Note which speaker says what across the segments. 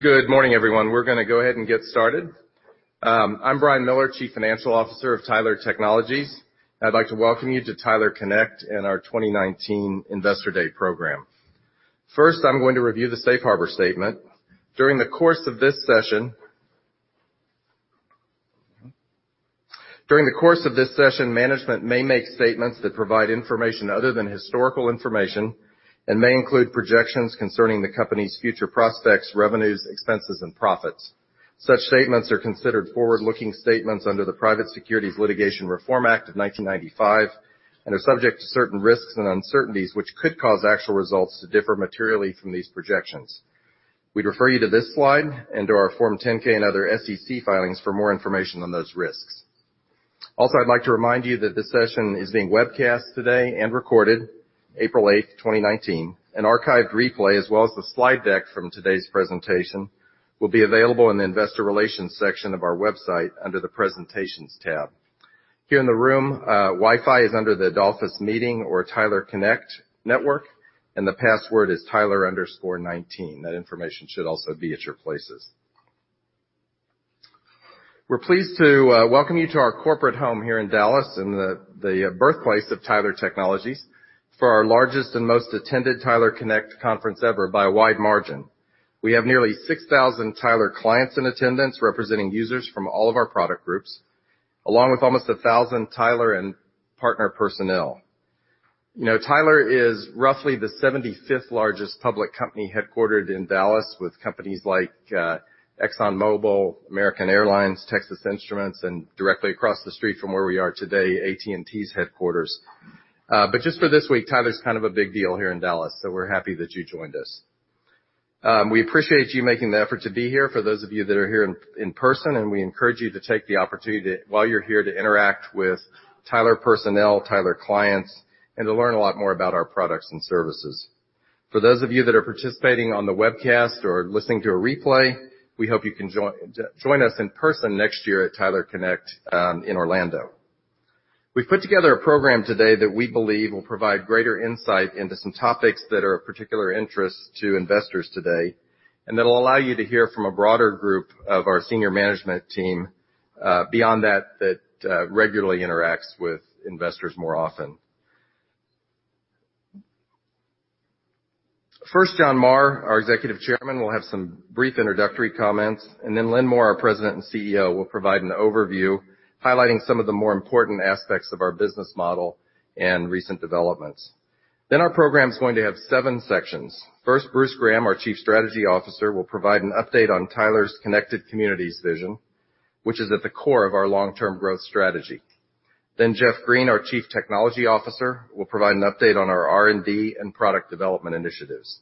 Speaker 1: Good morning, everyone. We're going to go ahead and get started. I'm Brian Miller, Chief Financial Officer of Tyler Technologies, and I'd like to welcome you to Tyler Connect and our 2019 Investor Day program. First, I'm going to review the safe harbor statement. During the course of this session, management may make statements that provide information other than historical information and may include projections concerning the company's future prospects, revenues, expenses, and profits. Such statements are considered forward-looking statements under the Private Securities Litigation Reform Act of 1995 and are subject to certain risks and uncertainties which could cause actual results to differ materially from these projections. We'd refer you to this slide and to our Form 10-K and other SEC filings for more information on those risks. I'd like to remind you that this session is being webcast today and recorded April 8th, 2019. An archived replay, as well as the slide deck from today's presentation, will be available in the investor relations section of our website under the presentations tab. Here in the room, Wi-Fi is under the Adolphus Meeting or Tyler Connect network, and the password is Tyler_19. That information should also be at your places. We're pleased to welcome you to our corporate home here in Dallas, and the birthplace of Tyler Technologies, for our largest and most attended Tyler Connect conference ever by a wide margin. We have nearly 6,000 Tyler clients in attendance, representing users from all of our product groups, along with almost 1,000 Tyler and partner personnel. Tyler is roughly the 75th largest public company headquartered in Dallas with companies like ExxonMobil, American Airlines, Texas Instruments, and directly across the street from where we are today, AT&T's headquarters. Just for this week, Tyler's kind of a big deal here in Dallas, so we're happy that you joined us. We appreciate you making the effort to be here, for those of you that are here in person, and we encourage you to take the opportunity while you're here to interact with Tyler personnel, Tyler clients, and to learn a lot more about our products and services. For those of you that are participating on the webcast or listening to a replay, we hope you can join us in person next year at Tyler Connect in Orlando. We've put together a program today that we believe will provide greater insight into some topics that are of particular interest to investors today, and that'll allow you to hear from a broader group of our senior management team beyond that regularly interacts with investors more often. John Marr, our Executive Chairman, will have some brief introductory comments. Lynn Moore, our President and CEO, will provide an overview highlighting some of the more important aspects of our business model and recent developments. Our program is going to have seven sections. Bruce Graham, our Chief Strategy Officer, will provide an update on Tyler's Connected Communities vision, which is at the core of our long-term growth strategy. Jeff Green, our Chief Technology Officer, will provide an update on our R&D and product development initiatives.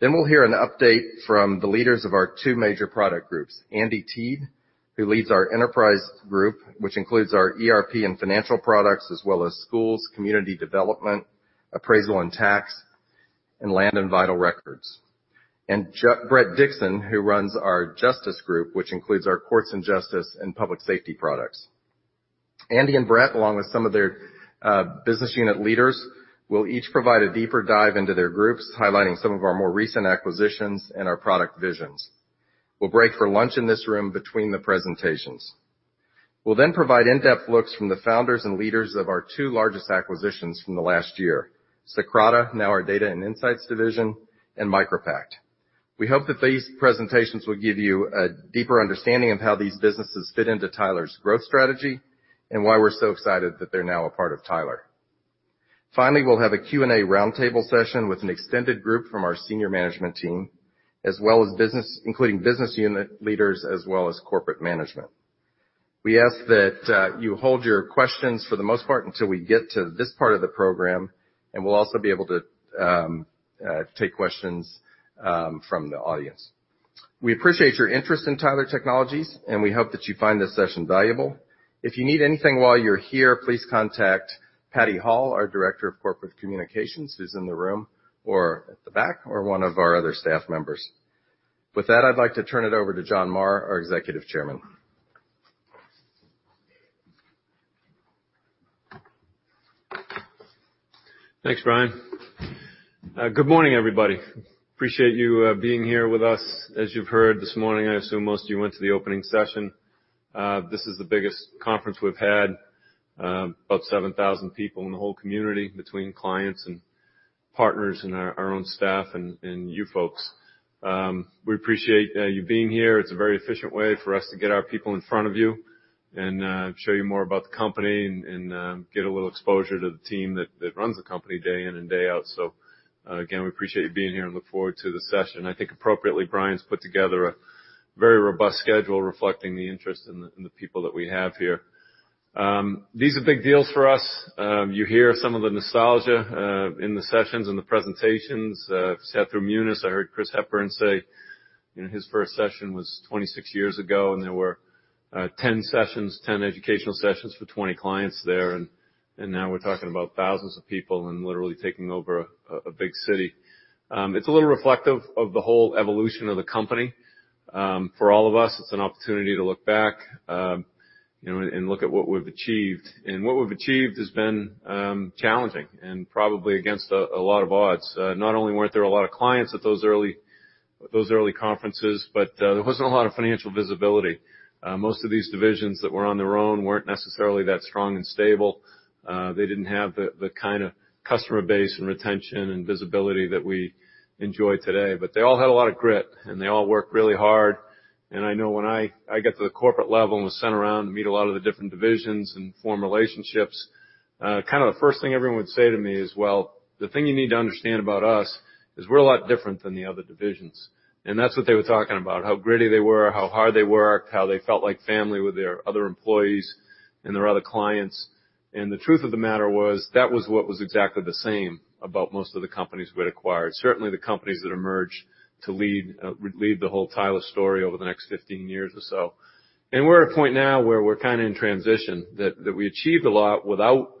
Speaker 1: We'll hear an update from the leaders of our two major product groups, Andy Teed, who leads our Enterprise Group, which includes our ERP and financial products, as well as schools, community development, appraisal and tax, and land and vital records. Bret Dixon, who runs our Justice Group, which includes our courts and justice and public safety products. Andy and Bret, along with some of their business unit leaders, will each provide a deeper dive into their groups, highlighting some of our more recent acquisitions and our product visions. We'll break for lunch in this room between the presentations. We'll then provide in-depth looks from the founders and leaders of our two largest acquisitions from the last year, Socrata, now our Data and Insights Division, and MicroPact. We hope that these presentations will give you a deeper understanding of how these businesses fit into Tyler's growth strategy and why we're so excited that they're now a part of Tyler. Finally, we'll have a Q&A roundtable session with an extended group from our senior management team, including business unit leaders, as well as corporate management. We ask that you hold your questions for the most part until we get to this part of the program. We'll also be able to take questions from the audience. We appreciate your interest in Tyler Technologies. We hope that you find this session valuable. If you need anything while you're here, please contact Patti Hall, our Director of Corporate Communications, who's in the room or at the back, or one of our other staff members. With that, I'd like to turn it over to John Marr, our Executive Chairman.
Speaker 2: Thanks, Brian. Good morning, everybody. Appreciate you being here with us. As you've heard this morning, I assume most of you went to the opening session. This is the biggest conference we've had, about 7,000 people in the whole community between clients and partners and our own staff and you folks. We appreciate you being here. It's a very efficient way for us to get our people in front of you and show you more about the company and get a little exposure to the team that runs the company day in and day out. Again, we appreciate you being here and look forward to the session. I think appropriately, Brian's put together a very robust schedule reflecting the interest in the people that we have here. These are big deals for us. You hear some of the nostalgia in the sessions and the presentations. Seth Ramunas, I heard Chris Hepburn say his first session was 26 years ago. There were 10 educational sessions for 20 clients there. Now we're talking about thousands of people and literally taking over a big city. It's a little reflective of the whole evolution of the company. For all of us, it's an opportunity to look back and look at what we've achieved. What we've achieved has been challenging and probably against a lot of odds. Not only weren't there a lot of clients at those early conferences, but there wasn't a lot of financial visibility. Most of these divisions that were on their own weren't necessarily that strong and stable. They didn't have the kind of customer base and retention and visibility that we enjoy today. They all had a lot of grit, and they all worked really hard. I know when I got to the corporate level and was sent around to meet a lot of the different divisions and form relationships, the first thing everyone would say to me is, "Well, the thing you need to understand about us is we're a lot different than the other divisions." That's what they were talking about, how gritty they were, how hard they worked, how they felt like family with their other employees and their other clients. The truth of the matter was, that was what was exactly the same about most of the companies we'd acquired. Certainly, the companies that emerged to lead the whole Tyler story over the next 15 years or so. We're at a point now where we're kind of in transition, that we achieved a lot without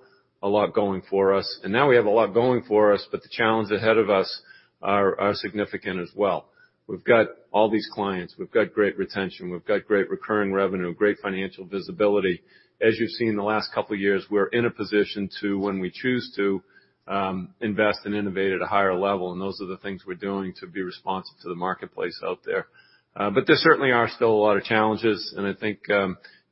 Speaker 2: a lot going for us, now we have a lot going for us, but the challenges ahead of us are significant as well. We've got all these clients, we've got great retention, we've got great recurring revenue, great financial visibility. As you've seen in the last couple of years, we're in a position to, when we choose to, invest and innovate at a higher level, those are the things we're doing to be responsive to the marketplace out there. There certainly are still a lot of challenges, I think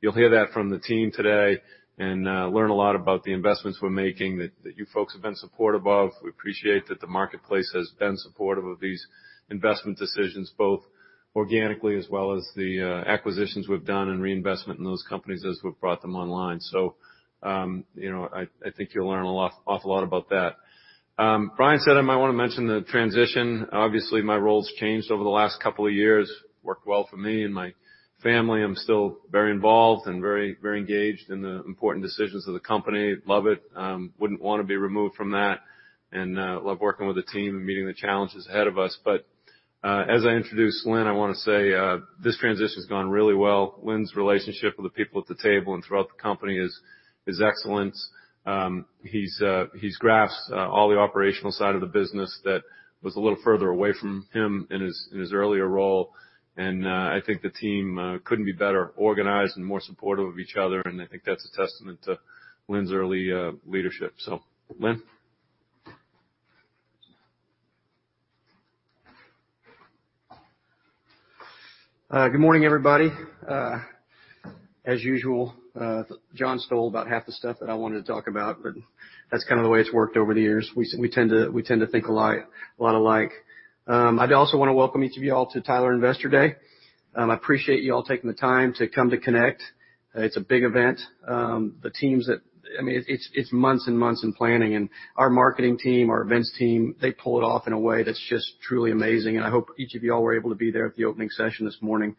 Speaker 2: you'll hear that from the team today and learn a lot about the investments we're making that you folks have been supportive of. We appreciate that the marketplace has been supportive of these investment decisions, both organically as well as the acquisitions we've done and reinvestment in those companies as we've brought them online. I think you'll learn an awful lot about that. Brian said I might want to mention the transition. Obviously, my role's changed over the last couple of years. Worked well for me and my family. I'm still very involved and very engaged in the important decisions of the company. Love it. Wouldn't want to be removed from that, love working with the team and meeting the challenges ahead of us. As I introduce Lynn, I want to say, this transition's gone really well. Lynn's relationship with the people at the table and throughout the company is excellent. He's grasped all the operational side of the business that was a little further away from him in his earlier role, I think the team couldn't be better organized and more supportive of each other, I think that's a testament to Lynn's early leadership. Lynn.
Speaker 3: Good morning, everybody. As usual, John stole about half the stuff that I wanted to talk about, but that's kind of the way it's worked over the years. We tend to think a lot alike. I also want to welcome each of you all to Tyler Investor Day. I appreciate you all taking the time to come to Connect. It's a big event. It's months and months in planning, our marketing team, our events team, they pull it off in a way that's just truly amazing, I hope each of you all were able to be there at the opening session this morning.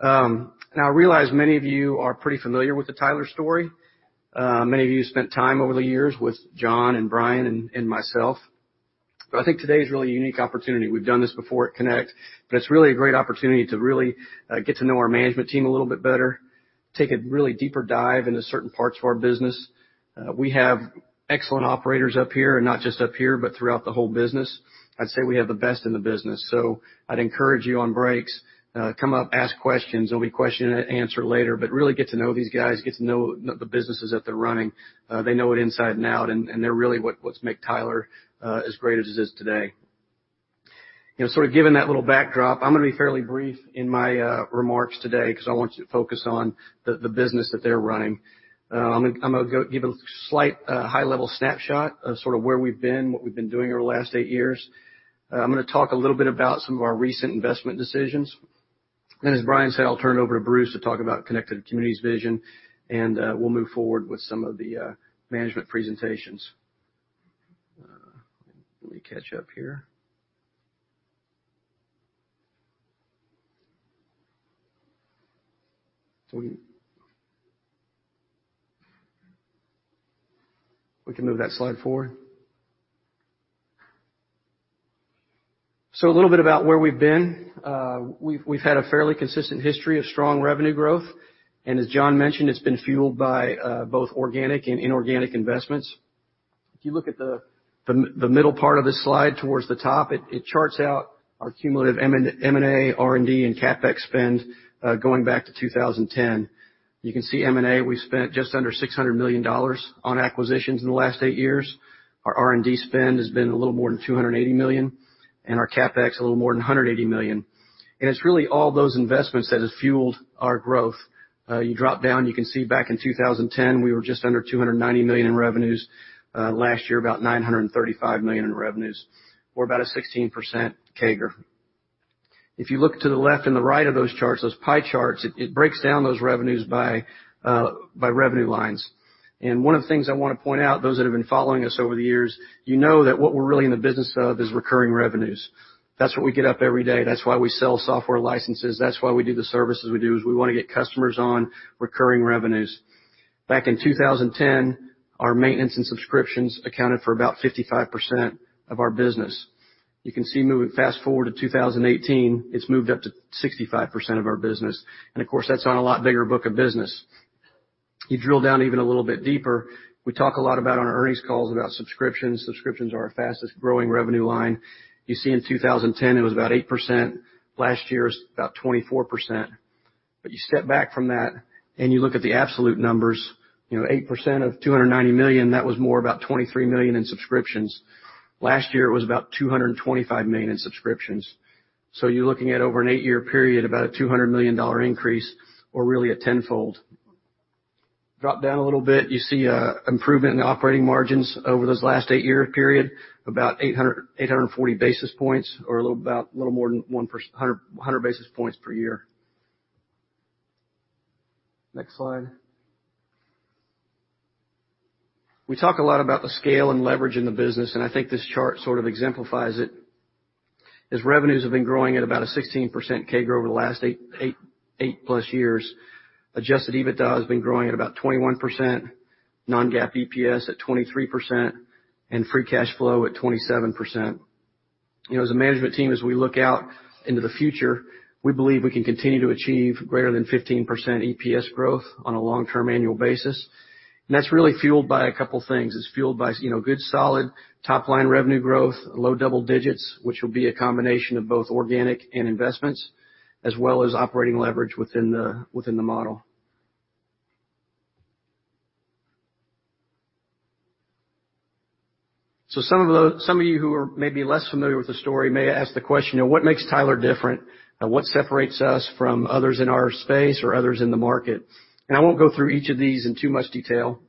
Speaker 3: I realize many of you are pretty familiar with the Tyler story. Many of you spent time over the years with John and Brian and myself, I think today is really a unique opportunity. We've done this before at Connect, it's really a great opportunity to really get to know our management team a little bit better, take a really deeper dive into certain parts of our business. We have excellent operators up here, not just up here, but throughout the whole business. I'd say we have the best in the business. I'd encourage you on breaks, come up, ask questions. There'll be question and answer later. Really get to know these guys, get to know the businesses that they're running. They know it inside and out, they're really what's made Tyler as great as it is today. Sort of giving that little backdrop, I'm going to be fairly brief in my remarks today because I want you to focus on the business that they're running. I'm going to give a slight high-level snapshot of sort of where we've been, what we've been doing over the last 8 years. I'm going to talk a little bit about some of our recent investment decisions, as Brian said, I'll turn it over to Bruce to talk about Connected Communities vision, we'll move forward with some of the management presentations. Let me catch up here. We can move that slide forward. A little bit about where we've been. We've had a fairly consistent history of strong revenue growth, as John mentioned, it's been fueled by both organic and inorganic investments. If you look at the middle part of the slide towards the top, it charts out our cumulative M&A, R&D, and CapEx spend going back to 2010. You can see M&A, we've spent just under $600 million on acquisitions in the last 8 years. Our R&D spend has been a little more than $280 million, our CapEx, a little more than $180 million. It's really all those investments that have fueled our growth. You drop down, you can see back in 2010, we were just under $290 million in revenues. Last year, about $935 million in revenues, or about a 16% CAGR. If you look to the left and the right of those charts, those pie charts, it breaks down those revenues by revenue lines. One of the things I want to point out, those that have been following us over the years, you know that what we're really in the business of is recurring revenues. That's what we get up every day. That's why we sell software licenses. That's why we do the services we do, is we want to get customers on recurring revenues. Back in 2010, our maintenance and subscriptions accounted for about 55% of our business. You can see moving fast-forward to 2018, it's moved up to 65% of our business. Of course, that's on a lot bigger book of business. You drill down even a little bit deeper, we talk a lot about on our earnings calls about subscriptions. Subscriptions are our fastest-growing revenue line. You see in 2010, it was about 8%. Last year it was about 24%. You step back from that, and you look at the absolute numbers, 8% of $290 million, that was more about $23 million in subscriptions. Last year it was about $225 million in subscriptions. You're looking at over an eight-year period, about a $200 million increase or really a tenfold. Drop down a little bit, you see improvement in the operating margins over this last eight-year period, about 840 basis points or about a little more than 100 basis points per year. Next slide. We talk a lot about the scale and leverage in the business, and I think this chart sort of exemplifies it. As revenues have been growing at about a 16% CAGR over the last eight-plus years, adjusted EBITDA has been growing at about 21%, non-GAAP EPS at 23%, and free cash flow at 27%. As a management team, as we look out into the future, we believe we can continue to achieve greater than 15% EPS growth on a long-term annual basis. That's really fueled by a couple of things. It's fueled by good, solid top-line revenue growth, low double digits, which will be a combination of both organic and investments, as well as operating leverage within the model. Some of you who are maybe less familiar with the story may ask the question, what makes Tyler different? What separates us from others in our space or others in the market? I won't go through each of these in too much detail,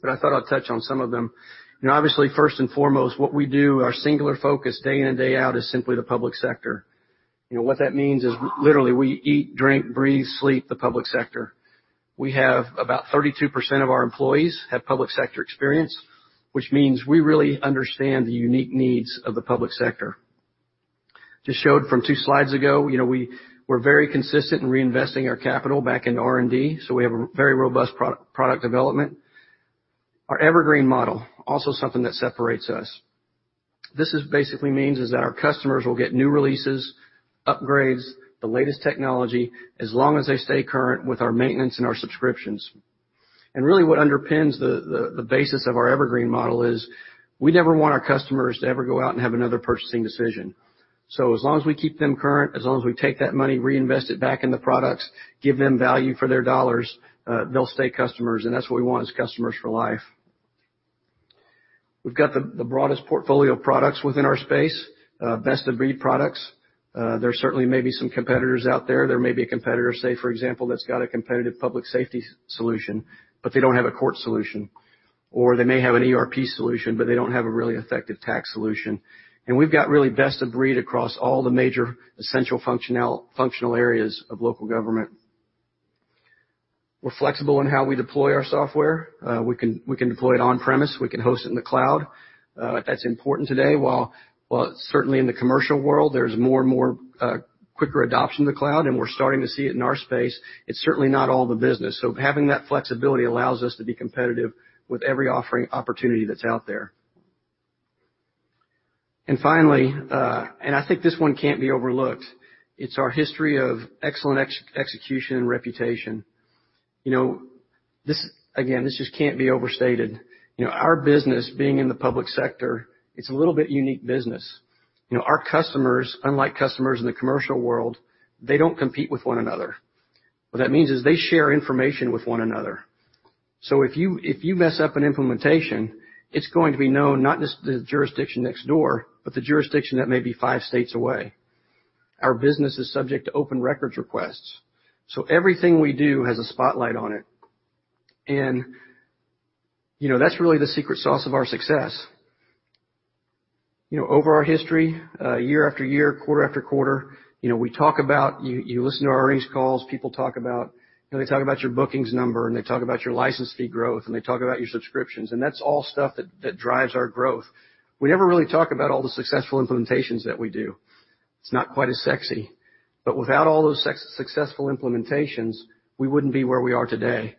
Speaker 3: but I thought I'd touch on some of them. Obviously, first and foremost, what we do, our singular focus day in and day out is simply the public sector. What that means is literally we eat, drink, breathe, sleep the public sector. We have about 32% of our employees have public sector experience, which means we really understand the unique needs of the public sector. Just showed from two slides ago, we're very consistent in reinvesting our capital back into R&D, so we have a very robust product development. Our evergreen model, also something that separates us. This basically means is that our customers will get new releases, upgrades, the latest technology, as long as they stay current with our maintenance and our subscriptions. Really what underpins the basis of our evergreen model is we never want our customers to ever go out and have another purchasing decision. As long as we keep them current, as long as we take that money, reinvest it back in the products, give them value for their dollars, they'll stay customers. That's what we want is customers for life. We've got the broadest portfolio of products within our space, best-of-breed products. There certainly may be some competitors out there. There may be a competitor, say, for example, that's got a competitive public safety solution, but they don't have a court solution, or they may have an ERP solution, but they don't have a really effective tax solution. We've got really best-of-breed across all the major essential functional areas of local government. We're flexible in how we deploy our software. We can deploy it on-premise. We can host it in the cloud. That's important today. While certainly in the commercial world, there's more and more quicker adoption to cloud, and we're starting to see it in our space, it's certainly not all the business. Having that flexibility allows us to be competitive with every offering opportunity that's out there. Finally, and I think this one can't be overlooked, it's our history of excellent execution and reputation. Again, this just can't be overstated. Our business, being in the public sector, it's a little bit unique business. Our customers, unlike customers in the commercial world, they don't compete with one another. What that means is they share information with one another. If you mess up an implementation, it's going to be known not just the jurisdiction next door, but the jurisdiction that may be five states away. Our business is subject to open records requests. Everything we do has a spotlight on it. That's really the secret sauce of our success. Over our history, year after year, quarter after quarter, we talk about, you listen to our earnings calls, people talk about your bookings number, and they talk about your license fee growth, and they talk about your subscriptions, and that's all stuff that drives our growth. We never really talk about all the successful implementations that we do. It's not quite as sexy, but without all those successful implementations, we wouldn't be where we are today.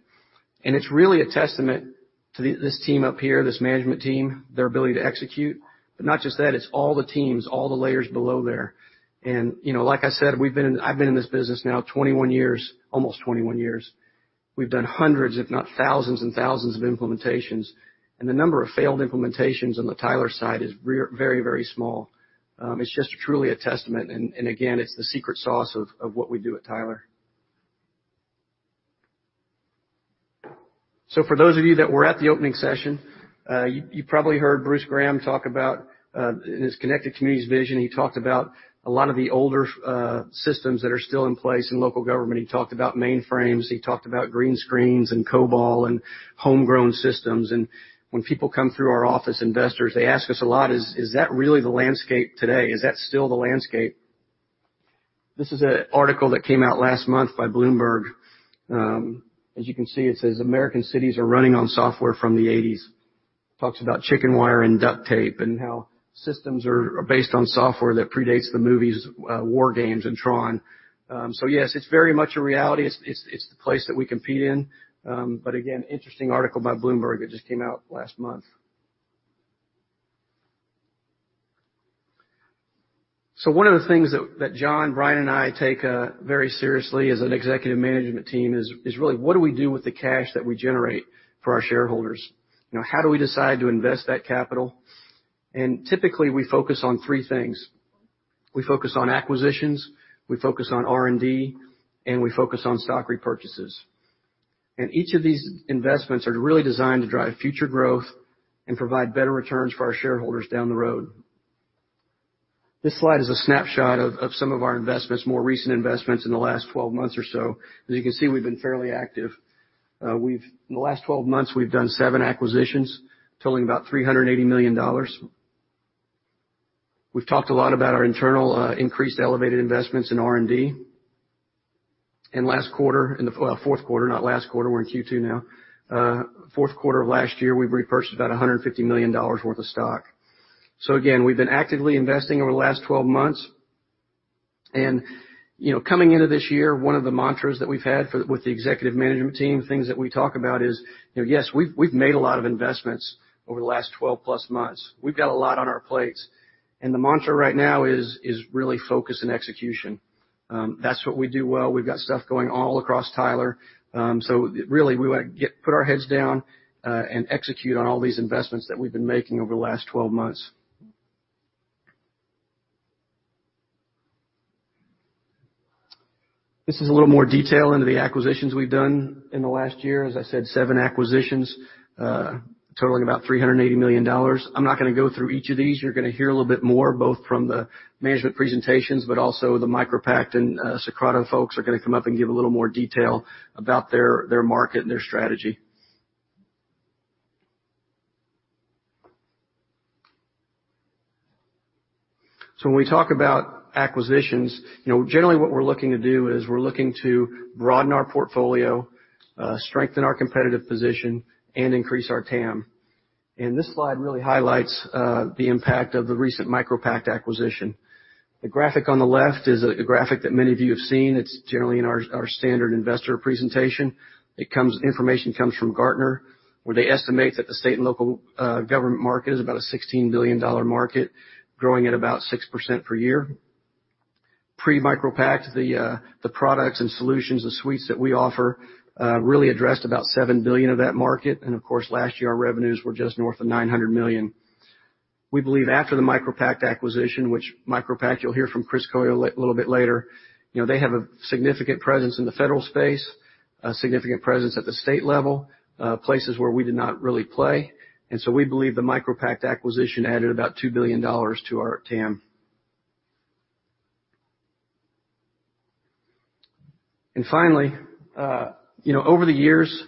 Speaker 3: It's really a testament to this team up here, this management team, their ability to execute. Not just that, it's all the teams, all the layers below there. Like I said, I've been in this business now 21 years, almost 21 years. We've done hundreds, if not thousands and thousands of implementations. The number of failed implementations on the Tyler side is very, very small. It's just truly a testament, and again, it's the secret sauce of what we do at Tyler. For those of you that were at the opening session, you probably heard Bruce Graham talk about, in his Connected Communities vision, he talked about a lot of the older systems that are still in place in local government. He talked about mainframes, he talked about green screens and COBOL and homegrown systems. When people come through our office, investors, they ask us a lot, "Is that really the landscape today? Is that still the landscape?" This is an article that came out last month by Bloomberg. As you can see, it says, "American cities are running on software from the '80s." Talks about chicken wire and duct tape and how systems are based on software that predates the movies "WarGames" and "Tron." Yes, it's very much a reality. It's the place that we compete in. Again, interesting article by Bloomberg that just came out last month. One of the things that John, Brian, and I take very seriously as an executive management team is really what do we do with the cash that we generate for our shareholders? How do we decide to invest that capital? Typically, we focus on 3 things. We focus on acquisitions, we focus on R&D, and we focus on stock repurchases. Each of these investments are really designed to drive future growth and provide better returns for our shareholders down the road. This slide is a snapshot of some of our investments, more recent investments in the last 12 months or so. As you can see, we've been fairly active. In the last 12 months, we've done 7 acquisitions totaling about $380 million. We've talked a lot about our internal increased elevated investments in R&D. In the fourth quarter of last year, we repurchased about $150 million worth of stock. Again, we've been actively investing over the last 12 months. Coming into this year, one of the mantras that we've had with the executive management team, things that we talk about is, yes, we've made a lot of investments over the last 12 plus months. We've got a lot on our plates, the mantra right now is really focus and execution. That's what we do well. We've got stuff going all across Tyler. Really, we want to put our heads down and execute on all these investments that we've been making over the last 12 months. This is a little more detail into the acquisitions we've done in the last year. As I said, 7 acquisitions totaling about $380 million. I'm not going to go through each of these. You're going to hear a little bit more, both from the management presentations, also the MicroPact and Socrata folks are going to come up and give a little more detail about their market and their strategy. When we talk about acquisitions, generally what we're looking to do is we're looking to broaden our portfolio, strengthen our competitive position, and increase our TAM. This slide really highlights the impact of the recent MicroPact acquisition. The graphic on the left is a graphic that many of you have seen. It's generally in our standard investor presentation. Information comes from Gartner, where they estimate that the state and local government market is about a $16 billion market, growing at about 6% per year. Pre-MicroPact, the products and solutions, the suites that we offer really addressed about $7 billion of that market. Of course, last year, our revenues were just north of $900 million. We believe after the MicroPact acquisition, which MicroPact you'll hear from Chris Calo a little bit later. They have a significant presence in the federal space, a significant presence at the state level, places where we did not really play. We believe the MicroPact acquisition added about $2 billion to our TAM. Finally, over the years,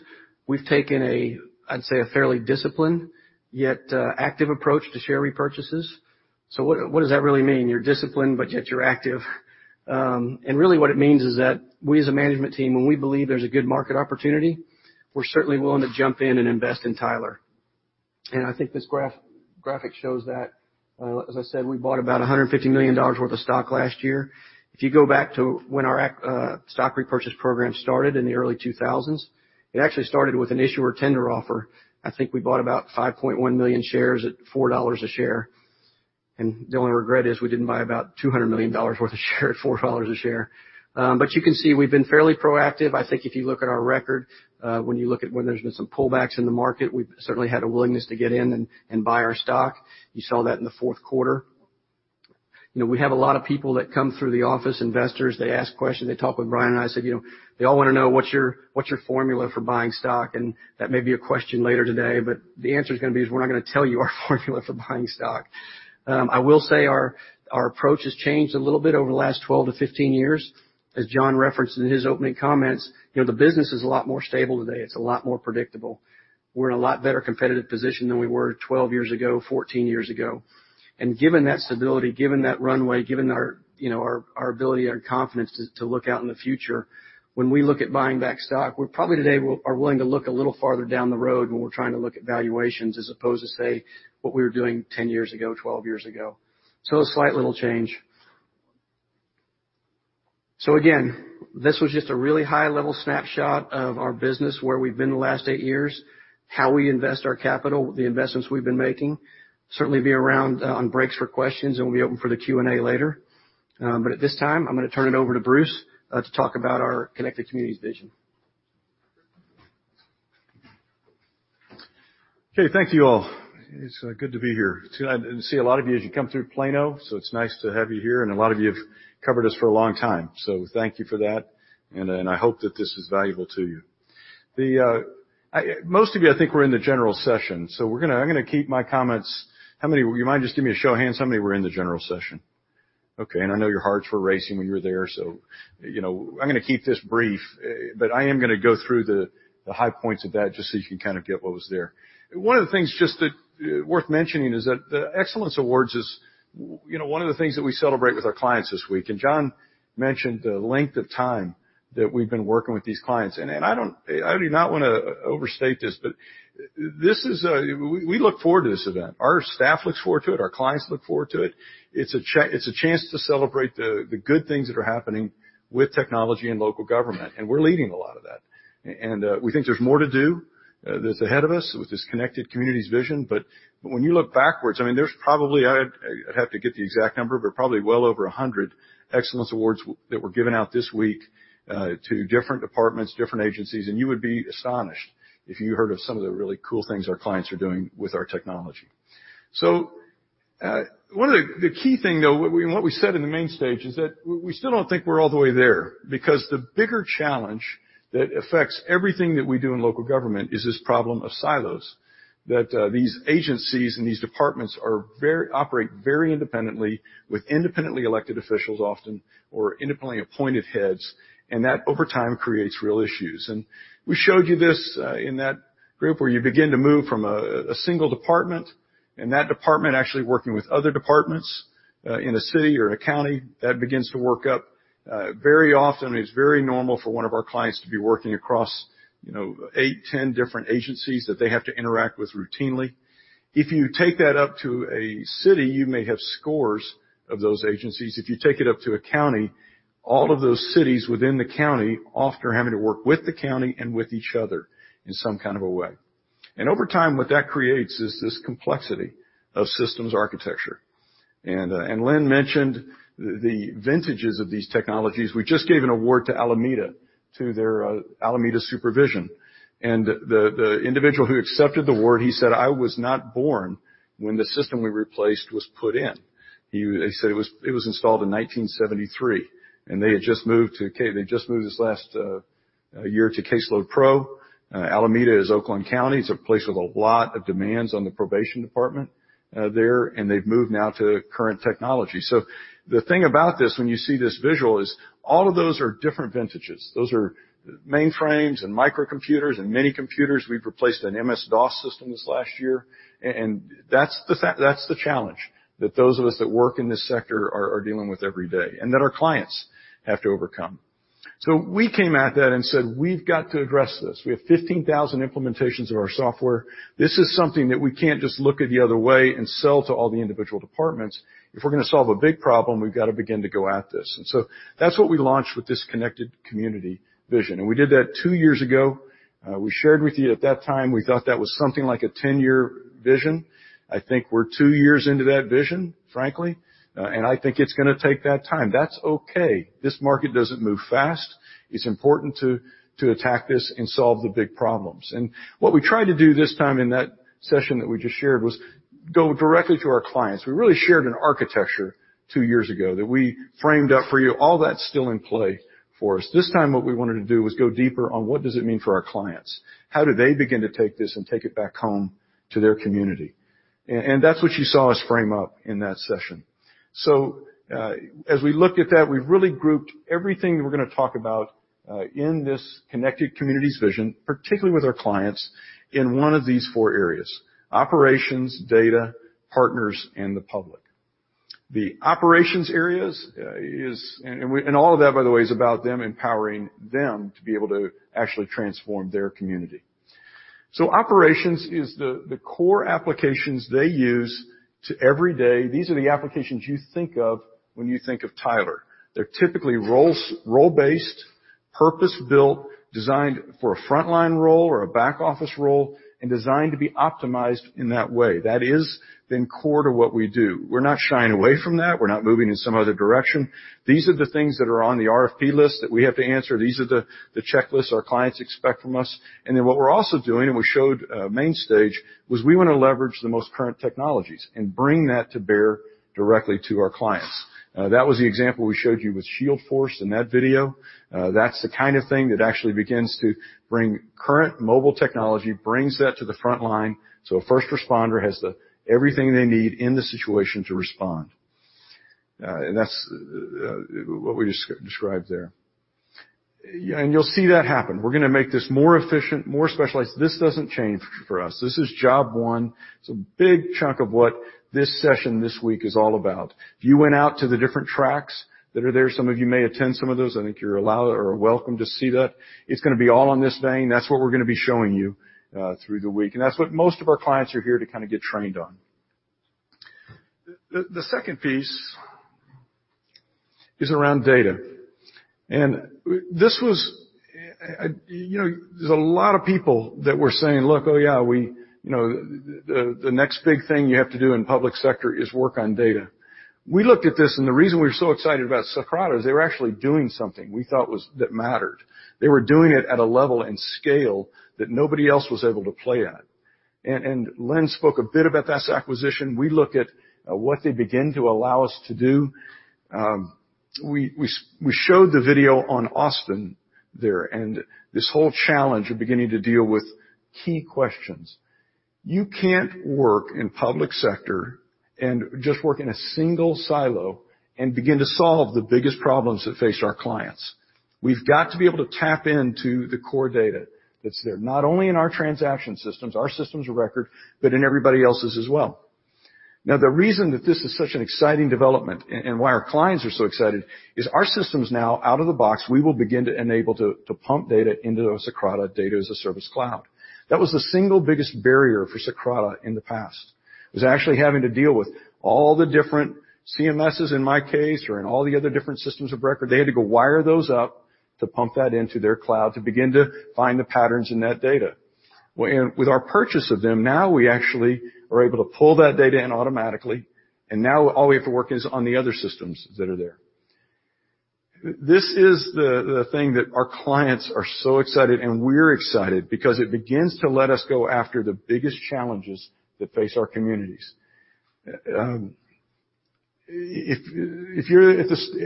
Speaker 3: we've taken, I'd say, a fairly disciplined yet active approach to share repurchases. What does that really mean? You're disciplined, yet you're active. Really what it means is that we as a management team, when we believe there's a good market opportunity, we're certainly willing to jump in and invest in Tyler. I think this graphic shows that. As I said, we bought about $150 million worth of stock last year. If you go back to when our stock repurchase program started in the early 2000s, it actually started with an issuer tender offer. I think we bought about 5.1 million shares at $4 a share. The only regret is we didn't buy about $200 million worth of share at $4 a share. You can see we've been fairly proactive. I think if you look at our record, when you look at when there's been some pullbacks in the market, we've certainly had a willingness to get in and buy our stock. You saw that in the fourth quarter. We have a lot of people that come through the office, investors, they ask questions, they talk with Brian, and I said, "They all want to know what's your formula for buying stock?" That may be a question later today, but the answer is going to be, is we're not going to tell you our formula for buying stock. I will say our approach has changed a little bit over the last 12 to 15 years. As John referenced in his opening comments, the business is a lot more stable today. It's a lot more predictable. We're in a lot better competitive position than we were 12 years ago, 14 years ago. Given that stability, given that runway, given our ability and confidence to look out in the future, when we look at buying back stock, we probably today are willing to look a little farther down the road when we're trying to look at valuations, as opposed to, say, what we were doing 10 years ago, 12 years ago. A slight little change. Again, this was just a really high-level snapshot of our business, where we've been the last eight years, how we invest our capital, the investments we've been making. Certainly be around on breaks for questions, and we'll be open for the Q&A later. At this time, I'm going to turn it over to Bruce to talk about our Connected Communities vision.
Speaker 4: Okay. Thank you, all. It's good to be here. I didn't see a lot of you as you come through Plano, so it's nice to have you here. A lot of you have covered us for a long time, so thank you for that. I hope that this is valuable to you. Most of you, I think, were in the general session, so I'm going to keep my comments Do you mind just giving me a show of hands how many were in the general session? Okay. I know your hearts were racing when you were there, so I'm going to keep this brief, but I am going to go through the high points of that just so you can kind of get what was there. One of the things just worth mentioning is that the Excellence Awards is one of the things that we celebrate with our clients this week. John mentioned the length of time that we've been working with these clients. I do not want to overstate this. We look forward to this event. Our staff looks forward to it. Our clients look forward to it. It's a chance to celebrate the good things that are happening with technology and local government, and we're leading a lot of that. We think there's more to do that's ahead of us with this Connected Communities vision. When you look backwards, there's probably, I'd have to get the exact number, but probably well over 100 Excellence Awards that were given out this week to different departments, different agencies, and you would be astonished if you heard of some of the really cool things our clients are doing with our technology. One of the key things, though, and what we said in the main stage, is that we still don't think we're all the way there. The bigger challenge that affects everything that we do in local government is this problem of silos, that these agencies and these departments operate very independently with independently elected officials often, or independently appointed heads, and that over time creates real issues. We showed you this in that group where you begin to move from a single department and that department actually working with other departments in a city or a county. That begins to work up. Very often, it's very normal for one of our clients to be working across eight, 10 different agencies that they have to interact with routinely. If you take that up to a city, you may have scores of those agencies. If you take it up to a county, all of those cities within the county often are having to work with the county and with each other in some kind of a way. Over time, what that creates is this complexity of systems architecture. Lynn mentioned the vintages of these technologies. We just gave an award to Alameda, to their Alameda Supervision. The individual who accepted the award, he said, "I was not born when the system we replaced was put in." He said it was installed in 1973, and they had just moved this last year to CaseloadPRO. Alameda is Oakland County. It's a place with a lot of demands on the probation department there, and they've moved now to current technology. The thing about this, when you see this visual, is all of those are different vintages. Those are mainframes and microcomputers and mini computers. We've replaced an MS-DOS system this last year. That's the challenge that those of us that work in this sector are dealing with every day and that our clients have to overcome. We came at that and said, "We've got to address this." We have 15,000 implementations of our software. This is something that we can't just look at the other way and sell to all the individual departments. If we're going to solve a big problem, we've got to begin to go at this. That's what we launched with this Connected Communities vision. We did that 2 years ago. We shared with you at that time, we thought that was something like a 10-year vision. I think we're 2 years into that vision, frankly, and I think it's going to take that time. That's okay. This market doesn't move fast. It's important to attack this and solve the big problems. What we tried to do this time in that session that we just shared was go directly to our clients. We really shared an architecture 2 years ago that we framed up for you. All that's still in play for us. This time, what we wanted to do was go deeper on what does it mean for our clients. How do they begin to take this and take it back home to their community? That's what you saw us frame up in that session. As we looked at that, we've really grouped everything that we're going to talk about in this Connected Communities vision, particularly with our clients, in one of these 4 areas: operations, data, partners, and the public. The operations areas. All of that, by the way, is about them empowering them to be able to actually transform their community. Operations is the core applications they use to every day. These are the applications you think of when you think of Tyler. They're typically role-based, purpose-built, designed for a frontline role or a back-office role, and designed to be optimized in that way. That is then core to what we do. We're not shying away from that. We're not moving in some other direction. These are the things that are on the RFP list that we have to answer. These are the checklists our clients expect from us. Then what we're also doing, and we showed main stage, was we want to leverage the most current technologies and bring that to bear directly to our clients. That was the example we showed you with ShieldForce in that video. That's the kind of thing that actually begins to bring current mobile technology, brings that to the front line, so a first responder has everything they need in the situation to respond. That's what we described there. You'll see that happen. We're going to make this more efficient, more specialized. This doesn't change for us. This is job one. It's a big chunk of what this session this week is all about. If you went out to the different tracks that are there, some of you may attend some of those. I think you're allowed or welcome to see that. It's going to be all on this vein. That's what we're going to be showing you through the week. That's what most of our clients are here to kind of get trained on. The second piece is around data. There's a lot of people that were saying, "Look, oh yeah, the next big thing you have to do in public sector is work on data." We looked at this, and the reason we were so excited about Socrata is they were actually doing something we thought that mattered. They were doing it at a level and scale that nobody else was able to play at. Lynn spoke a bit about that acquisition. We look at what they begin to allow us to do. We showed the video on Austin there and this whole challenge of beginning to deal with key questions. You can't work in public sector and just work in a single silo and begin to solve the biggest problems that face our clients. We've got to be able to tap into the core data that's there, not only in our transaction systems, our systems of record, but in everybody else's as well. The reason that this is such an exciting development and why our clients are so excited is our systems now, out of the box, we will begin to enable to pump data into the Socrata Data-as-a-Service cloud. That was the single biggest barrier for Socrata in the past, was actually having to deal with all the different CMSs in my case or in all the other different systems of record. They had to go wire those up to pump that into their cloud to begin to find the patterns in that data. With our purchase of them, we actually are able to pull that data in automatically, and now all we have to work is on the other systems that are there. This is the thing that our clients are so excited, and we're excited because it begins to let us go after the biggest challenges that face our communities.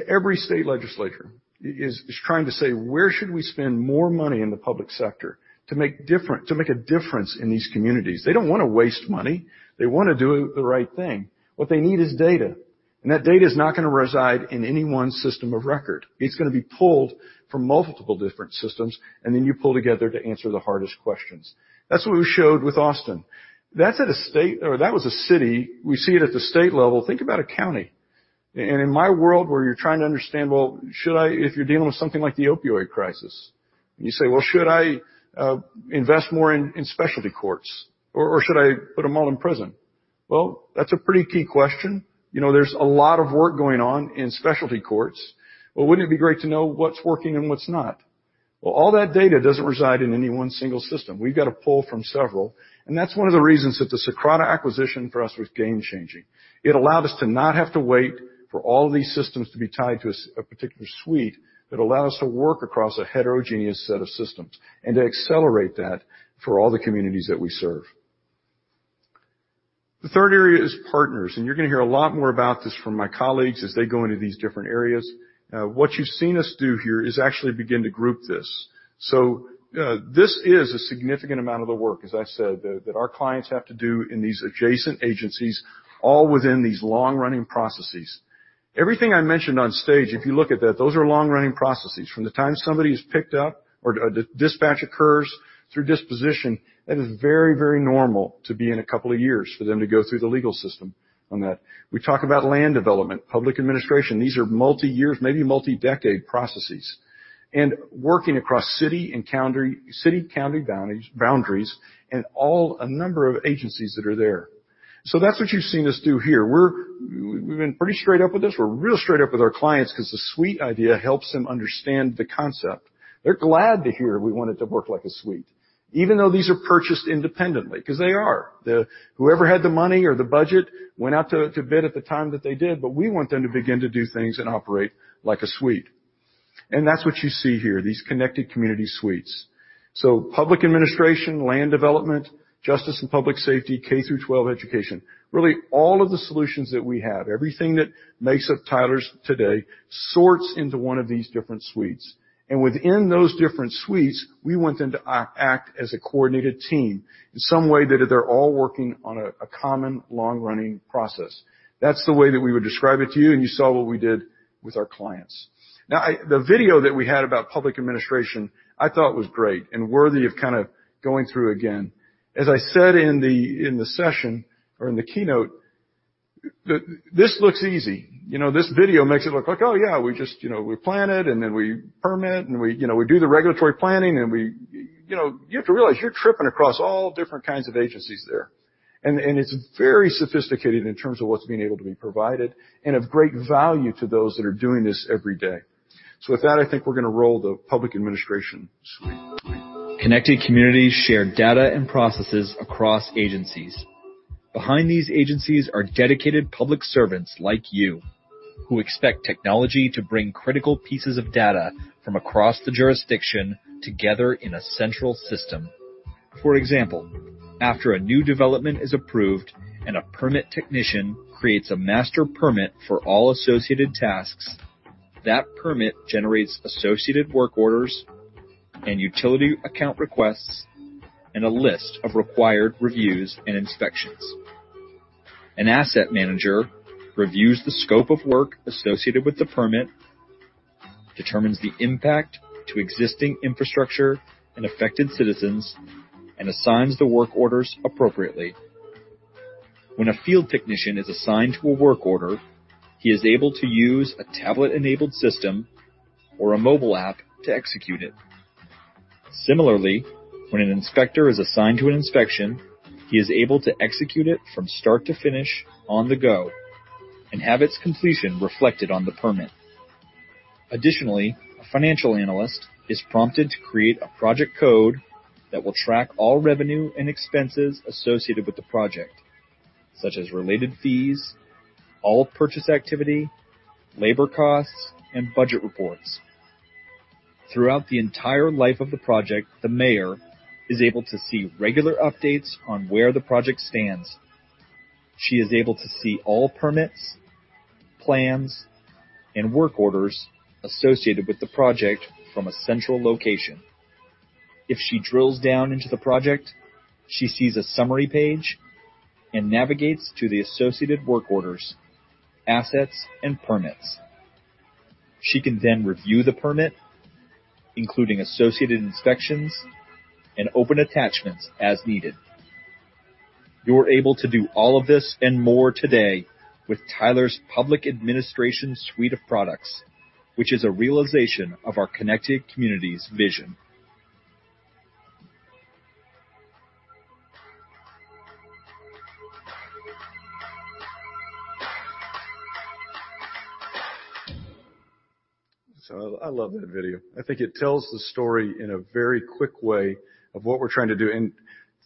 Speaker 4: Every state legislature is trying to say, "Where should we spend more money in the public sector to make a difference in these communities?" They don't want to waste money. They want to do the right thing. What they need is data, and that data is not going to reside in any one system of record. It's going to be pulled from multiple different systems, then you pull together to answer the hardest questions. That's what we showed with Austin. That was a city. We see it at the state level. Think about a county, and in my world, where you're trying to understand, well, if you're dealing with something like the opioid crisis, and you say, "Well, should I invest more in specialty courts, or should I put them all in prison?" Well, that's a pretty key question. There's a lot of work going on in specialty courts. Wouldn't it be great to know what's working and what's not? Well, all that data doesn't reside in any one single system. We've got to pull from several, and that's one of the reasons that the Socrata acquisition for us was game-changing. It allowed us to not have to wait for all of these systems to be tied to a particular suite. It allowed us to work across a heterogeneous set of systems and to accelerate that for all the communities that we serve. The third area is partners. You're going to hear a lot more about this from my colleagues as they go into these different areas. What you've seen us do here is actually begin to group this. This is a significant amount of the work, as I said, that our clients have to do in these adjacent agencies, all within these long-running processes. Everything I mentioned on stage, if you look at that, those are long-running processes. From the time somebody is picked up or dispatch occurs through disposition, that is very normal to be in a couple of years for them to go through the legal system on that. We talk about land development, public administration. These are multi-year, maybe multi-decade processes. Working across city and county boundaries and all, a number of agencies that are there. That's what you've seen us do here. We've been pretty straight up with this. We're real straight up with our clients because the suite idea helps them understand the concept. They're glad to hear we want it to work like a suite, even though these are purchased independently, because they are. Whoever had the money or the budget went out to bid at the time that they did, we want them to begin to do things and operate like a suite. That's what you see here, these Connected Communities suites. Public administration, land development, justice and public safety, K through 12 education. Really, all of the solutions that we have, everything that makes up Tyler's today sorts into one of these different suites. Within those different suites, we want them to act as a coordinated team in some way that they're all working on a common long-running process. That's the way that we would describe it to you. You saw what we did with our clients. The video that we had about public administration, I thought was great and worthy of kind of going through again. As I said in the session or in the keynote, this looks easy. This video makes it look like, oh, yeah, we plan it, and then we permit, and we do the regulatory planning. You have to realize you're tripping across all different kinds of agencies there. It's very sophisticated in terms of what's being able to be provided and of great value to those that are doing this every day. With that, I think we're going to roll the public administration suite.
Speaker 5: Connected Communities share data and processes across agencies. Behind these agencies are dedicated public servants like you who expect technology to bring critical pieces of data from across the jurisdiction together in a central system. For example, after a new development is approved and a permit technician creates a master permit for all associated tasks, that permit generates associated work orders and utility account requests, and a list of required reviews and inspections. An asset manager reviews the scope of work associated with the permit, determines the impact to existing infrastructure and affected citizens, and assigns the work orders appropriately. When a field technician is assigned to a work order, he is able to use a tablet-enabled system or a mobile app to execute it. When an inspector is assigned to an inspection, he is able to execute it from start to finish on the go and have its completion reflected on the permit. A financial analyst is prompted to create a project code that will track all revenue and expenses associated with the project, such as related fees, all purchase activity, labor costs, and budget reports. Throughout the entire life of the project, the mayor is able to see regular updates on where the project stands. She is able to see all permits, plans, and work orders associated with the project from a central location. If she drills down into the project, she sees a summary page and navigates to the associated work orders, assets, and permits. She can review the permit, including associated inspections and open attachments as needed. You're able to do all of this and more today with Tyler's Public Administration suite of products, which is a realization of our Connected Communities vision.
Speaker 4: I love that video. I think it tells the story in a very quick way of what we're trying to do.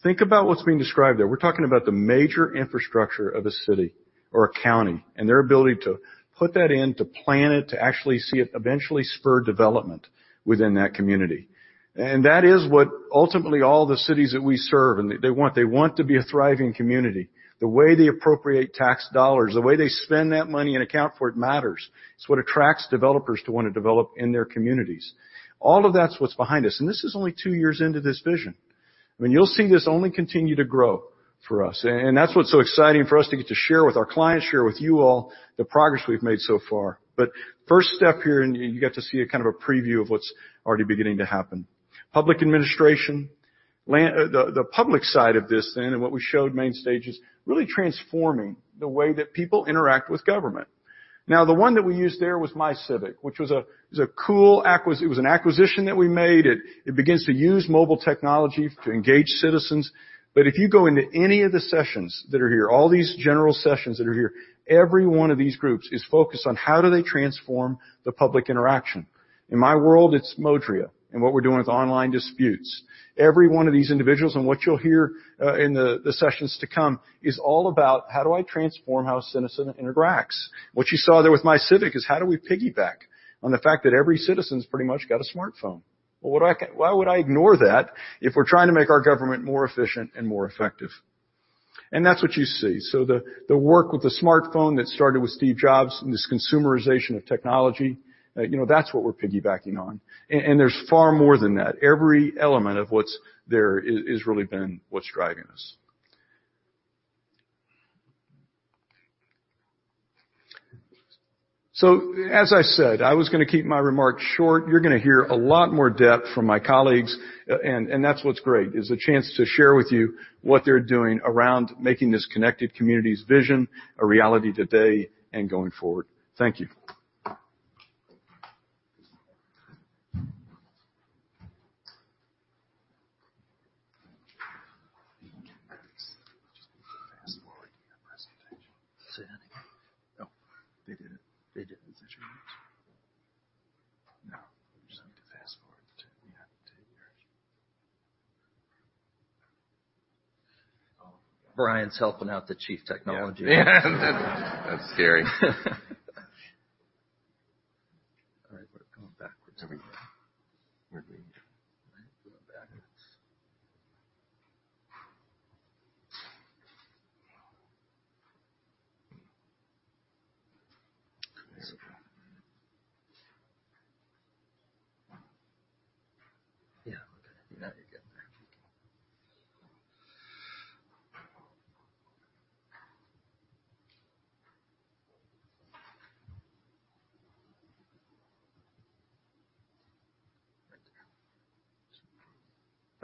Speaker 4: Think about what's being described there. We're talking about the major infrastructure of a city or a county, and their ability to put that in, to plan it, to actually see it eventually spur development within that community. That is what ultimately all the cities that we serve, and they want to be a thriving community. The way they appropriate tax dollars, the way they spend that money and account for it matters. It's what attracts developers to want to develop in their communities. All of that's what's behind us, this is only two years into this vision. You'll see this only continue to grow for us. That's what's so exciting for us to get to share with our clients, share with you all the progress we've made so far. First step here, you got to see a kind of a preview of what's already beginning to happen. Public administration. The public side of this, what we showed main stage, is really transforming the way that people interact with government. The one that we used there was MyCivic, which was a cool acquisition that we made. It begins to use mobile technology to engage citizens. If you go into any of the sessions that are here, all these general sessions that are here, every one of these groups is focused on how do they transform the public interaction. In my world, it's Modria and what we're doing with online disputes. Every one of these individuals, what you'll hear in the sessions to come, is all about how do I transform how a citizen interacts. What you saw there with MyCivic is how do we piggyback on the fact that every citizen's pretty much got a smartphone. Why would I ignore that if we're trying to make our government more efficient and more effective? That's what you see. The work with the smartphone that started with Steve Jobs and this consumerization of technology, that's what we're piggybacking on. There's far more than that. Every element of what's there has really been what's driving us. As I said, I was going to keep my remarks short. You're going to hear a lot more depth from my colleagues, that's what's great, is a chance to share with you what they're doing around making this Connected Communities vision a reality today and going forward. Thank you.
Speaker 1: Just need to fast-forward your presentation.
Speaker 4: Say that again.
Speaker 1: Oh, they didn't.
Speaker 4: They didn't?
Speaker 1: Is that your notes? No, you just need to fast-forward to your
Speaker 4: Brian's helping out the Chief Technology.
Speaker 1: Yeah. That's scary.
Speaker 4: All right, we're going backwards.
Speaker 1: There we go.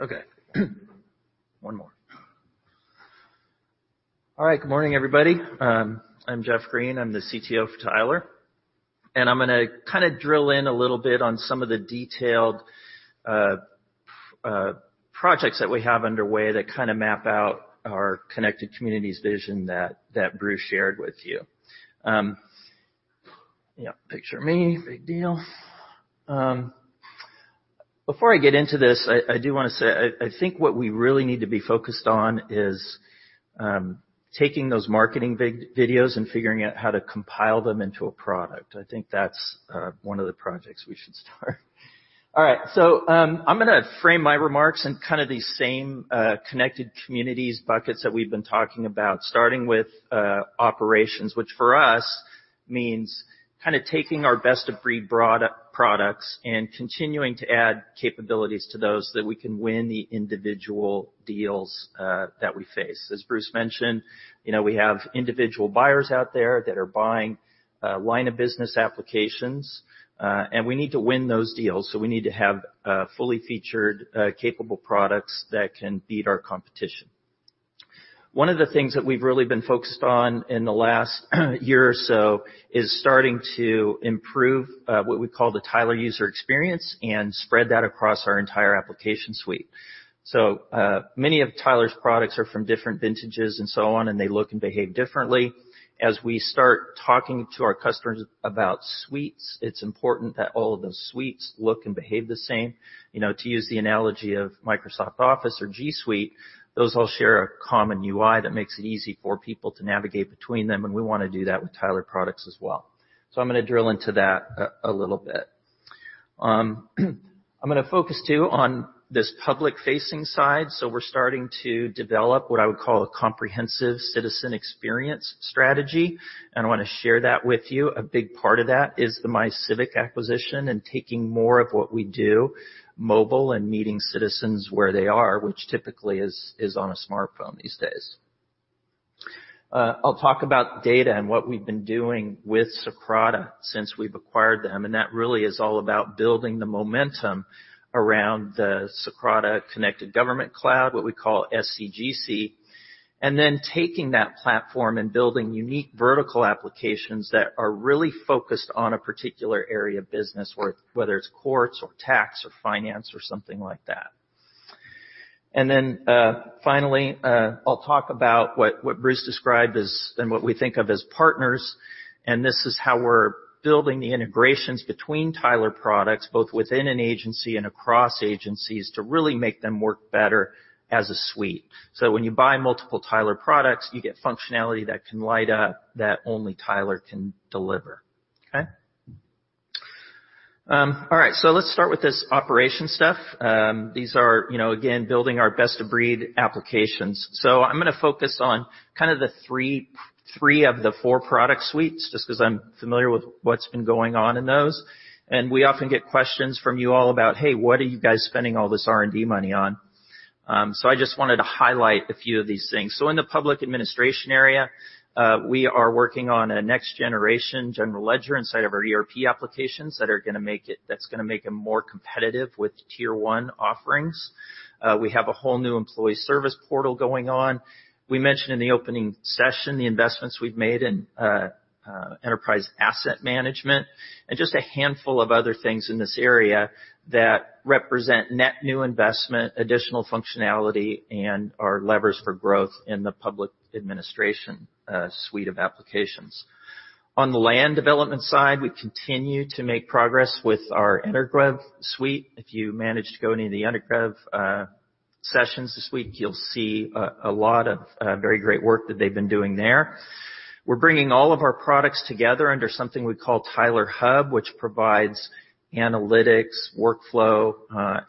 Speaker 1: We're green.
Speaker 6: Going backwards. There you go. Yeah, okay. Now you're good. Okay. One more. All right. Good morning, everybody. I'm Jeff Green. I'm the CTO for Tyler, I'm going to kind of drill in a little bit on some of the detailed projects that we have underway that kind of map out our Connected Communities vision that Bruce shared with you. Yeah, picture me. Big deal. Before I get into this, I do want to say, I think what we really need to be focused on is taking those marketing videos and figuring out how to compile them into a product. I think that's one of the projects we should start. All right. I'm going to frame my remarks in kind of the same Connected Communities buckets that we've been talking about, starting with operations, which for us means kind of taking our best-of-breed products and continuing to add capabilities to those that we can win the individual deals that we face. As Bruce mentioned, we have individual buyers out there that are buying line of business applications. We need to win those deals, so we need to have fully featured, capable products that can beat our competition. One of the things that we've really been focused on in the last year or so is starting to improve what we call the Tyler user experience and spread that across our entire application suite. Many of Tyler's products are from different vintages and so on, they look and behave differently. As we start talking to our customers about suites, it's important that all of the suites look and behave the same. To use the analogy of Microsoft Office or G Suite, those all share a common UI that makes it easy for people to navigate between them, we want to do that with Tyler products as well. I'm going to drill into that a little bit. I'm going to focus, too, on this public-facing side. We're starting to develop what I would call a comprehensive citizen experience strategy, I want to share that with you. A big part of that is the MyCivic acquisition and taking more of what we do mobile and meeting citizens where they are, which typically is on a smartphone these days. I'll talk about data and what we've been doing with Socrata since we've acquired them, that really is all about building the momentum around the Socrata Connected Government Cloud, what we call SCGC, then taking that platform and building unique vertical applications that are really focused on a particular area of business work, whether it's courts or tax or finance or something like that. Finally, I'll talk about what Bruce described as and what we think of as partners. This is how we're building the integrations between Tyler products, both within an agency and across agencies, to really make them work better as a suite. When you buy multiple Tyler products, you get functionality that can light up that only Tyler can deliver. Okay. All right. Let's start with this operation stuff. These are, again, building our best-of-breed applications. I'm going to focus on kind of the three of the four product suites, just because I'm familiar with what's been going on in those. We often get questions from you all about, "Hey, what are you guys spending all this R&D money on?" I just wanted to highlight a few of these things. In the public administration area, we are working on a next-generation general ledger inside of our ERP applications that's going to make it more competitive with tier 1 offerings. We have a whole new employee service portal going on. We mentioned in the opening session the investments we've made in Enterprise Asset Management and just a handful of other things in this area that represent net new investment, additional functionality, and are levers for growth in the public administration suite of applications. On the land development side, we continue to make progress with our EnerGov suite. If you manage to go into any of the EnerGov sessions this week, you'll see a lot of very great work that they've been doing there. We're bringing all of our products together under something we call Tyler Hub, which provides analytics, workflow,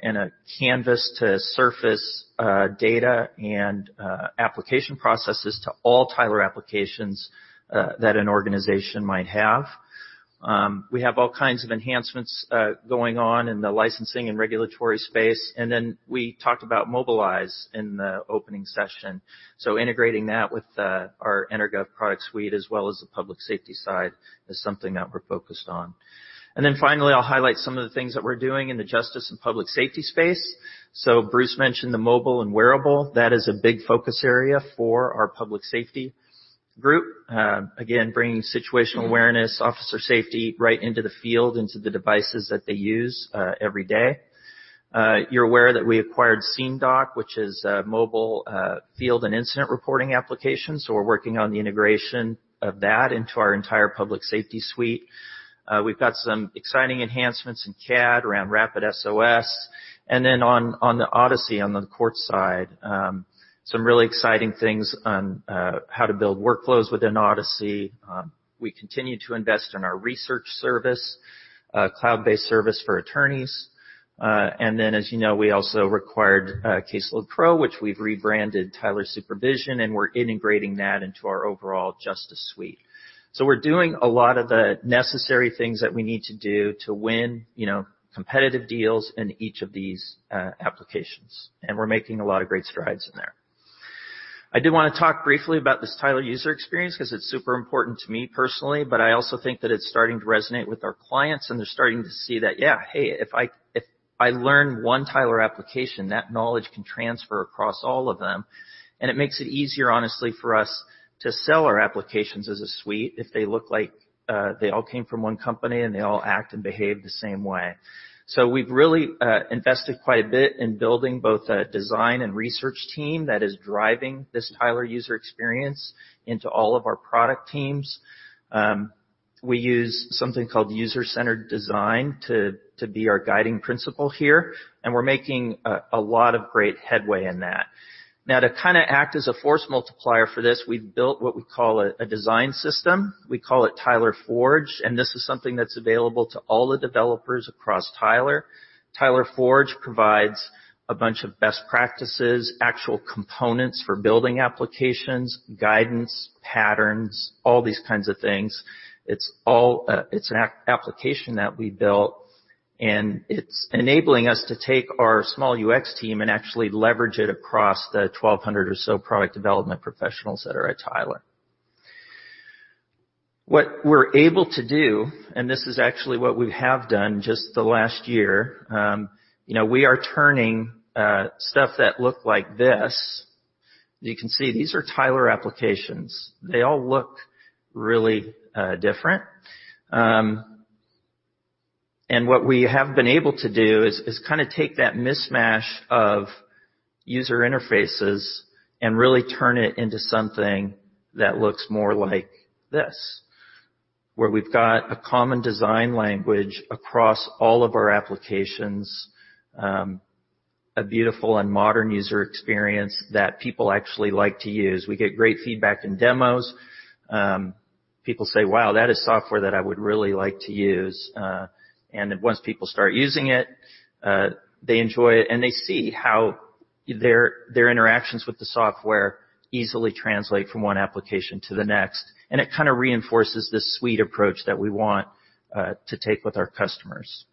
Speaker 6: and a canvas to surface data and application processes to all Tyler applications that an organization might have. We have all kinds of enhancements going on in the licensing and regulatory space. We talked about Mobilize in the opening session. Integrating that with our EnerGov product suite as well as the public safety side is something that we're focused on. Finally, I'll highlight some of the things that we're doing in the justice and public safety space. Bruce mentioned the mobile and wearable. That is a big focus area for our public safety group. Again, bringing situational awareness, officer safety, right into the field, into the devices that they use every day. You're aware that we acquired SceneDoc, which is a mobile field and incident reporting application. We're working on the integration of that into our entire public safety suite. We've got some exciting enhancements in CAD around RapidSOS. On the Odyssey, on the court side, some really exciting things on how to build workflows within Odyssey. We continue to invest in our re:Search service, cloud-based service for attorneys. As you know, we also acquired CaseloadPRO, which we've rebranded Tyler Supervision, and we're integrating that into our overall justice suite. We're doing a lot of the necessary things that we need to do to win competitive deals in each of these applications. We're making a lot of great strides in there. I do want to talk briefly about this Tyler user experience because it's super important to me personally, but I also think that it's starting to resonate with our clients, and they're starting to see that, yeah, hey, if I learn one Tyler application, that knowledge can transfer across all of them. It makes it easier, honestly, for us to sell our applications as a suite if they look like they all came from one company, and they all act and behave the same way. We've really invested quite a bit in building both a design and research team that is driving this Tyler user experience into all of our product teams. We use something called user-centered design to be our guiding principle here, and we're making a lot of great headway in that. To kind of act as a force multiplier for this, we've built what we call a design system. We call it Tyler Forge, and this is something that's available to all the developers across Tyler. Tyler Forge provides a bunch of best practices, actual components for building applications, guidance, patterns, all these kinds of things. It's an application that we built, and it's enabling us to take our small UX team and actually leverage it across the 1,200 or so product development professionals that are at Tyler. What we're able to do, and this is actually what we have done just the last year, we are turning stuff that looked like this. You can see these are Tyler applications. They all look really different. What we have been able to do is kind of take that mishmash of user interfaces and really turn it into something that looks more like this, where we've got a common design language across all of our applications, a beautiful and modern user experience that people actually like to use. We get great feedback in demos. People say, "Wow, that is software that I would really like to use." Then once people start using it, they enjoy it, and they see how their interactions with the software easily translate from one application to the next. It kind of reinforces this suite approach that we want to take with our customers.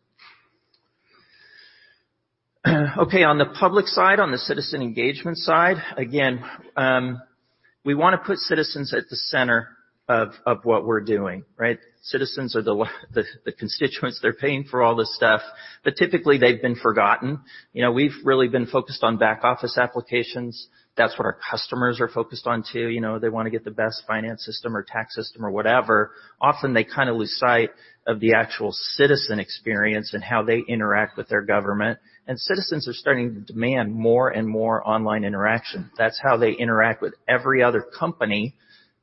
Speaker 6: On the public side, on the citizen engagement side, again, we want to put citizens at the center of what we're doing, right? Citizens are the constituents. They're paying for all this stuff. Typically, they've been forgotten. We've really been focused on back-office applications. That's what our customers are focused on, too. They want to get the best finance system or tax system or whatever. Often they kind of lose sight of the actual citizen experience and how they interact with their government. Citizens are starting to demand more and more online interaction. That's how they interact with every other company,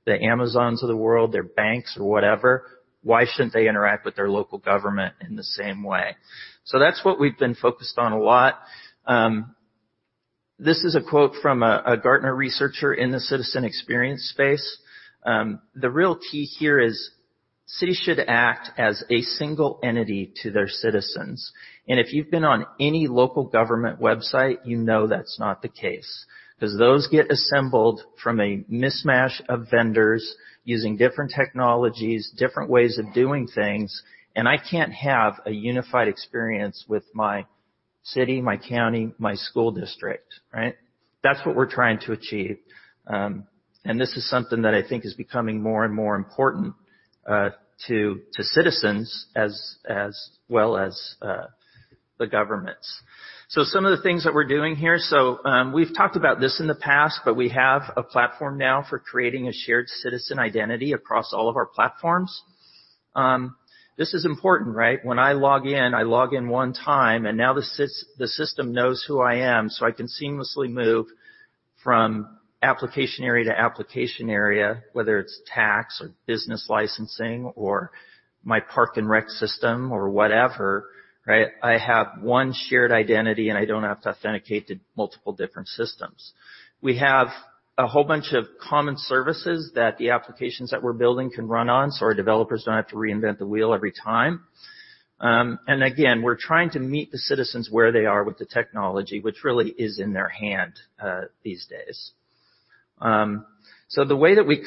Speaker 6: the Amazons of the world, their banks, or whatever. Why shouldn't they interact with their local government in the same way? That's what we've been focused on a lot. This is a quote from a Gartner researcher in the citizen experience space. The real key here is cities should act as a single entity to their citizens. If you've been on any local government website, you know that's not the case, because those get assembled from a mishmash of vendors using different technologies, different ways of doing things, and I can't have a unified experience with my city, my county, my school district, right? That's what we're trying to achieve. This is something that I think is becoming more and more important to citizens as well as the governments. Some of the things that we're doing here, we've talked about this in the past, but we have a platform now for creating a shared citizen identity across all of our platforms. This is important, right? When I log in, I log in 1 time, and now the system knows who I am, so I can seamlessly move from application area to application area, whether it's tax or business licensing or my park and rec system or whatever, right? I have 1 shared identity, and I don't have to authenticate to multiple different systems. We have a whole bunch of common services that the applications that we're building can run on, so our developers don't have to reinvent the wheel every time. Again, we're trying to meet the citizens where they are with the technology, which really is in their hand these days. The way that we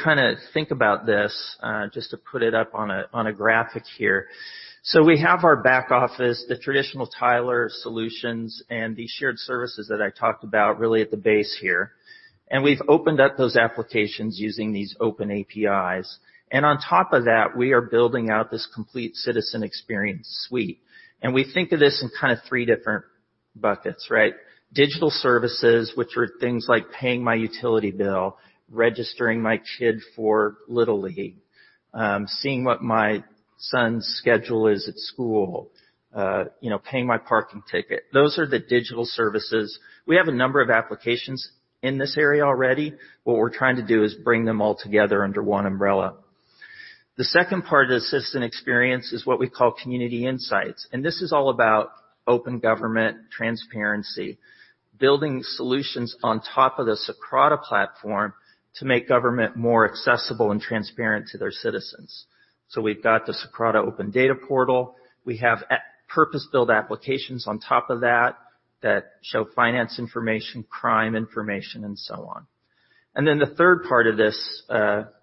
Speaker 6: think about this, just to put it up on a graphic here. We have our back office, the traditional Tyler solutions, and these shared services that I talked about really at the base here. We've opened up those applications using these open APIs. On top of that, we are building out this complete citizen experience suite. We think of this in 3 different buckets, right? Digital services, which are things like paying my utility bill, registering my kid for Little League, seeing what my son's schedule is at school, paying my parking ticket. Those are the digital services. We have a number of applications in this area already. What we're trying to do is bring them all together under 1 umbrella. The second part of the citizen experience is what we call community insights, and this is all about open government transparency, building solutions on top of the Socrata platform to make government more accessible and transparent to their citizens. We've got the Socrata open data portal. We have purpose-built applications on top of that that show finance information, crime information, and so on. The 3rd part of this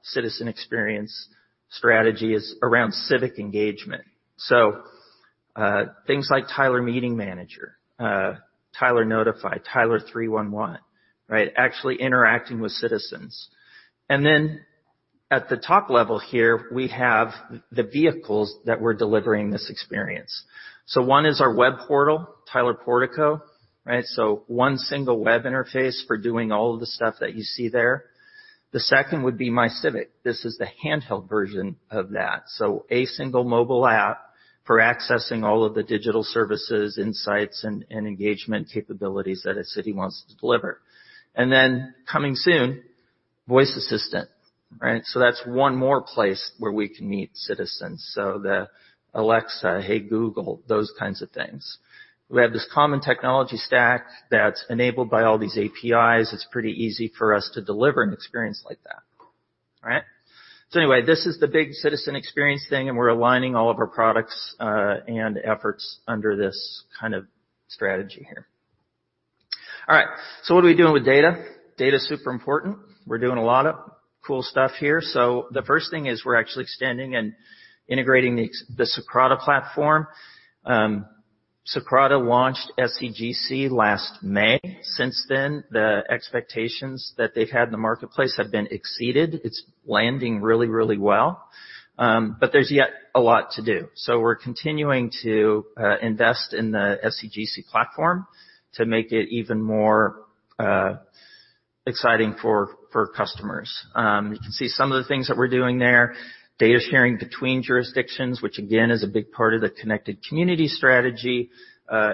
Speaker 6: citizen experience strategy is around civic engagement. Things like Tyler Meeting Manager, Tyler Notify, Tyler 311, right? Actually interacting with citizens. At the top level here, we have the vehicles that we're delivering this experience. 1 is our web portal, Tyler Portico, right? 1 single web interface for doing all of the stuff that you see there. The second would be MyCivic. This is the handheld version of that. A single mobile app for accessing all of the digital services, insights, and engagement capabilities that a city wants to deliver. Coming soon, voice assistant, right? That's 1 more place where we can meet citizens. The Alexa, Hey Google, those kinds of things. We have this common technology stack that's enabled by all these APIs. It's pretty easy for us to deliver an experience like that. All right. Anyway, this is the big citizen experience thing, and we're aligning all of our products and efforts under this kind of strategy here. All right. What are we doing with data? Data's super important. We're doing a lot of cool stuff here. The first thing is we're actually extending and integrating the Socrata platform. Socrata launched SCGC last May. Since then, the expectations that they've had in the marketplace have been exceeded. It's landing really, really well. There's yet a lot to do. We're continuing to invest in the SCGC platform to make it even more exciting for customers. You can see some of the things that we're doing there. Data sharing between jurisdictions, which again, is a big part of the Connected Communities strategy.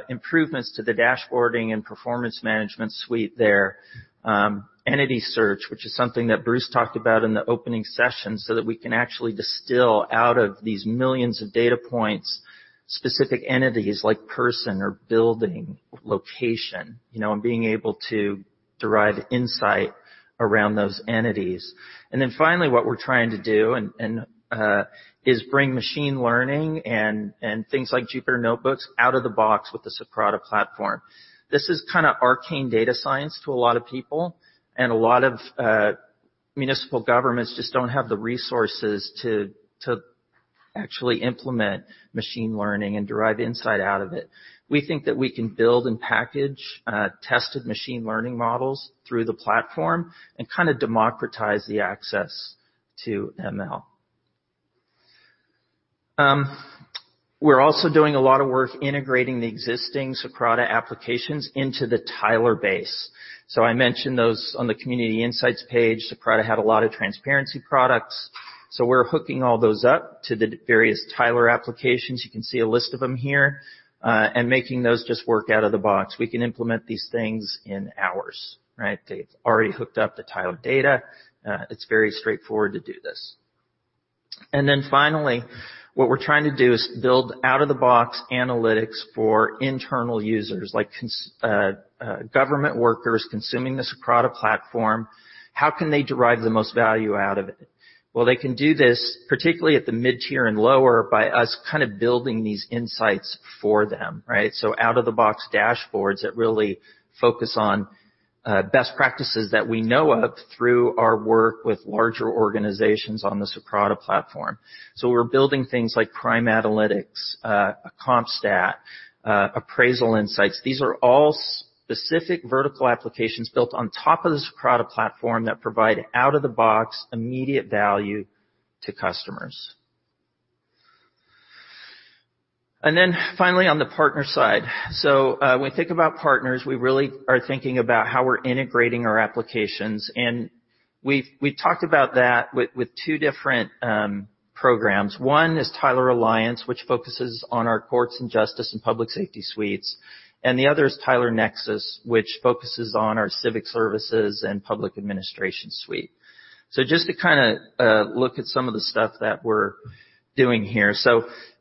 Speaker 6: Improvements to the dashboarding and performance management suite there. Entity search, which is something that Bruce talked about in the opening session, so that we can actually distill out of these millions of data points, specific entities like person or building, location, and being able to derive insight around those entities. Finally, what we're trying to do is bring machine learning and things like Jupyter Notebooks out of the box with the Socrata platform. This is kind of arcane data science to a lot of people, and a lot of municipal governments just don't have the resources to actually implement machine learning and derive insight out of it. We think that we can build and package tested machine learning models through the platform and kind of democratize the access to ML. We're also doing a lot of work integrating the existing Socrata applications into the Tyler base. I mentioned those on the community insights page. Socrata had a lot of transparency products. We're hooking all those up to the various Tyler applications. You can see a list of them here, and making those just work out of the box. We can implement these things in hours, right? They've already hooked up the Tyler data. It's very straightforward to do this. Finally, what we're trying to do is build out-of-the-box analytics for internal users, like government workers consuming the Socrata platform. How can they derive the most value out of it? Well, they can do this, particularly at the mid-tier and lower, by us building these insights for them, right? Out-of-the-box dashboards that really focus on best practices that we know of through our work with larger organizations on the Socrata platform. We're building things like crime analytics, CompStat, appraisal insights. These are all specific vertical applications built on top of the Socrata platform that provide out-of-the-box immediate value to customers. Finally, on the partner side. When we think about partners, we really are thinking about how we're integrating our applications. We've talked about that with two different programs. One is Tyler Alliance, which focuses on our courts and justice and public safety suites. The other is Tyler Nexus, which focuses on our civic services and public administration suite. Just to look at some of the stuff that we're doing here.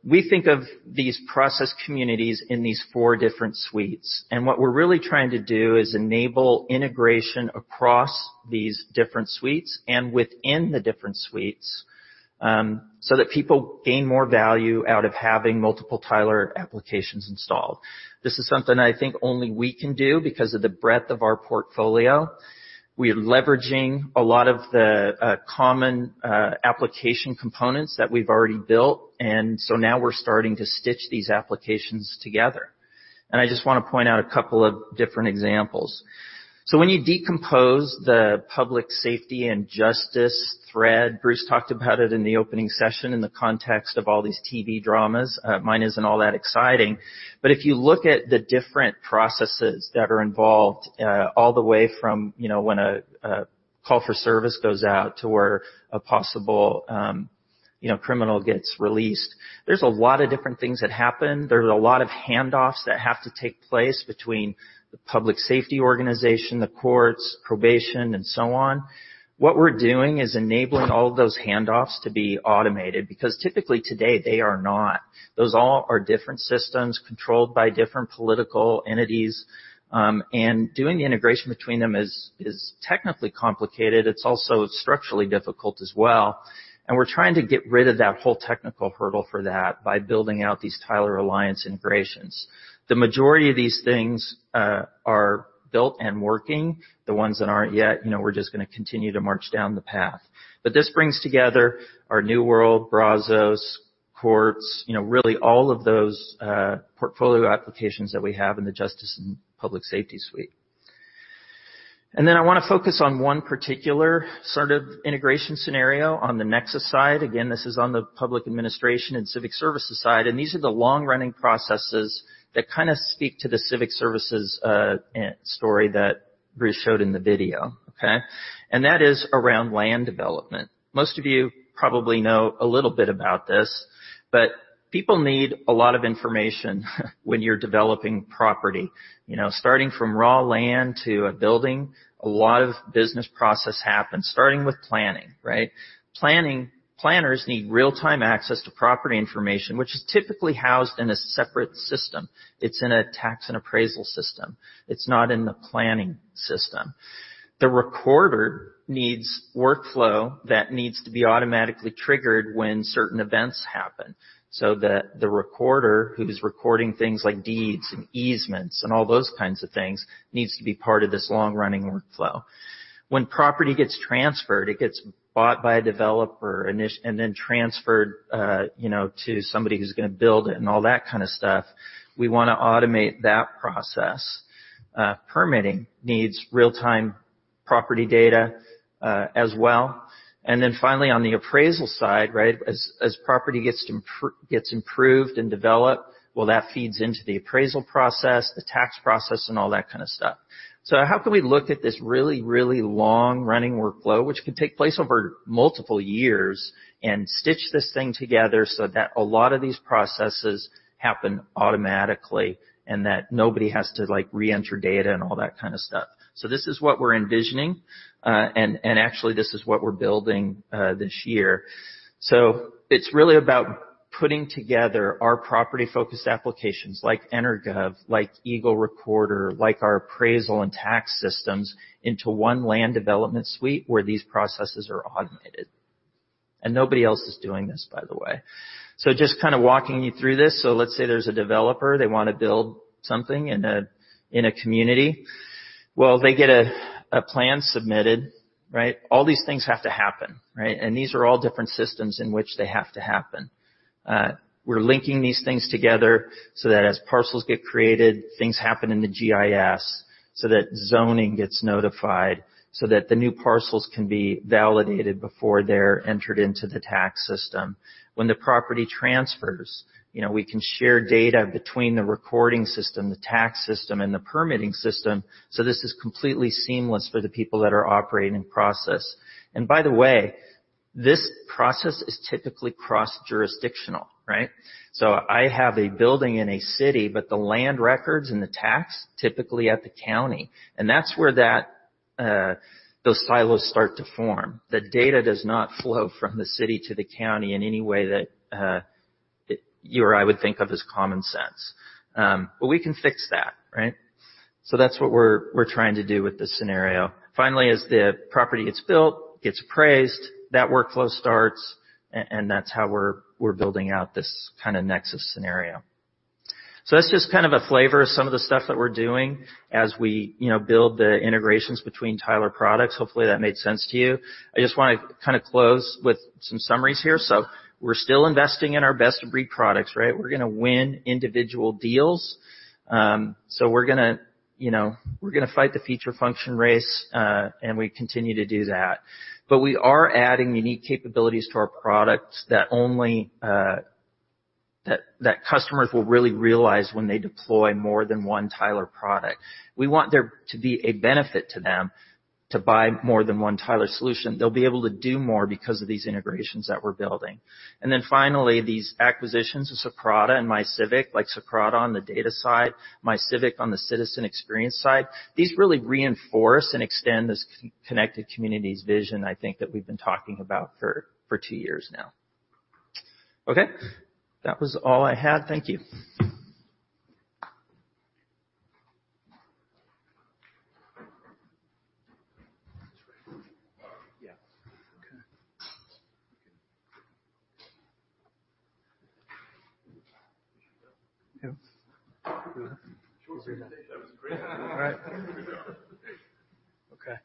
Speaker 6: We think of these process communities in these four different suites. What we're really trying to do is enable integration across these different suites and within the different suites, so that people gain more value out of having multiple Tyler applications installed. This is something I think only we can do because of the breadth of our portfolio. We are leveraging a lot of the common application components that we've already built, now we're starting to stitch these applications together. I just want to point out a couple of different examples. When you decompose the public safety and justice thread, Bruce talked about it in the opening session in the context of all these TV dramas. Mine isn't all that exciting. If you look at the different processes that are involved, all the way from when a call for service goes out to where a possible criminal gets released, there's a lot of different things that happen. There's a lot of handoffs that have to take place between the public safety organization, the courts, probation, and so on. What we're doing is enabling all of those handoffs to be automated, because typically, today, they are not. Those all are different systems controlled by different political entities. Doing the integration between them is technically complicated. It's also structurally difficult as well. We're trying to get rid of that whole technical hurdle for that by building out these Tyler Alliance integrations. The majority of these things are built and working. The ones that aren't yet, we're just going to continue to march down the path. This brings together our New World, Brazos, courts, really all of those portfolio applications that we have in the justice and public safety suite. I want to focus on one particular sort of integration scenario on the Nexus side. Again, this is on the public administration and civic services side. These are the long-running processes that kind of speak to the civic services story that Bruce showed in the video. Okay? That is around land development. Most of you probably know a little bit about this, but people need a lot of information when you're developing property. Starting from raw land to a building, a lot of business process happens, starting with planning, right? Planners need real-time access to property information, which is typically housed in a separate system. It's in a tax and appraisal system. It's not in the planning system. The recorder needs workflow that needs to be automatically triggered when certain events happen, so that the recorder, who's recording things like deeds and easements and all those kinds of things, needs to be part of this long-running workflow. When property gets transferred, it gets bought by a developer and then transferred to somebody who's going to build it and all that kind of stuff. We want to automate that process. Permitting needs real-time property data as well. Finally, on the appraisal side, right? As property gets improved and developed, well, that feeds into the appraisal process, the tax process, and all that kind of stuff. How can we look at this really, really long-running workflow, which could take place over multiple years, and stitch this thing together so that a lot of these processes happen automatically, and that nobody has to re-enter data and all that kind of stuff. This is what we're envisioning, and actually, this is what we're building this year. It's really about putting together our property-focused applications like EnerGov, like Eagle Recorder, like our appraisal and tax systems, into one land development suite where these processes are automated. Nobody else is doing this, by the way. Just kind of walking you through this. Let's say there's a developer, they want to build something in a community. Well, they get a plan submitted, right? All these things have to happen, right? These are all different systems in which they have to happen. We're linking these things together so that as parcels get created, things happen in the GIS, so that zoning gets notified, so that the new parcels can be validated before they're entered into the tax system. When the property transfers, we can share data between the recording system, the tax system, and the permitting system. This is completely seamless for the people that are operating the process. By the way, this process is typically cross-jurisdictional, right? I have a building in a city, but the land records and the tax, typically at the county. Those silos start to form. The data does not flow from the city to the county in any way that you or I would think of as common sense. We can fix that. Right? That's what we're trying to do with this scenario. Finally, as the property gets built, gets appraised, that workflow starts, that's how we're building out this kind of Nexus scenario. That's just kind of a flavor of some of the stuff that we're doing as we build the integrations between Tyler products. Hopefully, that made sense to you. I just want to close with some summaries here. We're still investing in our best-of-breed products, right? We're going to win individual deals. We're going to fight the feature function race, we continue to do that. We are adding unique capabilities to our products that customers will really realize when they deploy more than one Tyler product. We want there to be a benefit to them to buy more than one Tyler solution. They'll be able to do more because of these integrations that we're building. Finally, these acquisitions with Socrata and MyCivic, like Socrata on the data side, MyCivic on the citizen experience side, these really reinforce and extend this Connected Communities vision, I think, that we've been talking about for two years now. Okay. That was all I had. Thank you. Yeah. Okay. Yeah.
Speaker 7: That was great. All right. Okay.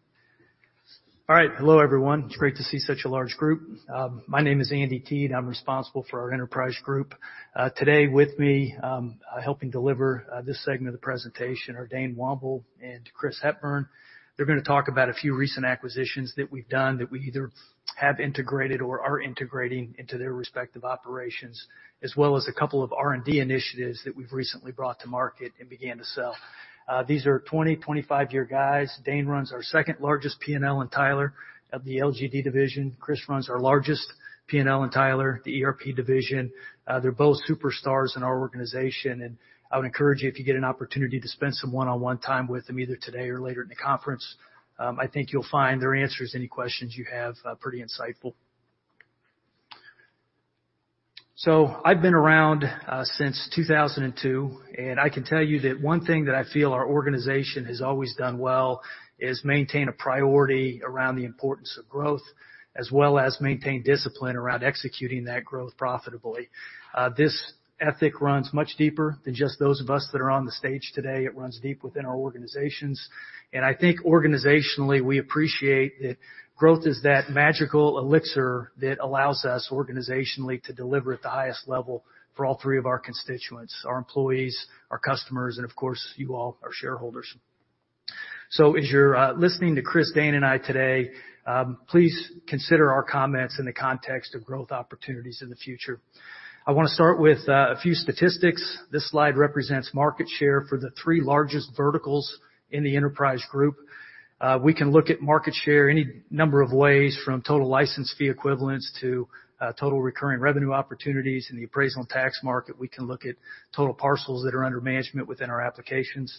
Speaker 7: All right. Hello, everyone. It's great to see such a large group. My name is Andy Teed. I'm responsible for our Enterprise Group. Today with me, helping deliver this segment of the presentation are Dane Womble and Chris Hepburn. They're going to talk about a few recent acquisitions that we've done that we either have integrated or are integrating into their respective operations, as well as a couple of R&D initiatives that we've recently brought to market and began to sell. These are 20, 25-year guys. Dane runs our second-largest P&L in Tyler of the LGD division. Chris runs our largest P&L in Tyler, the ERP division. They're both superstars in our organization, and I would encourage you, if you get an opportunity to spend some one-on-one time with them, either today or later in the conference, I think you'll find their answers to any questions you have pretty insightful. I've been around since 2002, and I can tell you that one thing that I feel our organization has always done well is maintain a priority around the importance of growth, as well as maintain discipline around executing that growth profitably. This ethic runs much deeper than just those of us that are on the stage today. It runs deep within our organizations. I think organizationally, we appreciate that growth is that magical elixir that allows us organizationally to deliver at the highest level for all three of our constituents: our employees, our customers, and of course, you all, our shareholders. As you're listening to Chris, Dane, and I today, please consider our comments in the context of growth opportunities in the future. I want to start with a few statistics. This slide represents market share for the three largest verticals in the Enterprise Group. We can look at market share any number of ways, from total license fee equivalence to total recurring revenue opportunities in the appraisal and tax market. We can look at total parcels that are under management within our applications.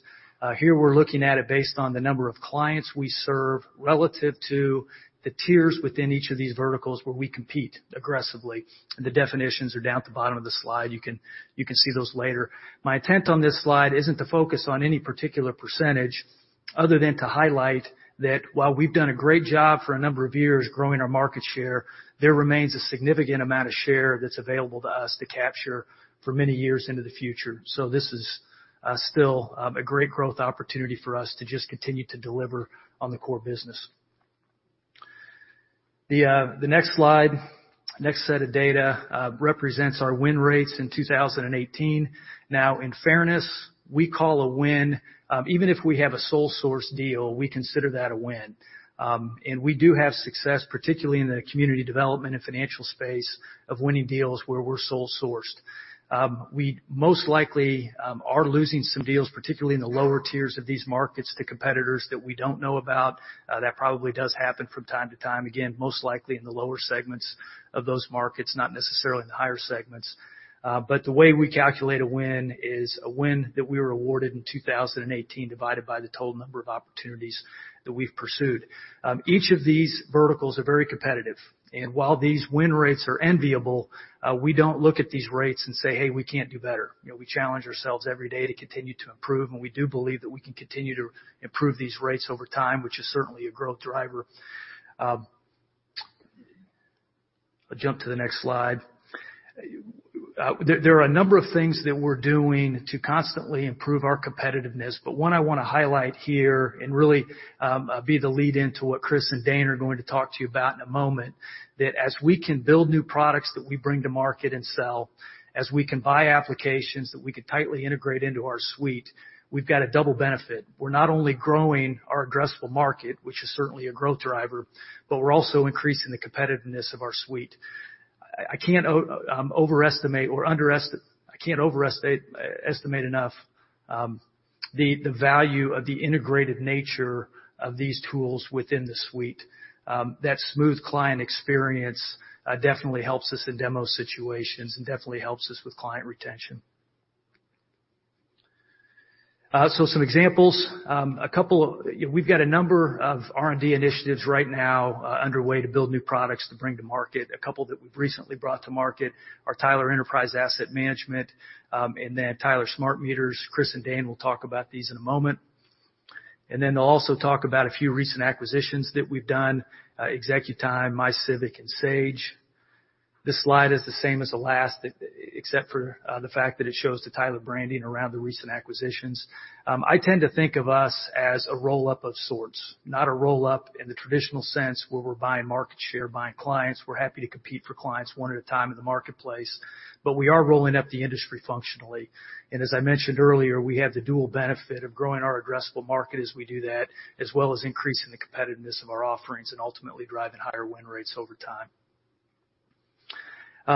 Speaker 7: Here, we're looking at it based on the number of clients we serve relative to the tiers within each of these verticals where we compete aggressively. The definitions are down at the bottom of the slide. You can see those later. My intent on this slide isn't to focus on any particular percentage other than to highlight that while we've done a great job for a number of years growing our market share, there remains a significant amount of share that's available to us to capture for many years into the future. This is still a great growth opportunity for us to just continue to deliver on the core business. The next slide, next set of data, represents our win rates in 2018. In fairness, even if we have a sole source deal, we consider that a win. We do have success, particularly in the community development and financial space of winning deals where we're sole sourced. We most likely are losing some deals, particularly in the lower tiers of these markets, to competitors that we don't know about. That probably does happen from time to time. Again, most likely in the lower segments of those markets, not necessarily in the higher segments. The way we calculate a win is a win that we were awarded in 2018 divided by the total number of opportunities that we've pursued. Each of these verticals are very competitive. While these win rates are enviable, we don't look at these rates and say, "Hey, we can't do better." We challenge ourselves every day to continue to improve, we do believe that we can continue to improve these rates over time, which is certainly a growth driver. I'll jump to the next slide. There are a number of things that we're doing to constantly improve our competitiveness, one I want to highlight here and really be the lead-in to what Chris and Dane are going to talk to you about in a moment, that as we can build new products that we bring to market and sell, as we can buy applications that we could tightly integrate into our suite, we've got a double benefit. We're not only growing our addressable market, which is certainly a growth driver, we're also increasing the competitiveness of our suite. I can't overestimate enough the value of the integrated nature of these tools within the suite. That smooth client experience definitely helps us in demo situations and definitely helps us with client retention. Some examples. We've got a number of R&D initiatives right now underway to build new products to bring to market. A couple that we've recently brought to market are Tyler Enterprise Asset Management, Tyler Smart Meters. Chris and Dane will talk about these in a moment. They'll also talk about a few recent acquisitions that we've done, ExecuTime, MyCivic, and Sage. This slide is the same as the last, except for the fact that it shows the Tyler branding around the recent acquisitions. I tend to think of us as a roll-up of sorts. Not a roll-up in the traditional sense, where we're buying market share, buying clients. We're happy to compete for clients one at a time in the marketplace, we are rolling up the industry functionally. As I mentioned earlier, we have the dual benefit of growing our addressable market as we do that, as well as increasing the competitiveness of our offerings and ultimately driving higher win rates over time.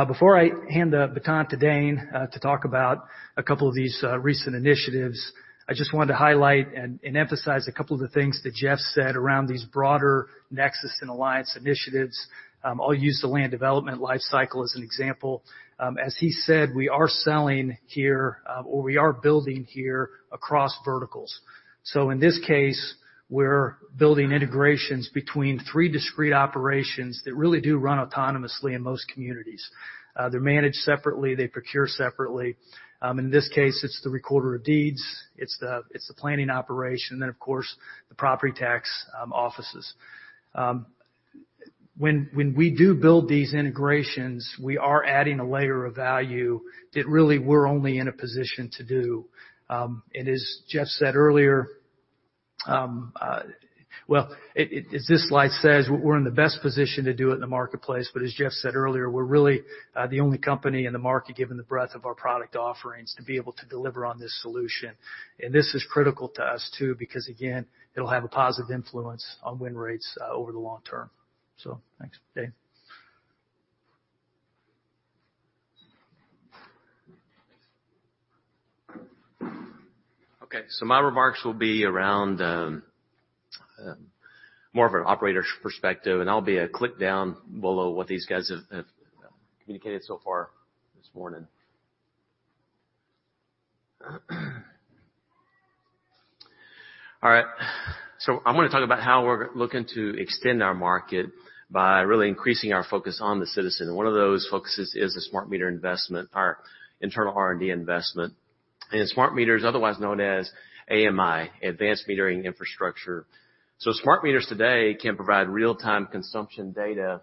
Speaker 7: Before I hand the baton to Dane to talk about a couple of these recent initiatives, I just wanted to highlight and emphasize a couple of the things that Jeff said around these broader Tyler Nexus and Tyler Alliance initiatives. I'll use the land development life cycle as an example. As he said, we are selling here, or we are building here across verticals. In this case, we're building integrations between three discrete operations that really do run autonomously in most communities. They're managed separately, they procure separately. In this case, it's the recorder of deeds, it's the planning operation, and of course, the property tax offices. When we do build these integrations, we are adding a layer of value that really we're only in a position to do. As Jeff said earlier, as this slide says, we're in the best position to do it in the marketplace, as Jeff said earlier, we're really the only company in the market, given the breadth of our product offerings, to be able to deliver on this solution. This is critical to us, too, because, again, it'll have a positive influence on win rates over the long term. Thanks. Dane.
Speaker 8: My remarks will be around more of an operator's perspective, and I'll be a click down below what these guys have communicated so far this morning. I'm going to talk about how we're looking to extend our market by really increasing our focus on the citizen, and one of those focuses is the smart meter investment, our internal R&D investment. Smart meters, otherwise known as AMI, Advanced Metering Infrastructure. Smart meters today can provide real-time consumption data,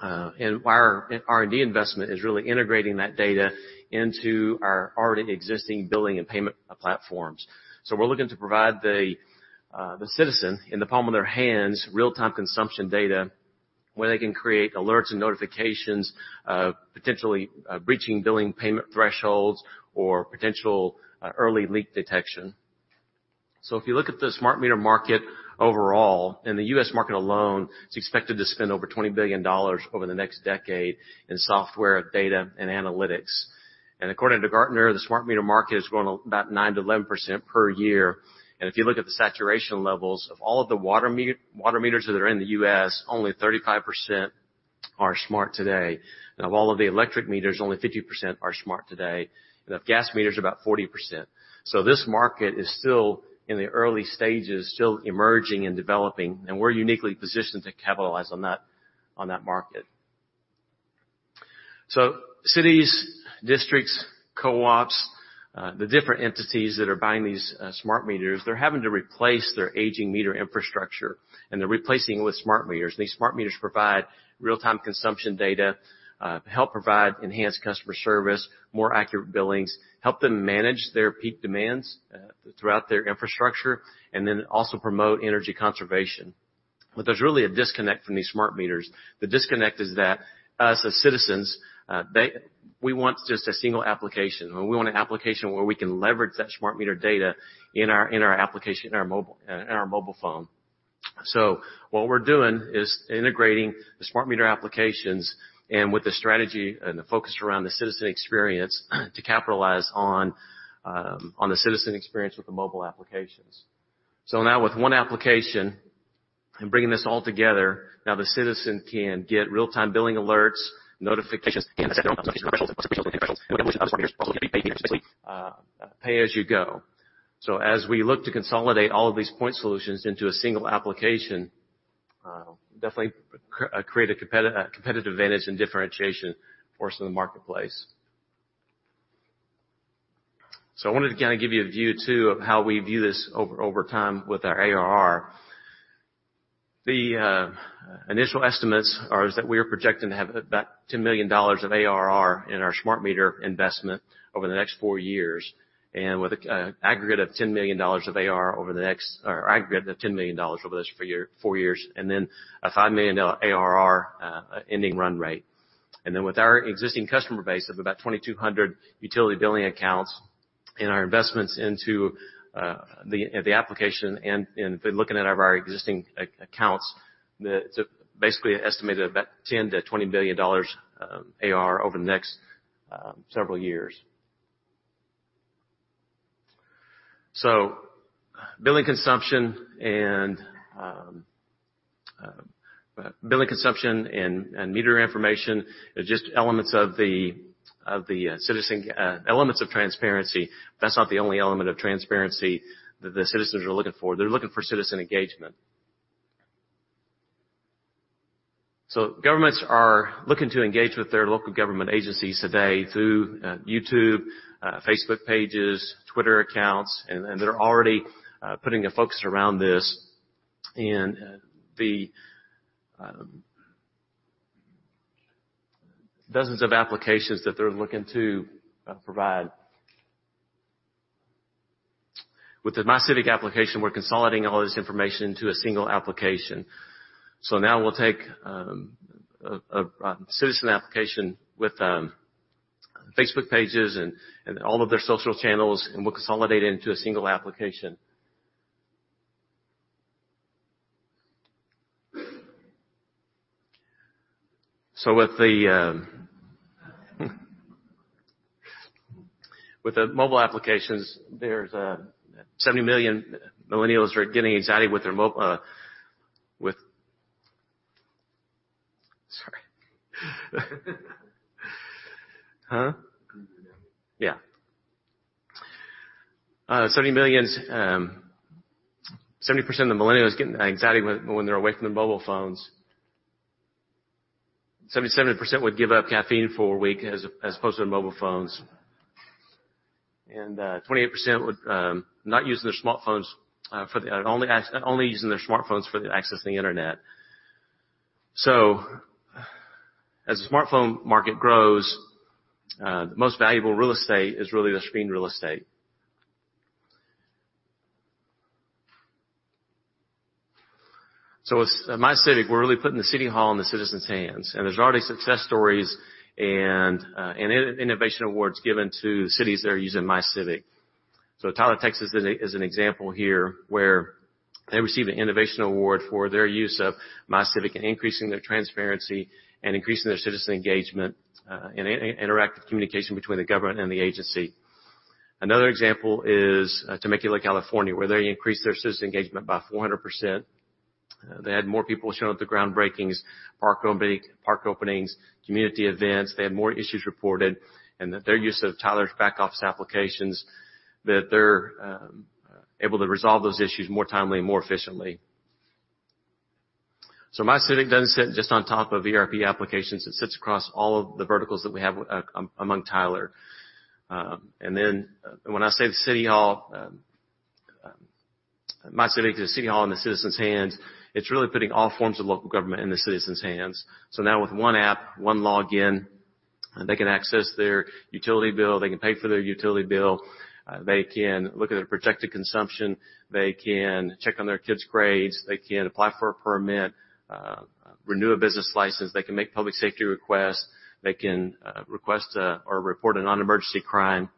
Speaker 8: and our R&D investment is really integrating that data into our already existing billing and payment platforms. We're looking to provide the citizen, in the palm of their hands, real-time consumption data, where they can create alerts and notifications, potentially breaching billing payment thresholds or potential early leak detection. If you look at the smart meter market overall, in the U.S. market alone, it's expected to spend over $20 billion over the next decade in software, data, and analytics. According to Gartner, the smart meter market is growing about 9%-11% per year. If you look at the saturation levels, of all of the water meters that are in the U.S., only 35% are smart today. Of all of the electric meters, only 50% are smart today. Of gas meters, about 40%. This market is still in the early stages, still emerging and developing, and we're uniquely positioned to capitalize on that market. Cities, districts, co-ops, the different entities that are buying these smart meters, they're having to replace their aging meter infrastructure, and they're replacing it with smart meters. These smart meters provide real-time consumption data, help provide enhanced customer service, more accurate billings, help them manage their peak demands throughout their infrastructure, and then also promote energy conservation. There's really a disconnect from these smart meters. The disconnect is that us as citizens, we want just a single application. We want an application where we can leverage that smart meter data in our mobile phone. What we're doing is integrating the smart meter applications and with the strategy and the focus around the citizen experience to capitalize on the citizen experience with the mobile applications. Now with one application and bringing this all together, now the citizen can get real-time billing alerts, notifications, pay-as-you-go. As we look to consolidate all of these point solutions into a single application, definitely create a competitive advantage and differentiation for us in the marketplace. I wanted to kind of give you a view, too, of how we view this over time with our ARR. The initial estimates are that we are projecting to have about $10 million of ARR in our smart meter investment over the next 4 years, and with an aggregate of $10 million over those four years. Then a $5 million ARR ending run rate. Then with our existing customer base of about 2,200 utility billing accounts and our investments into the application and looking at our existing accounts, basically an estimate of about $10 million-$20 million of ARR over the next several years. Billing consumption and meter information are just elements of transparency. That's not the only element of transparency that the citizens are looking for. They're looking for citizen engagement. Governments are looking to engage with their local government agencies today through YouTube, Facebook pages, Twitter accounts, and they're already putting a focus around this, and the dozens of applications that they're looking to provide. With the MyCivic application, we're consolidating all this information into a single application. Now we'll take a citizen application with Facebook pages and all of their social channels, and we'll consolidate it into a single application. With the mobile applications, there's 70 million millennials are getting anxiety with their Sorry. Huh?
Speaker 9: Can you hear now?
Speaker 8: 70% of the millennials get anxiety when they're away from their mobile phones. 77% would give up caffeine for a week as opposed to their mobile phones. 28% would only use their smartphones for accessing the Internet. As the smartphone market grows, the most valuable real estate is really the screen real estate. With MyCivic, we're really putting the city hall in the citizens' hands. There's already success stories and innovation awards given to the cities that are using MyCivic. Tyler, Texas, is an example here, where they received an innovation award for their use of MyCivic in increasing their transparency and increasing their citizen engagement in interactive communication between the government and the agency. Another example is Temecula, California, where they increased their citizen engagement by 400%. They had more people showing up to groundbreakings, park openings, community events. They had more issues reported. Their use of Tyler's back-office applications, that they're able to resolve those issues more timely and more efficiently. MyCivic doesn't sit just on top of ERP applications. It sits across all of the verticals that we have among Tyler. When I say the city hall, MyCivic is a city hall in the citizens' hands. It's really putting all forms of local government in the citizens' hands. Now with one app, one login, they can access their utility bill. They can pay for their utility bill. They can look at their projected consumption. They can check on their kids' grades. They can apply for a permit, renew a business license. They can make public safety requests. They can request or report a non-emergency crime,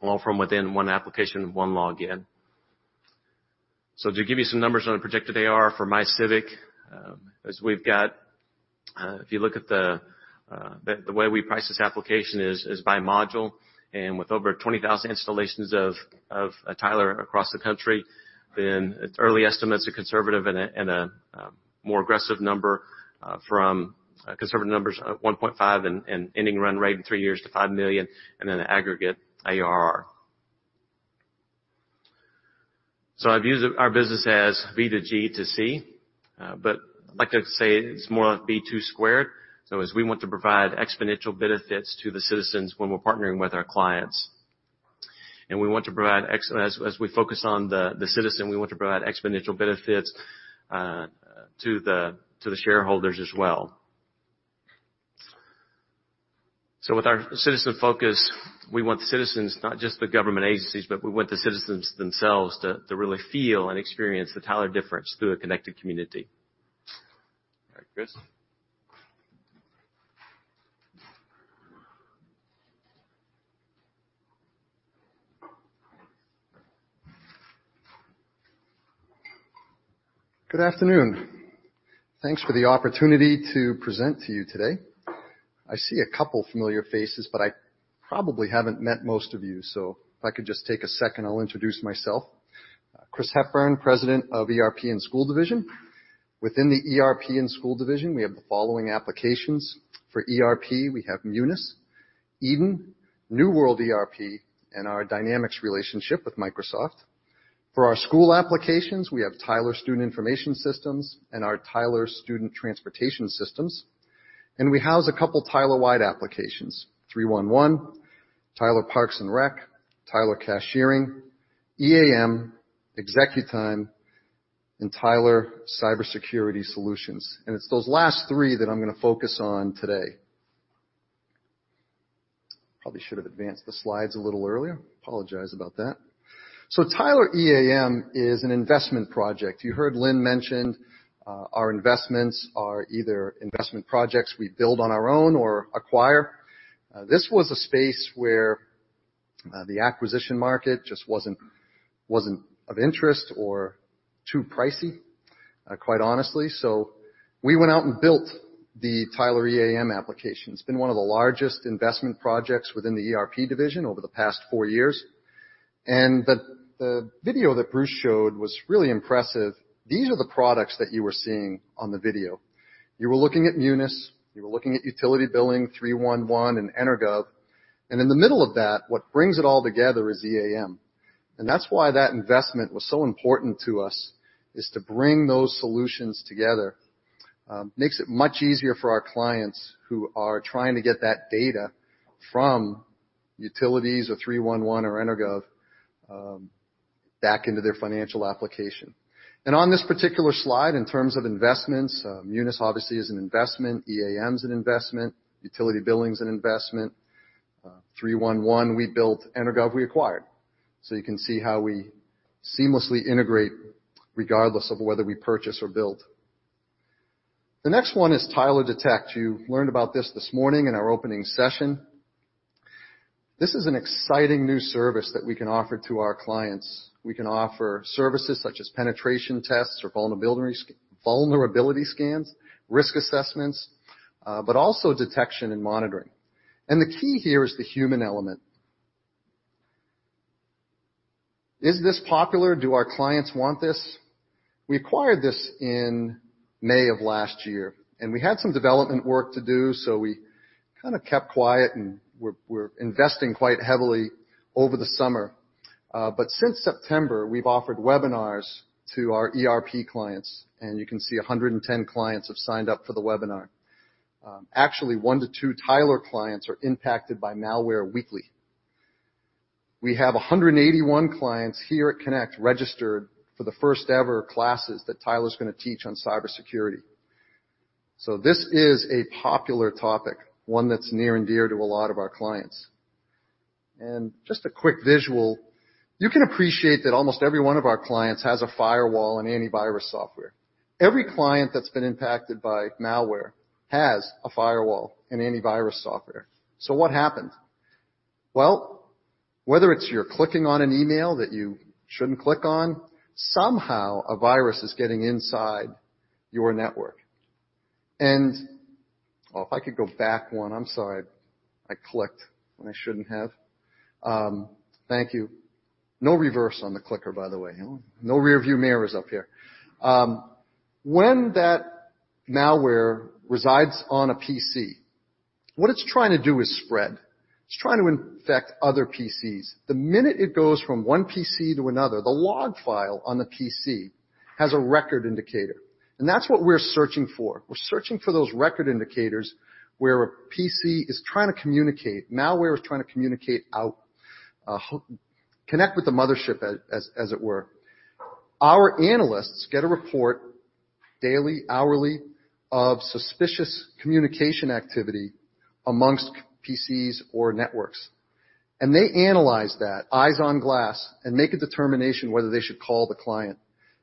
Speaker 8: all from within one application and one login. To give you some numbers on a projected ARR for MyCivic, if you look at the way we price this application is by module, and with over 20,000 installations of Tyler across the country, its early estimates are conservative and a more aggressive number from conservative numbers of $1.5 million and ending run rate in three years to $5 million, and then aggregate ARR. I view our business as B to G to C, but I'd like to say it's more like B2 squared. As we want to provide exponential benefits to the citizens when we're partnering with our clients. As we focus on the citizen, we want to provide exponential benefits to the shareholders as well. With our citizen focus, we want the citizens, not just the government agencies, but we want the citizens themselves to really feel and experience the Tyler difference through a Connected Communities. All right, Chris.
Speaker 9: Good afternoon. Thanks for the opportunity to present to you today. I see a couple familiar faces, but I probably haven't met most of you, so if I could just take a second, I'll introduce myself. Chris Hepburn, President of ERP and School Division. Within the ERP and School Division, we have the following applications: for ERP, we have Munis, Eden, New World ERP, and our Dynamics relationship with Microsoft. For our school applications, we have Tyler Student Information Systems and our Tyler Student Transportation Systems. We house a couple Tyler wide applications: 311, Tyler Parks and Rec, Tyler Cashiering, EAM, ExecuTime, and Tyler Cybersecurity Solutions. It's those last three that I'm going to focus on today. Probably should have advanced the slides a little earlier. Apologize about that. Tyler EAM is an investment project. You heard Lynn mention our investments are either investment projects we build on our own or acquire. This was a space where the acquisition market just wasn't of interest or too pricey, quite honestly. We went out and built the Tyler EAM application. It's been one of the largest investment projects within the ERP division over the past four years. The video that Bruce showed was really impressive. These are the products that you were seeing on the video. You were looking at Munis, you were looking at Utility Billing, 311, and EnerGov. In the middle of that, what brings it all together is EAM. That's why that investment was so important to us, is to bring those solutions together. Makes it much easier for our clients who are trying to get that data from utilities or 311 or EnerGov, back into their financial application. On this particular slide, in terms of investments, Munis obviously is an investment. EAM's an investment. Utility Billing's an investment. 311, we built. EnerGov, we acquired. You can see how we seamlessly integrate regardless of whether we purchase or build. The next one is Tyler Detect. You learned about this this morning in our opening session. This is an exciting new service that we can offer to our clients. We can offer services such as penetration tests or vulnerability scans, risk assessments, but also detection and monitoring. The key here is the human element. Is this popular? Do our clients want this? We acquired this in May of last year, and we had some development work to do, so we kind of kept quiet, and we're investing quite heavily over the summer. Since September, we've offered webinars to our ERP clients, and you can see 110 clients have signed up for the webinar. Actually, one to two Tyler clients are impacted by malware weekly. We have 181 clients here at Connect registered for the first-ever classes that Tyler's going to teach on cybersecurity. This is a popular topic, one that's near and dear to a lot of our clients. Just a quick visual. You can appreciate that almost every one of our clients has a firewall and antivirus software. Every client that's been impacted by malware has a firewall and antivirus software. What happened? Well, whether it's you're clicking on an email that you shouldn't click on, somehow a virus is getting inside your network. If I could go back one. I'm sorry. I clicked when I shouldn't have. Thank you. No reverse on the clicker, by the way. No rear view mirrors up here. When that malware resides on a PC, what it's trying to do is spread. It's trying to infect other PCs. The minute it goes from one PC to another, the log file on the PC has a record indicator, and that's what we're searching for. We're searching for those record indicators where a PC is trying to communicate. Malware is trying to communicate out, connect with the mothership, as it were. Our analysts get a report daily, hourly, of suspicious communication activity amongst PCs or networks. They analyze that, eyes on glass, and make a determination whether they should call the client.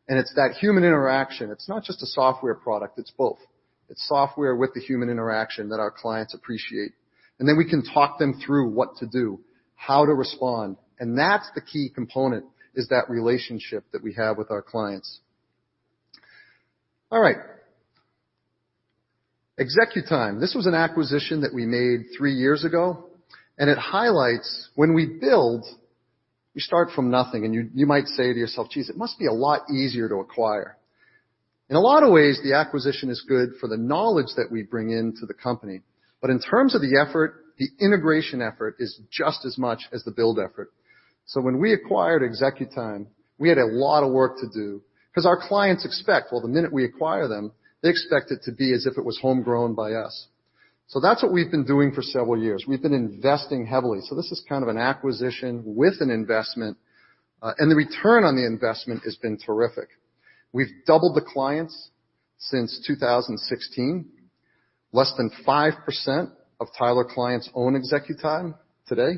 Speaker 9: It's that human interaction. It's not just a software product, it's both. It's software with the human interaction that our clients appreciate. Then we can talk them through what to do, how to respond, and that's the key component, is that relationship that we have with our clients. All right. ExecuTime. This was an acquisition that we made three years ago. It highlights-- When we build, we start from nothing, and you might say to yourself, "Geez, it must be a lot easier to acquire." In a lot of ways, the acquisition is good for the knowledge that we bring into the company. In terms of the effort, the integration effort is just as much as the build effort. When we acquired ExecuTime, we had a lot of work to do, because our clients expect, well, the minute we acquire them, they expect it to be as if it was homegrown by us. That's what we've been doing for several years. We've been investing heavily. This is kind of an acquisition with an investment. The return on the investment has been terrific. We've doubled the clients since 2016. Less than 5% of Tyler clients own ExecuTime today.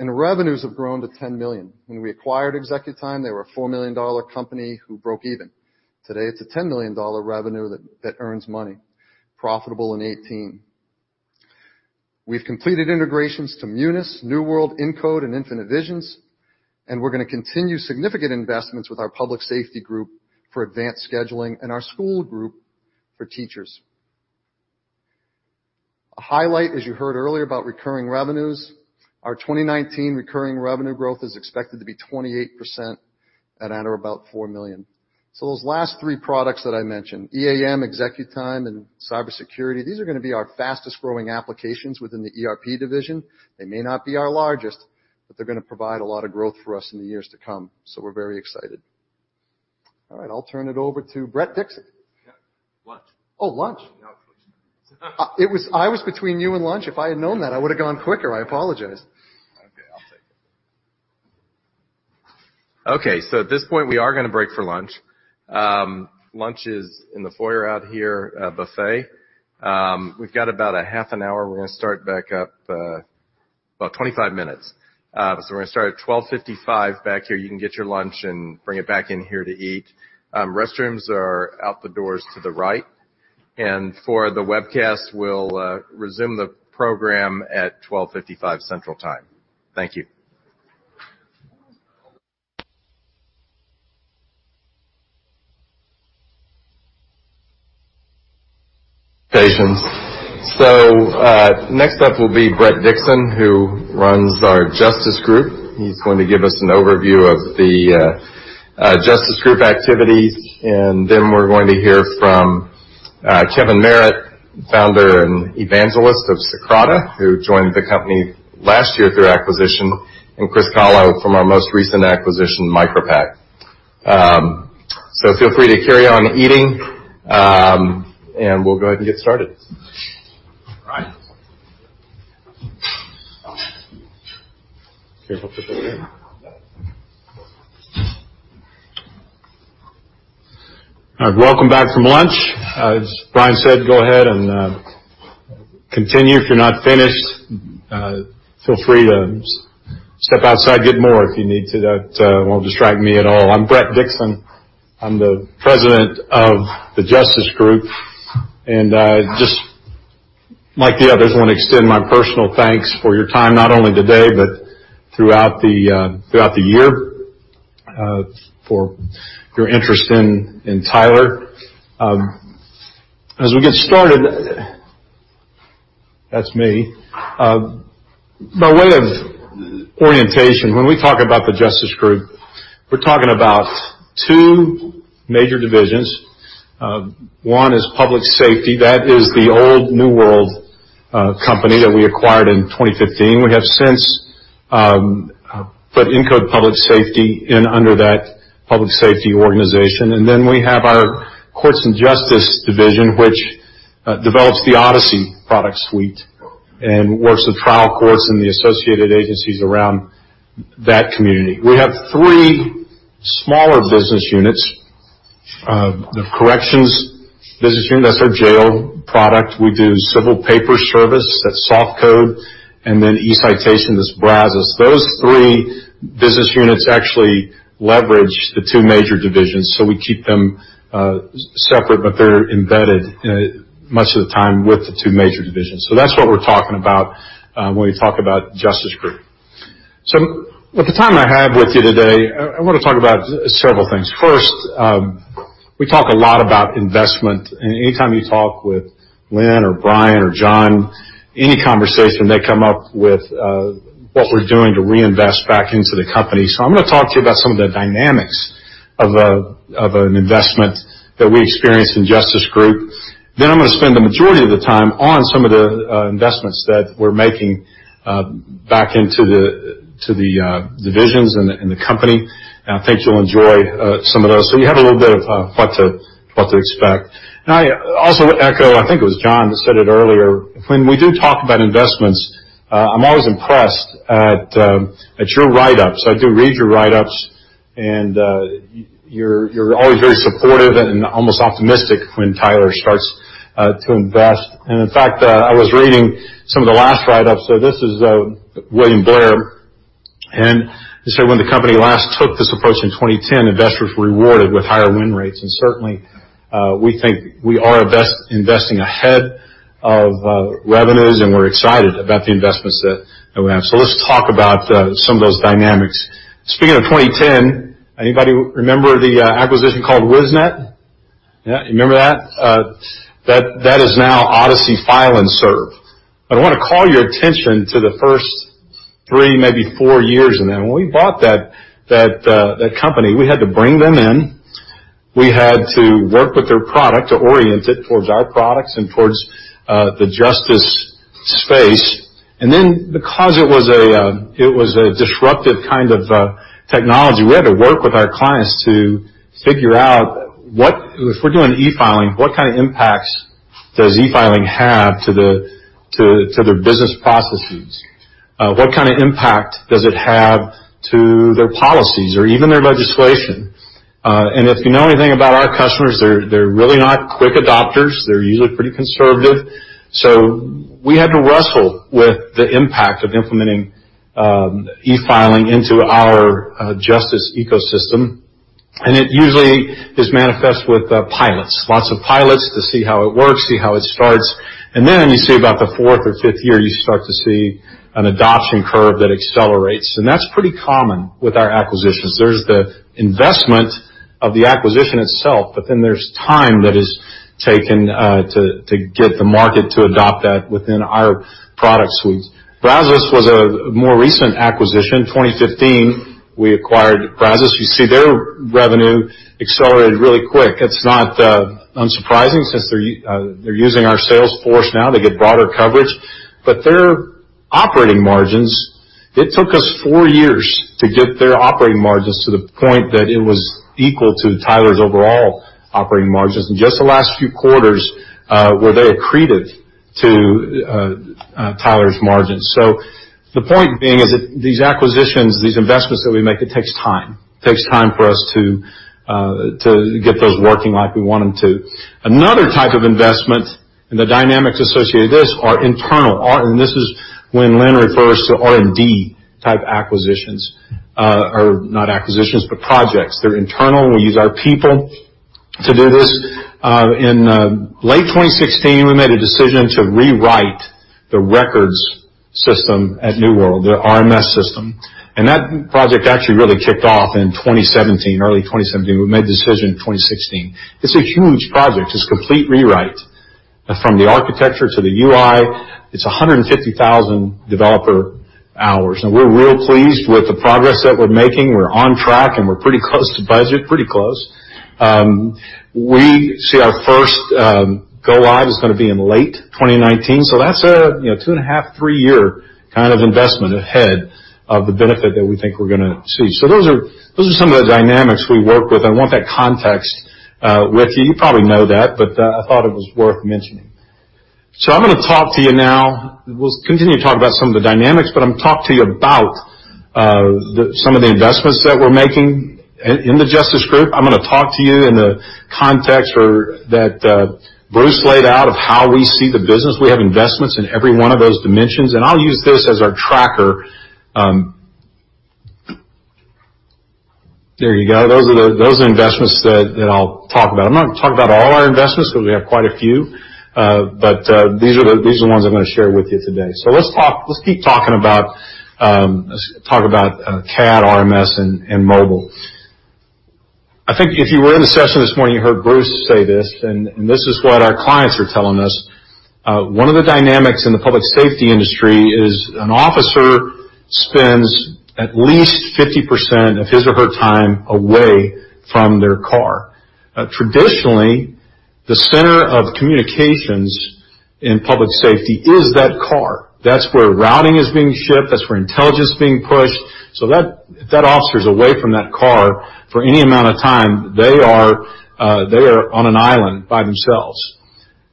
Speaker 9: Revenues have grown to $10 million. When we acquired ExecuTime, they were a $4 million company who broke even. Today, it's a $10 million revenue that earns money, profitable in 2018. We've completed integrations to Munis, New World, Incode, and Infinite Visions. We're going to continue significant investments with our public safety group for advanced scheduling and our school group for teachers. A highlight, as you heard earlier about recurring revenues, our 2019 recurring revenue growth is expected to be 28%, at or about $4 million. Those last three products that I mentioned, EAM, ExecuTime, and cybersecurity, these are going to be our fastest-growing applications within the ERP division. They may not be our largest, they're going to provide a lot of growth for us in the years to come, we're very excited. All right. I'll turn it over to Bret Dixon.
Speaker 1: Yeah. Lunch.
Speaker 9: Oh, lunch.
Speaker 1: No, please.
Speaker 9: I was between you and lunch. If I had known that, I would've gone quicker. I apologize.
Speaker 1: Okay. I'll take it. Okay. At this point, we are going to break for lunch. Lunch is in the foyer out here, a buffet. We've got about a half an hour. We're going to start back up about 25 minutes. We're going to start at 12:55 back here. You can get your lunch and bring it back in here to eat. Restrooms are out the doors to the right. For the webcast, we'll resume the program at 12:55 central time. Thank you patients. Next up will be Bret Dixon, who runs our Justice Group. He's going to give us an overview of the Justice Group activities, and then we're going to hear from Kevin Merritt, founder and evangelist of Socrata, who joined the company last year through acquisition, and Chris Calo from our most recent acquisition, MicroPact. Feel free to carry on eating, and we'll go ahead and get started.
Speaker 10: All right.
Speaker 1: Careful with the
Speaker 10: Welcome back from lunch. As Brian said, go ahead and continue. If you're not finished, feel free to step outside, get more if you need to. That won't distract me at all. I'm Bret Dixon. I'm the President of the Justice Group. Just like the others, want to extend my personal thanks for your time, not only today, but throughout the year, for your interest in Tyler. As we get started That's me. By way of orientation, when we talk about the Justice Group, we're talking about two major divisions. One is public safety. That is the old New World company that we acquired in 2015. We have since put Incode Public Safety in under that public safety organization. We have our courts and justice division, which develops the Odyssey product suite and works with trial courts and the associated agencies around that community. We have three smaller business units. The corrections business unit, that's our jail product. We do civil paper service, that's SoftCode. eCitation is Brazos. Those three business units actually leverage the two major divisions. We keep them separate, but they're embedded, much of the time, with the two major divisions. That's what we're talking about, when we talk about Justice Group. With the time I have with you today, I want to talk about several things. First, we talk a lot about investment. Anytime you talk with Lynn or Brian or John, any conversation they come up with what we're doing to reinvest back into the company. I'm going to talk to you about some of the dynamics of an investment that we experience in Justice Group. I'm going to spend the majority of the time on some of the investments that we're making back into the divisions and the company. I think you'll enjoy some of those. You have a little bit of what to expect. I also echo, I think it was John that said it earlier, when we do talk about investments, I'm always impressed at your write-ups. I do read your write-ups, and you're always very supportive and almost optimistic when Tyler starts to invest. In fact, I was reading some of the last write-ups. This is William Blair. It said, "When the company last took this approach in 2010, investors were rewarded with higher win rates." Certainly, we think we are investing ahead of revenues, and we're excited about the investments that we have. Let's talk about some of those dynamics. Speaking of 2010, anybody remember the acquisition called Wisnet? Yeah. You remember that? That is now Odyssey File and Serve. I want to call your attention to the first three, maybe four years in them. When we bought that company, we had to bring them in. We had to work with their product to orient it towards our products and towards the justice space. Because it was a disruptive kind of technology, we had to work with our clients to figure out if we're doing e-filing, what kind of impacts does e-filing have to their business processes? What kind of impact does it have to their policies or even their legislation? If you know anything about our customers, they're really not quick adopters. They're usually pretty conservative. We had to wrestle with the impact of implementing e-filing into our justice ecosystem. It usually is manifest with pilots. Lots of pilots to see how it works, see how it starts. You see about the fourth or fifth year, you start to see an adoption curve that accelerates. That's pretty common with our acquisitions. There's the investment of the acquisition itself, there's time that is taken to get the market to adopt that within our product suite. Brazos was a more recent acquisition. 2015, we acquired Brazos. You see their revenue accelerated really quick. It's not unsurprising since they're using our sales force now. They get broader coverage. Their operating margins, it took us four years to get their operating margins to the point that it was equal to Tyler's overall operating margins. In just the last few quarters were they accreted to Tyler's margins. The point being is that these acquisitions, these investments that we make, it takes time. Takes time for us to get those working like we want them to. Another type of investment and the dynamics associated with this are internal. This is when Lynn refers to R&D type acquisitions. Or not acquisitions, but projects. They're internal. We use our people to do this. In late 2016, we made a decision to rewrite the records system at New World, the RMS system. That project actually really kicked off in 2017, early 2017. We made the decision in 2016. It's a huge project. It's a complete rewrite from the architecture to the UI. It's 150,000 developer hours, and we're real pleased with the progress that we're making. We're on track, and we're pretty close to budget. Pretty close. We see our first go-live is going to be in late 2019. That's a 2.5, three-year kind of investment ahead of the benefit that we think we're going to see. Those are some of the dynamics we work with. I want that context with you. You probably know that, I thought it was worth mentioning. I'm going to talk to you now, we'll continue to talk about some of the dynamics, I'm going to talk to you about some of the investments that we're making in the Justice Group. I'm going to talk to you in the context that Bruce laid out of how we see the business. We have investments in every one of those dimensions, I'll use this as our tracker. There you go. Those are investments that I'll talk about. I'm not going to talk about all our investments because we have quite a few. These are the ones I'm going to share with you today. Let's keep talking about CAD, RMS, and mobile. I think if you were in the session this morning, you heard Bruce say this is what our clients are telling us. One of the dynamics in the public safety industry is an officer spends at least 50% of his or her time away from their car. Traditionally, the center of communications in public safety is that car. That's where routing is being shipped, that's where intelligence is being pushed. If that officer's away from that car for any amount of time, they are on an island by themselves.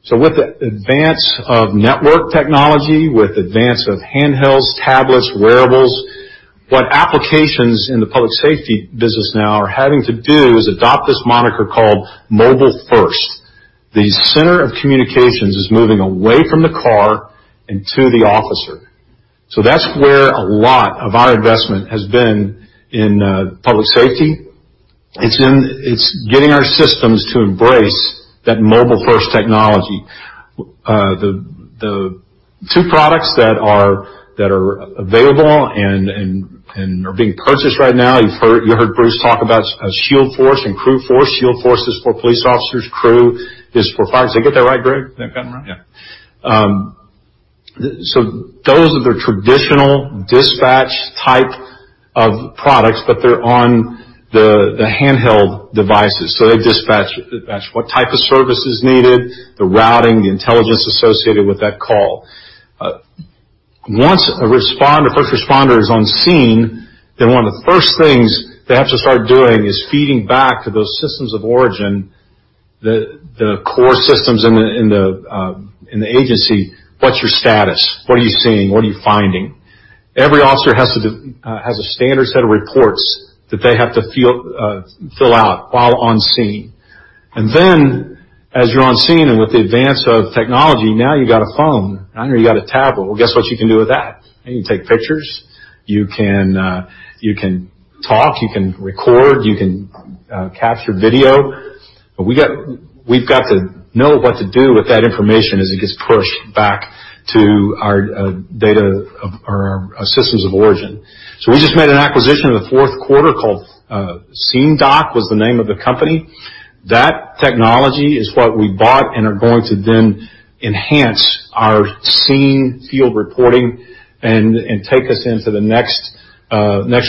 Speaker 10: With the advance of network technology, with advance of handhelds, tablets, wearables, what applications in the public safety business now are having to do is adopt this moniker called mobile-first. The center of communications is moving away from the car and to the officer. That's where a lot of our investment has been in public safety. It's getting our systems to embrace that mobile-first technology. The two products that are available and are being purchased right now, you heard Bruce talk about ShieldForce and CrewForce. ShieldForce is for police officers, Crew is for fire. Did I get that right, Greg?
Speaker 11: I think I got it right.
Speaker 10: Those are the traditional dispatch type of products, but they're on the handheld devices. They dispatch what type of service is needed, the routing, the intelligence associated with that call. Once a first responder is on scene, one of the first things they have to start doing is feeding back to those systems of origin, the core systems in the agency, what's your status? What are you seeing? What are you finding? Every officer has a standard set of reports that they have to fill out while on scene. As you're on scene and with the advance of technology, now you've got a phone. Now you've got a tablet. Guess what you can do with that? Now you can take pictures, you can talk, you can record, you can capture video. We've got to know what to do with that information as it gets pushed back to our data of our systems of origin. We just made an acquisition in the fourth quarter called SceneDoc, was the name of the company. That technology is what we bought and are going to then enhance our scene field reporting and take us into the next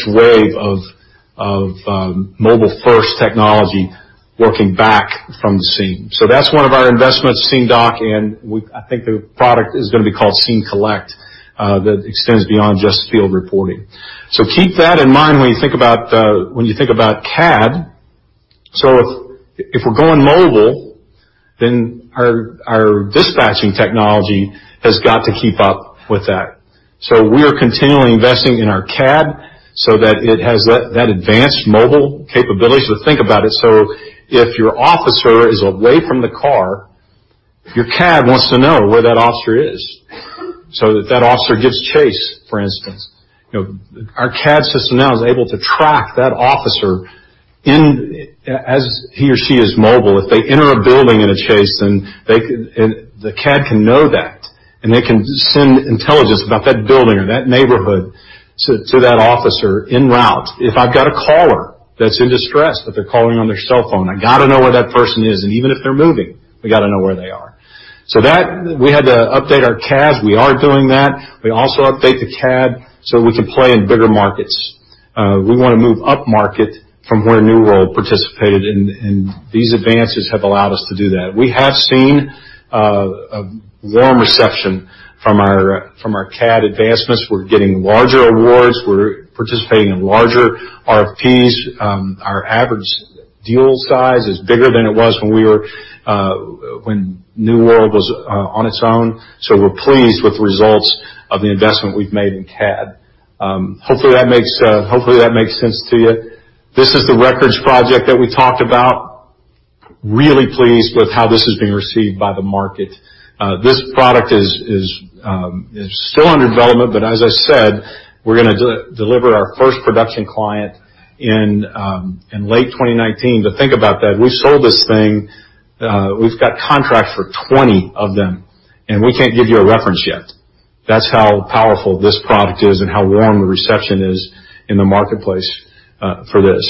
Speaker 10: wave of mobile-first technology working back from the scene. That's one of our investments, SceneDoc, and I think the product is going to be called Scene Collect. That extends beyond just field reporting. Keep that in mind when you think about CAD. If we're going mobile, our dispatching technology has got to keep up with that. We are continually investing in our CAD so that it has that advanced mobile capability. Think about it. If your officer is away from the car, your CAD wants to know where that officer is. If that officer gives chase, for instance. Our CAD system now is able to track that officer as he or she is mobile. If they enter a building in a chase, then the CAD can know that, and it can send intelligence about that building or that neighborhood to that officer en route. If I've got a caller that's in distress, that they're calling on their cell phone, I got to know where that person is, and even if they're moving, we got to know where they are. That, we had to update our CAD. We are doing that. We also update the CAD so we can play in bigger markets. We want to move upmarket from where New World participated, and these advances have allowed us to do that. We have seen a warm reception from our CAD advancements. We're getting larger awards. We're participating in larger RFPs. Our average deal size is bigger than it was when New World was on its own. We're pleased with the results of the investment we've made in CAD. Hopefully, that makes sense to you. This is the records project that we talked about. Really pleased with how this is being received by the market. This product is still under development, but as I said, we're going to deliver our first production client in late 2019. Think about that. We've sold this thing. We've got contracts for 20 of them. We can't give you a reference yet. That's how powerful this product is and how warm the reception is in the marketplace for this.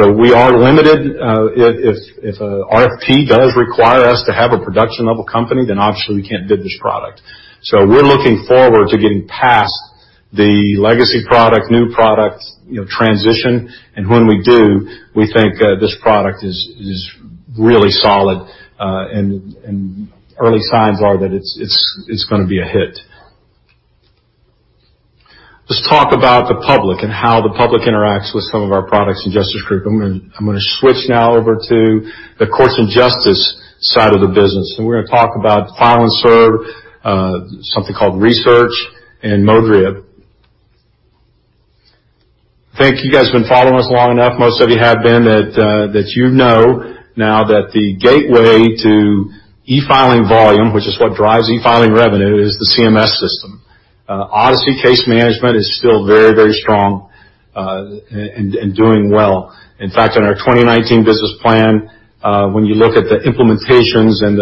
Speaker 10: We are limited. If a RFP does require us to have a production-level company, then obviously, we can't bid this product. We're looking forward to getting past the legacy product, new product transition. When we do, we think this product is really solid, and early signs are that it's going to be a hit. Let's talk about the public and how the public interacts with some of our products in Justice Group. I'm going to switch now over to the courts and justice side of the business, and we're going to talk about File and Serve, something called re:Search, and Modria. I think you guys have been following us long enough, most of you have been, that you know now that the gateway to e-filing volume, which is what drives e-filing revenue, is the CMS system. Odyssey case management is still very strong, and doing well. In fact, in our 2019 business plan, when you look at the implementations, and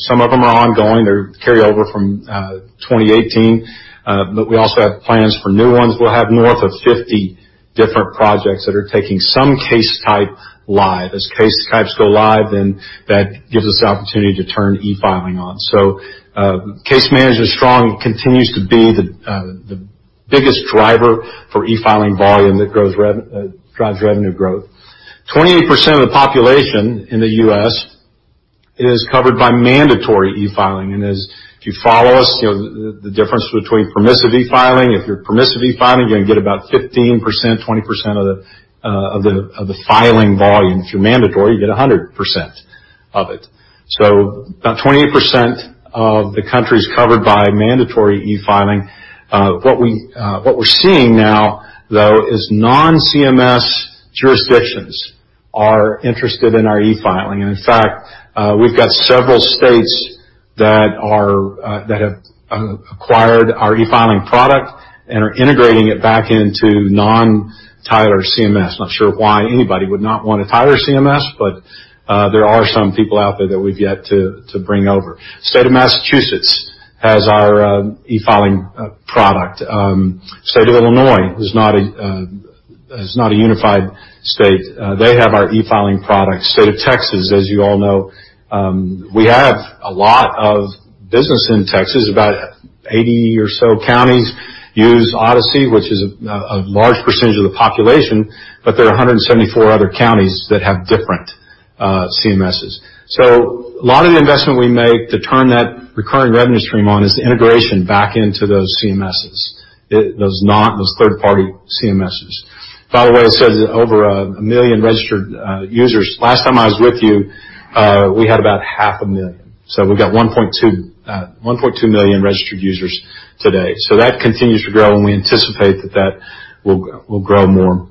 Speaker 10: some of them are ongoing, they're carryover from 2018. We also have plans for new ones. We'll have north of 50 different projects that are taking some case type live. As case types go live, then that gives us the opportunity to turn e-filing on. Case management is strong, continues to be the biggest driver for e-filing volume that drives revenue growth. 28% of the population in the U.S. is covered by mandatory e-filing. As you follow us, the difference between permissive e-filing, if you're permissive e-filing, you're going to get about 15%-20% of the filing volume. If you're mandatory, you get 100% of it. About 28% of the country is covered by mandatory e-filing. What we're seeing now, though, is non-CMS jurisdictions are interested in our e-filing. In fact, we've got several states that have acquired our e-filing product and are integrating it back into non-Tyler CMS. Not sure why anybody would not want a Tyler CMS, but there are some people out there that we've yet to bring over. State of Massachusetts has our e-filing product. State of Illinois is not a unified state. They have our e-filing product. State of Texas, as you all know, we have a lot of business in Texas. About 80 or so counties use Odyssey, which is a large percentage of the population, but there are 174 other counties that have different CMSs. A lot of the investment we make to turn that recurring revenue stream on is the integration back into those CMSs. Those third-party CMSs. By the way, it says over a million registered users. Last time I was with you, we had about half a million. We've got 1.2 million registered users today. That continues to grow, and we anticipate that will grow more.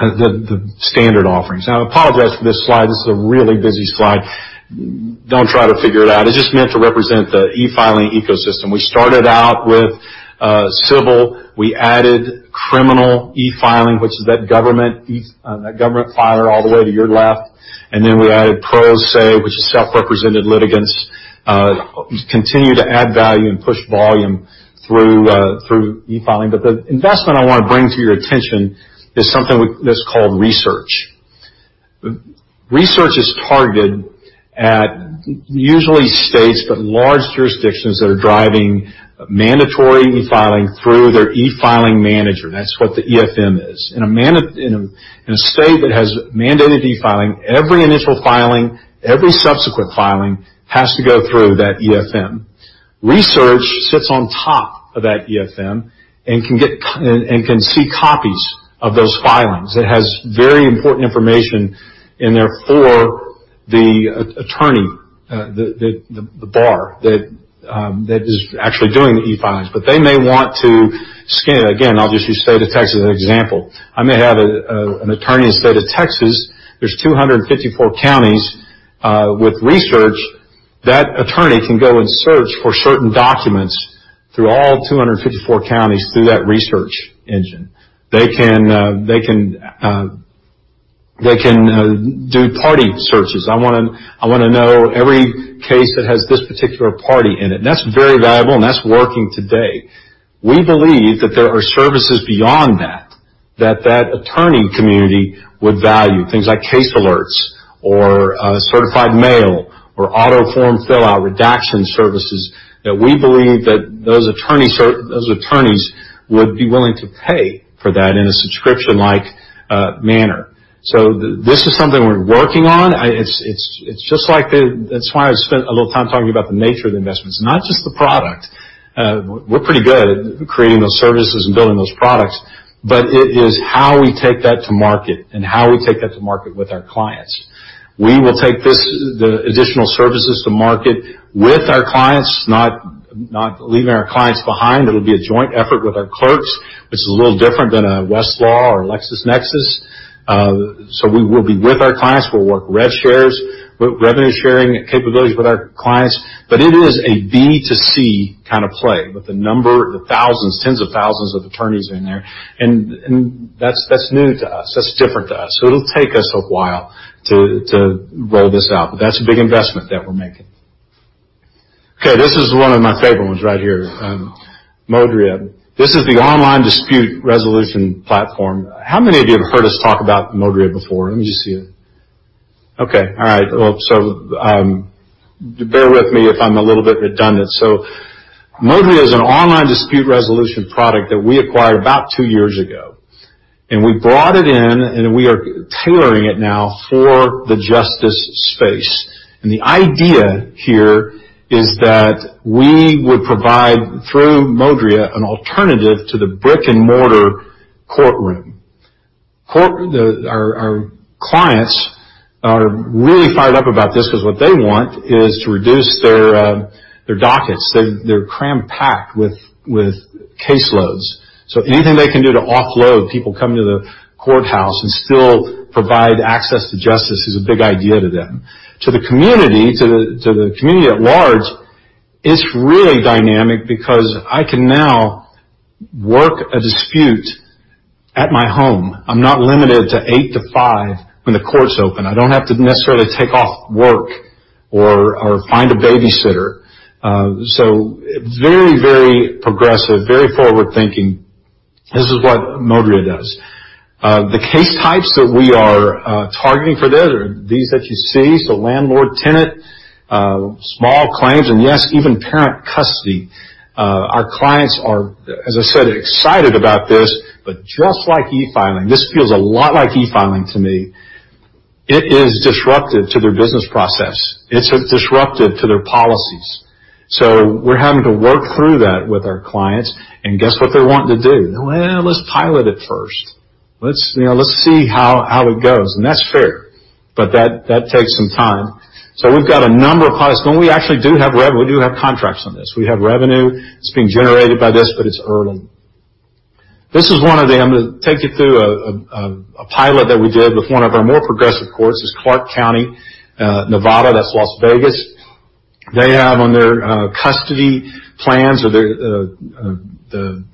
Speaker 10: The standard offerings. I apologize for this slide. This is a really busy slide. Don't try to figure it out. It's just meant to represent the e-filing ecosystem. We started out with civil. We added criminal e-filing, which is that government e-file all the way to your left. We added pro se, which is self-represented litigants. We continue to add value and push volume through e-filing. The investment I want to bring to your attention is something that's called re:Search. re:Search is targeted at usually states, but large jurisdictions that are driving mandatory e-filing through their e-filing manager. That's what the EFM is. In a state that has mandated e-filing, every initial filing, every subsequent filing has to go through that EFM. re:Search sits on top of that EFM and can see copies of those filings. It has very important information in there for the attorney, the bar, that is actually doing the e-filings. They may want to scan. Again, I'll just use State of Texas as an example. I may have an attorney in the State of Texas. There's 254 counties. With re:Search, that attorney can go and search for certain documents through all 254 counties through that research engine. They can do party searches. I want to know every case that has this particular party in it, and that's very valuable and that's working today. We believe that there are services beyond that that attorney community would value. Things like case alerts or certified mail or auto form fill out redaction services, that we believe that those attorneys would be willing to pay for that in a subscription-like manner. This is something we're working on. That's why I spent a little time talking about the nature of the investments, not just the product. We're pretty good at creating those services and building those products. It is how we take that to market and how we take that to market with our clients. We will take the additional services to market with our clients, not leaving our clients behind. It'll be a joint effort with our clerks, which is a little different than a Westlaw or a LexisNexis. We will be with our clients. We'll work rev shares, revenue sharing capabilities with our clients. It is a B2C kind of play with the number, the thousands, 10s of thousands of attorneys in there, and that's new to us. That's different to us. It'll take us a while to roll this out, but that's a big investment that we're making. Okay, this is one of my favorite ones right here, Modria. This is the online dispute resolution platform. How many of you have heard us talk about Modria before? Let me just see. Okay. All right. Well, bear with me if I'm a little bit redundant. Modria is an online dispute resolution product that we acquired about two years ago, we brought it in, and we are tailoring it now for the justice space. The idea here is that we would provide, through Modria, an alternative to the brick-and-mortar courtroom. Our clients are really fired up about this because what they want is to reduce their dockets. They're cram-packed with caseloads. Anything they can do to offload people coming to the courthouse and still provide access to justice is a big idea to them. To the community at large, it's really dynamic because I can now work a dispute at my home. I'm not limited to eight to five when the courts open. I don't have to necessarily take off work or find a babysitter. Very progressive, very forward-thinking. This is what Modria does. The case types that we are targeting for this are these that you see. Landlord-tenant, small claims, and yes, even parent custody. Our clients are, as I said, excited about this, but just like e-filing, this feels a lot like e-filing to me. It is disruptive to their business process. It's disruptive to their policies. We're having to work through that with our clients, and guess what they're wanting to do? "Well, let's pilot it first. Let's see how it goes." That's fair, but that takes some time. We've got a number of clients, and we actually do have revenue. We do have contracts on this. We have revenue that's being generated by this, but it's early. This is one of them, to take you through a pilot that we did with one of our more progressive courts, is Clark County, Nevada, that's Las Vegas. They have on their custody plans or the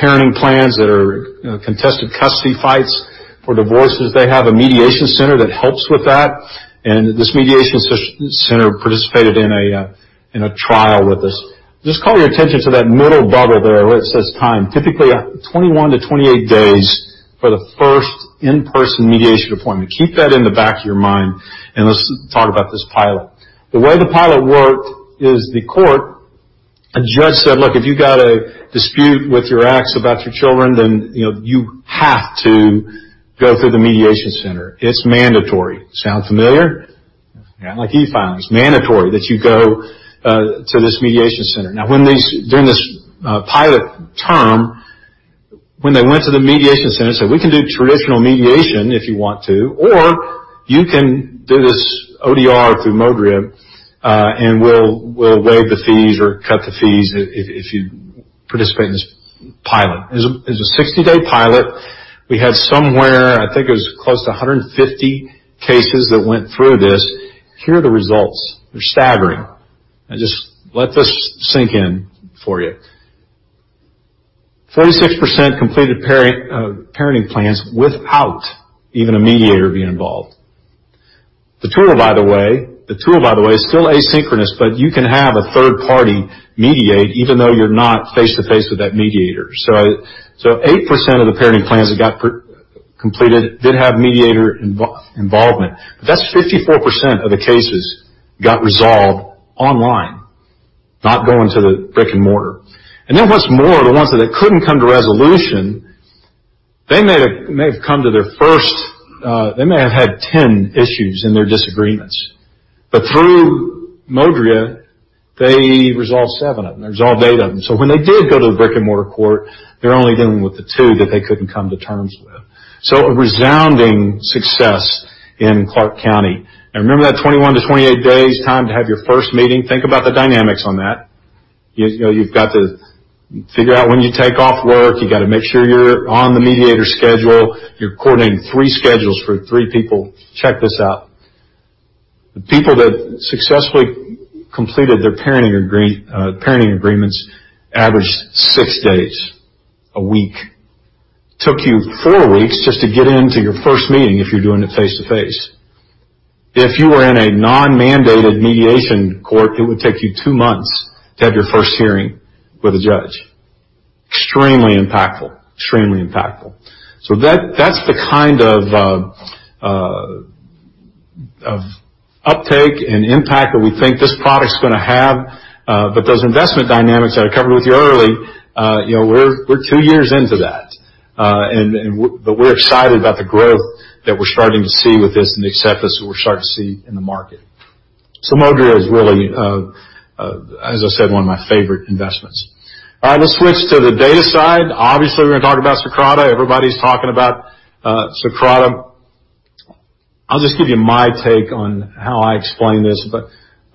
Speaker 10: parenting plans that are contested custody fights for divorces. They have a mediation center that helps with that, and this mediation center participated in a trial with us. Just call your attention to that middle bubble there where it says time. Typically, 21 to 28 days for the first in-person mediation appointment. Keep that in the back of your mind, let's talk about this pilot. The way the pilot worked is the court, a judge said, "Look, if you got a dispute with your ex about your children, then you have to go through the mediation center. It's mandatory." Sound familiar? Yeah, like e-filings. Mandatory that you go to this mediation center. During this pilot term, when they went to the mediation center, said, "We can do traditional mediation if you want to, or you can do this ODR through Modria, and we'll waive the fees or cut the fees if you participate in this pilot." It was a 60-day pilot. We had somewhere, I think it was close to 150 cases that went through this. Here are the results. They're staggering. Just let this sink in for you. 46% completed parenting plans without even a mediator being involved. The tool, by the way, is still asynchronous, but you can have a third party mediate, even though you're not face-to-face with that mediator. 8% of the parenting plans that got completed did have mediator involvement. That's 54% of the cases got resolved online, not going to the brick-and-mortar. What's more, the ones that couldn't come to resolution, they may have had 10 issues in their disagreements. Through Modria, they resolved seven of them. They resolved eight of them. When they did go to the brick-and-mortar court, they're only dealing with the two that they couldn't come to terms with. A resounding success in Clark County. Remember that 21-28 days time to have your first meeting. Think about the dynamics on that. You've got to figure out when you take off work. You got to make sure you're on the mediator's schedule. You're coordinating three schedules for three people. Check this out. The people that successfully completed their parenting agreements averaged six days a week. Took you four weeks just to get into your first meeting, if you're doing it face-to-face. If you were in a non-mandated mediation court, it would take you two months to have your first hearing with a judge. Extremely impactful. That's the kind of uptake and impact that we think this product's gonna have. Those investment dynamics that I covered with you early, we're two years into that. We're excited about the growth that we're starting to see with this and the acceptance that we're starting to see in the market. Modria is really, as I said, one of my favorite investments. Let's switch to the data side. We're gonna talk about Socrata. Everybody's talking about Socrata. I'll just give you my take on how I explain this, but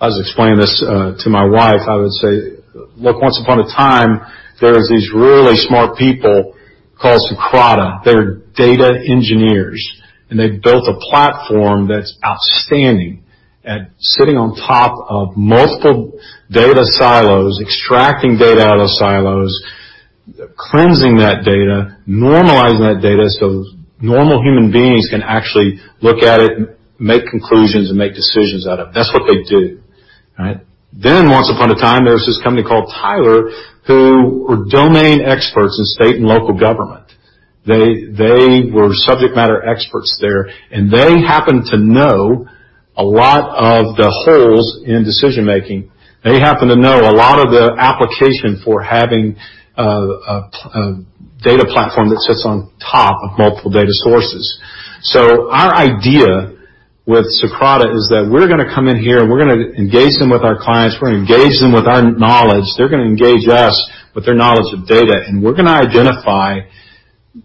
Speaker 10: as I was explaining this to my wife, I would say, "Look, once upon a time, there was these really smart people called Socrata. They're data engineers, and they built a platform that's outstanding at sitting on top of multiple data silos, extracting data out of silos. Cleansing that data, normalizing that data, so normal human beings can actually look at it and make conclusions and make decisions out of it. That's what they do. Right? Once upon a time, there was this company called Tyler, who were domain experts in state and local government. They were subject matter experts there, and they happened to know a lot of the holes in decision-making. They happened to know a lot of the application for having a data platform that sits on top of multiple data sources. Our idea with Socrata is that we're going to come in here, and we're going to engage them with our clients, we're going to engage them with our knowledge. They're going to engage us with their knowledge of data, we're going to identify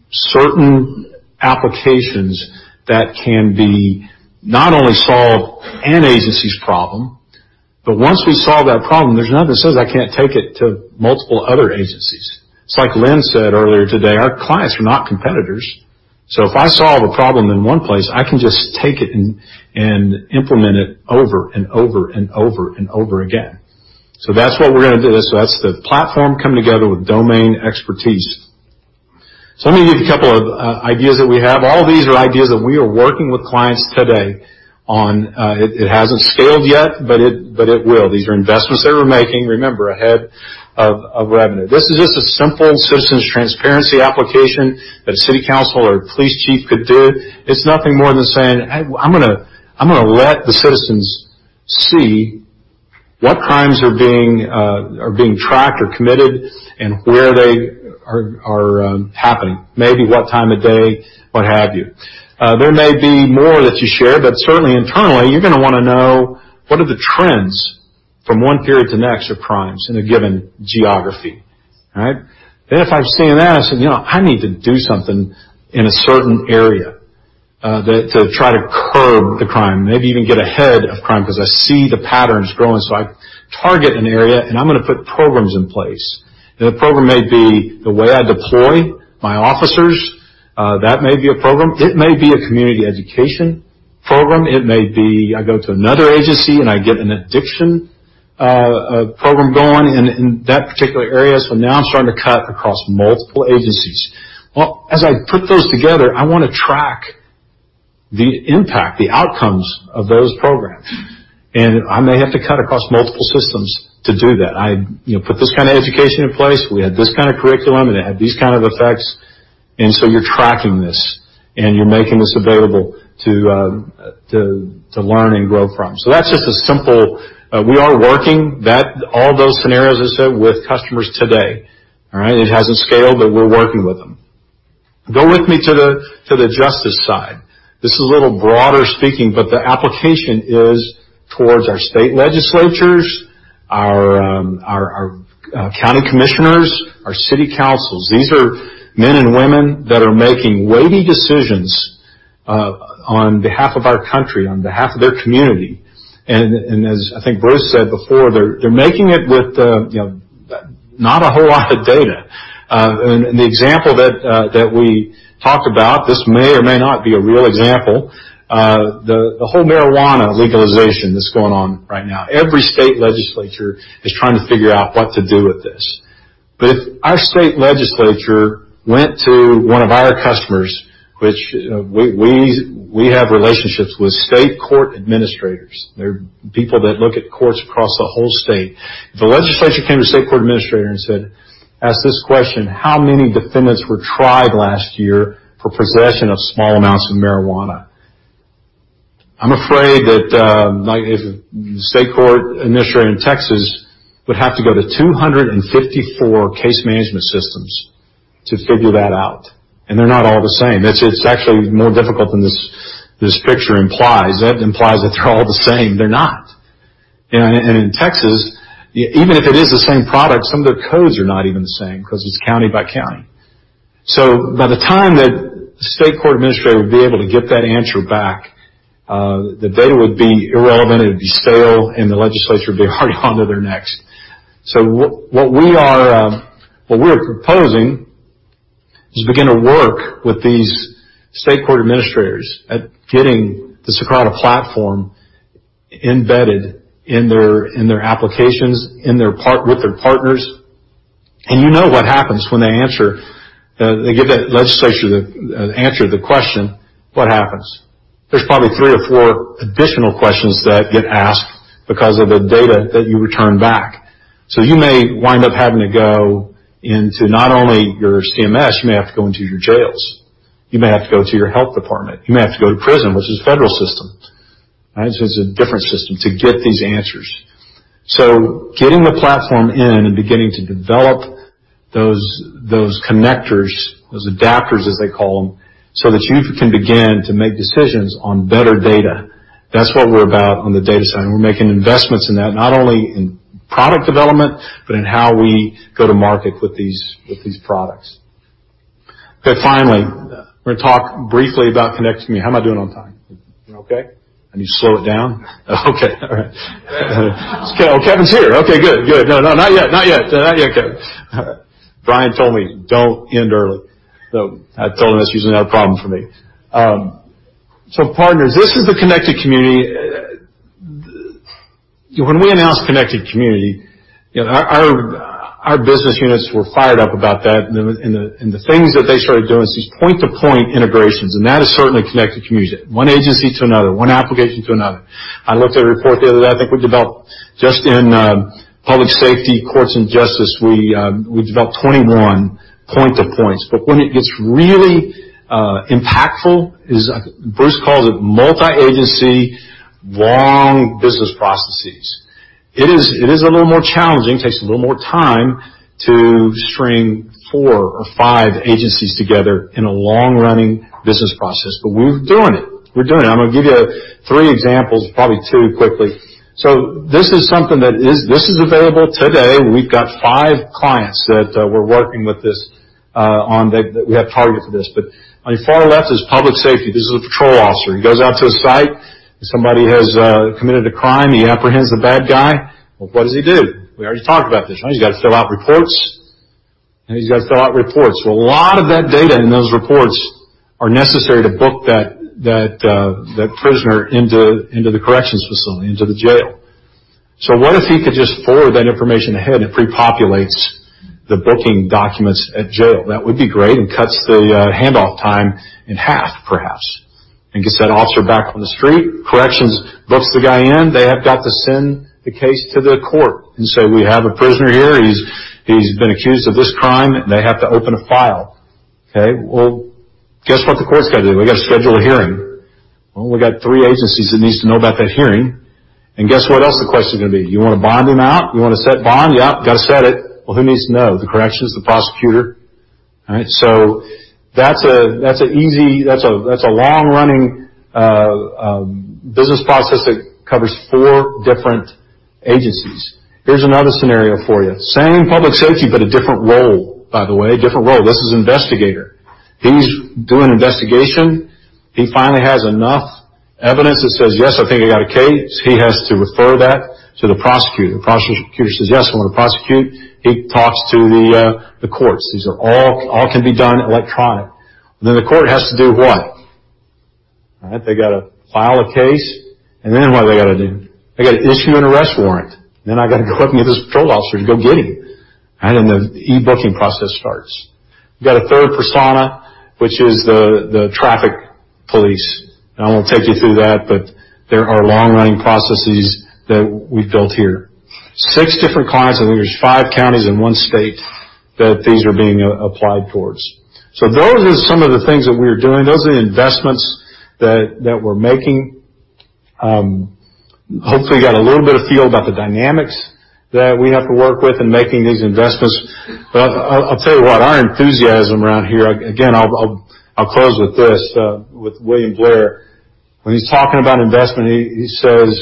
Speaker 10: certain applications that can not only solve an agency's problem, but once we solve that problem, there's nothing that says I can't take it to multiple other agencies. It's like Lynn said earlier today, our clients are not competitors. If I solve a problem in one place, I can just take it and implement it over and over and over and over again. That's what we're going to do. That's the platform coming together with domain expertise. Let me give you a couple of ideas that we have. All these are ideas that we are working with clients today on. It hasn't scaled yet, but it will. These are investments that we're making, remember, ahead of revenue. This is just a simple citizens transparency application that a city council or police chief could do. It's nothing more than saying, "I'm going to let the citizens see what crimes are being tracked or committed and where they are happening." Maybe what time of day, what have you. There may be more that you share, but certainly internally, you're going to want to know what are the trends from one period to the next of crimes in a given geography. All right? If I'm seeing that, I say, "I need to do something in a certain area to try to curb the crime, maybe even get ahead of crime because I see the patterns growing." I target an area, and I'm going to put programs in place. The program may be the way I deploy my officers. That may be a program. It may be a community education program. It may be I go to another agency, I get an addiction program going in that particular area. Now I'm starting to cut across multiple agencies. As I put those together, I want to track the impact, the outcomes of those programs. I may have to cut across multiple systems to do that. I put this kind of education in place. We had this kind of curriculum, it had these kind of effects. You're tracking this, and you're making this available to learn and grow from. That's just a simple We are working, all those scenarios I said, with customers today. All right? It hasn't scaled, but we're working with them. Go with me to the justice side. This is a little broader speaking, the application is towards our state legislatures, our county commissioners, our city councils. These are men and women that are making weighty decisions on behalf of our country, on behalf of their community. As I think Bruce said before, they're making it with not a whole lot of data. The example that we talked about, this may or may not be a real example, the whole marijuana legalization that's going on right now. Every state legislature is trying to figure out what to do with this. If our state legislature went to one of our customers, which we have relationships with state court administrators. They're people that look at courts across the whole state. If the legislature came to state court administrator and asked this question: How many defendants were tried last year for possession of small amounts of marijuana? I'm afraid that the state court administrator in Texas would have to go to 254 case management systems to figure that out, and they're not all the same. It's actually more difficult than this picture implies. That implies that they're all the same, they're not. In Texas, even if it is the same product, some of their codes are not even the same because it's county by county. By the time that the state court administrator would be able to get that answer back, the data would be irrelevant, it would be stale, and the legislature would be onto their next. What we're proposing is begin to work with these state court administrators at getting the Socrata platform embedded in their applications, with their partners. You know what happens when they give that legislature an answer to the question. What happens? There's probably three or four additional questions that get asked because of the data that you return back. You may wind up having to go into not only your CMS, you may have to go into your jails. You may have to go to your health department. You may have to go to prison, which is a federal system. Right? It's a different system to get these answers. Getting the platform in and beginning to develop those connectors, those adapters as they call them, so that you can begin to make decisions on better data. That's what we're about on the data side, and we're making investments in that not only in product development but in how we go to market with these products. Finally, we're going to talk briefly about Connected Community. How am I doing on time?
Speaker 12: You're okay.
Speaker 10: I need to slow it down? Okay. All right.
Speaker 12: Kevin.
Speaker 10: Kevin's here. Okay, good. No, not yet, Kevin. Brian told me, "Don't end early." I told him that's usually not a problem for me. Partners, this is the Connected Community. When we announced Connected Community, our business units were fired up about that, and the things that they started doing is these point-to-point integrations, and that is certainly Connected Community. One agency to another. One application to another. I looked at a report the other day, I think we developed just in public safety, courts, and justice, we developed 21 point-to-points. When it gets really impactful is, Bruce calls it multi-agency, long business processes. It is a little more challenging, takes a little more time to string four or five agencies together in a long-running business process. We're doing it. We're doing it. I'm going to give you three examples, probably two quickly. This is something that is available today. We've got five clients that we're working with this on, that we have targeted for this. On your far left is public safety. This is a patrol officer. He goes out to a site. Somebody has committed a crime. He apprehends the bad guy. Well, what does he do? We already talked about this. He's got to fill out reports. He's got to fill out reports. Well, a lot of that data in those reports are necessary to book that prisoner into the corrections facility, into the jail. What if he could just forward that information ahead, it prepopulates the booking documents at jail? That would be great and cuts the handoff time in half, perhaps, and gets that officer back on the street. Corrections books the guy in. They have got to send the case to the court and say, "We have a prisoner here. He's been accused of this crime," they have to open a file. Okay? Well, guess what the court's got to do? They've got to schedule a hearing. Well, we got three agencies that needs to know about that hearing. Guess what else the question's going to be? Do you want to bond him out? You want to set bond? Yep. Got to set it. Well, who needs to know? The corrections, the prosecutor. All right? That's a long-running business process that covers four different agencies. Here's another scenario for you. Same public safety, but a different role, by the way. Different role. This is investigator. He's doing an investigation. He finally has enough evidence that says, "Yes, I think I got a case." He has to refer that to the prosecutor. Prosecutor says, "Yes, I want to prosecute." He talks to the courts. These all can be done electronic. Then the court has to do what? All right. They got to file a case. Then what they got to do? They got to issue an arrest warrant. Then I got to go out to this patrol officer to go get him. Then the e-booking process starts. We got a third persona, which is the traffic police. I won't take you through that, but there are long-running processes that we've built here. Six different clients, I think there's five counties in one state that these are being applied towards. Those are some of the things that we are doing. Those are the investments that we're making. Hopefully, got a little bit of feel about the dynamics that we have to work with in making these investments. I'll tell you what, our enthusiasm around here, again, I'll close with this, with William Blair. When he's talking about investment, he says,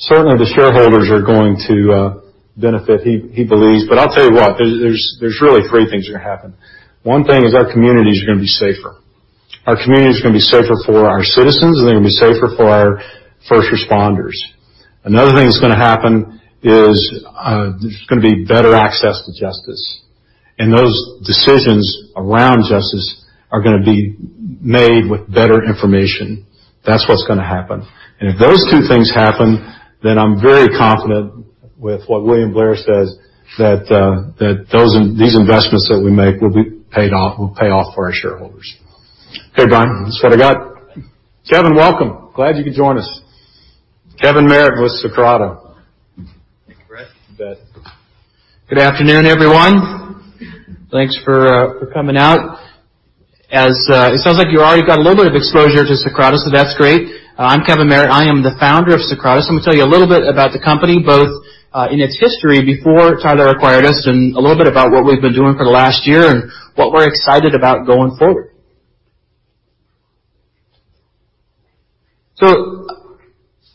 Speaker 10: certainly the shareholders are going to benefit, he believes. I'll tell you what, there's really three things are going to happen. One thing is our communities are going to be safer. Our communities are going to be safer for our citizens, and they're going to be safer for our first responders. Another thing that's going to happen is, there's going to be better access to justice. Those decisions around justice are going to be made with better information. That's what's going to happen. If those two things happen, then I'm very confident with what William Blair says, that these investments that we make will pay off for our shareholders. Okay, Brian, that's what I got. Kevin, welcome. Glad you could join us. Kevin Merritt with Socrata.
Speaker 12: Thank you, Bret.
Speaker 10: You bet.
Speaker 12: Good afternoon, everyone. Thanks for coming out. It sounds like you already got a little bit of exposure to Socrata, so that's great. I'm Kevin Merritt. I am the founder of Socrata. I'm going to tell you a little bit about the company, both in its history before Tyler acquired us, and a little bit about what we've been doing for the last year and what we're excited about going forward.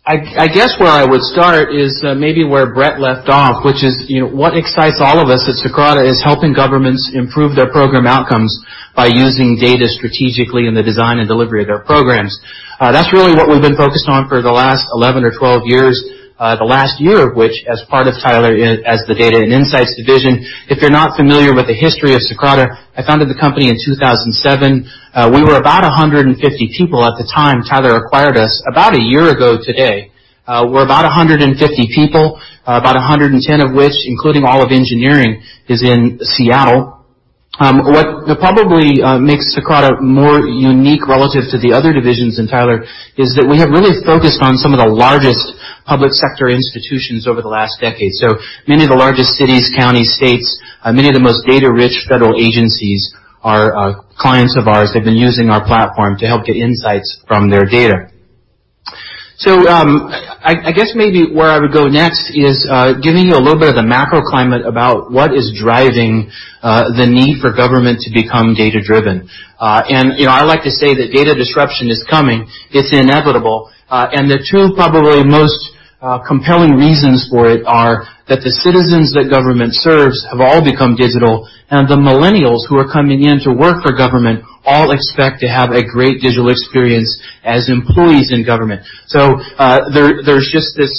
Speaker 12: I guess where I would start is maybe where Bret left off, which is what excites all of us at Socrata is helping governments improve their program outcomes by using data strategically in the design and delivery of their programs. That's really what we've been focused on for the last 11 or 12 years, the last year of which as part of Tyler as the Data and Insights Division. If you're not familiar with the history of Socrata, I founded the company in 2007. We were about 150 people at the time Tyler acquired us about a year ago today. We're about 150 people, about 110 of which, including all of engineering, is in Seattle. What probably makes Socrata more unique relative to the other divisions in Tyler is that we have really focused on some of the largest public sector institutions over the last decade. Many of the largest cities, counties, states, many of the most data-rich federal agencies are clients of ours. They've been using our platform to help get insights from their data. I guess maybe where I would go next is giving you a little bit of the macro climate about what is driving the need for government to become data-driven. I like to say that data disruption is coming. It's inevitable. The two probably most compelling reasons for it are that the citizens that government serves have all become digital, and the millennials who are coming in to work for government all expect to have a great digital experience as employees in government. There's just this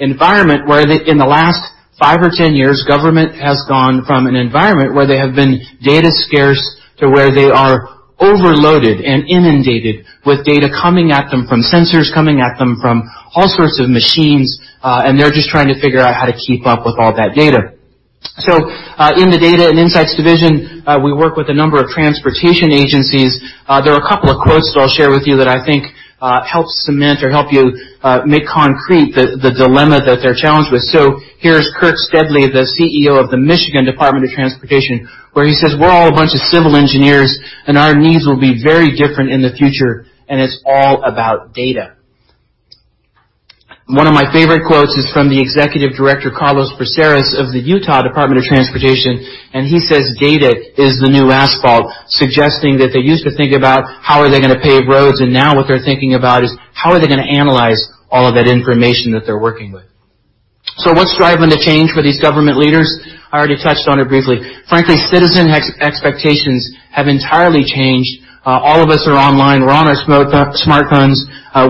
Speaker 12: environment where in the last 5 or 10 years, government has gone from an environment where they have been data scarce to where they are overloaded and inundated with data coming at them from sensors, coming at them from all sorts of machines, and they're just trying to figure out how to keep up with all that data. In the Data and Insights Division, we work with a number of transportation agencies. There are a couple of quotes that I'll share with you that I think help cement or help you make concrete the dilemma that they're challenged with. Here's Kirk Steudle, the CEO of the Michigan Department of Transportation, where he says, "We're all a bunch of civil engineers, and our needs will be very different in the future, and it's all about data." One of my favorite quotes is from the Executive Director, Carlos Braceras, of the Utah Department of Transportation, and he says, "Data is the new asphalt," suggesting that they used to think about how are they going to pave roads, and now what they're thinking about is how are they going to analyze all of that information that they're working with. What's driving the change for these government leaders? I already touched on it briefly. Frankly, citizen expectations have entirely changed. All of us are online. We're on our smartphones.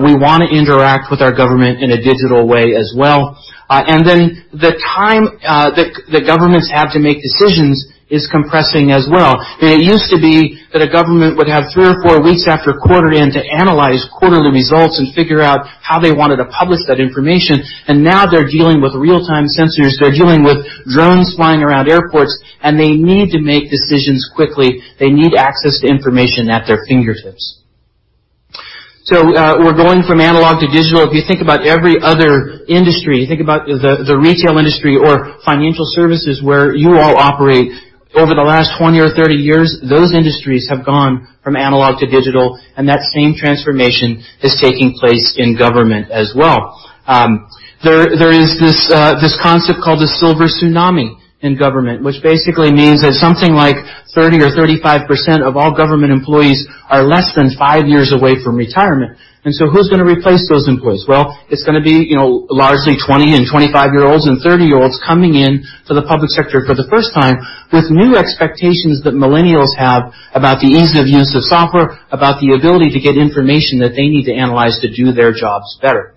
Speaker 12: We want to interact with our government in a digital way as well. The time that governments have to make decisions is compressing as well. It used to be that a government would have three or four weeks after a quarter end to analyze quarterly results and figure out how they wanted to publish that information, and now they're dealing with real-time sensors. They're dealing with drones flying around airports, and they need to make decisions quickly. They need access to information at their fingertips. We're going from analog to digital. If you think about every other industry, think about the retail industry or financial services where you all operate. Over the last 20 or 30 years, those industries have gone from analog to digital, and that same transformation is taking place in government as well. There is this concept called the silver tsunami in government, which basically means that something like 30% or 35% of all government employees are less than five years away from retirement. Who's going to replace those employees? Well, it's going to be largely 20 and 25-year-olds and 30-year-olds coming in to the public sector for the first time with new expectations that Millennials have about the ease of use of software, about the ability to get information that they need to analyze to do their jobs better.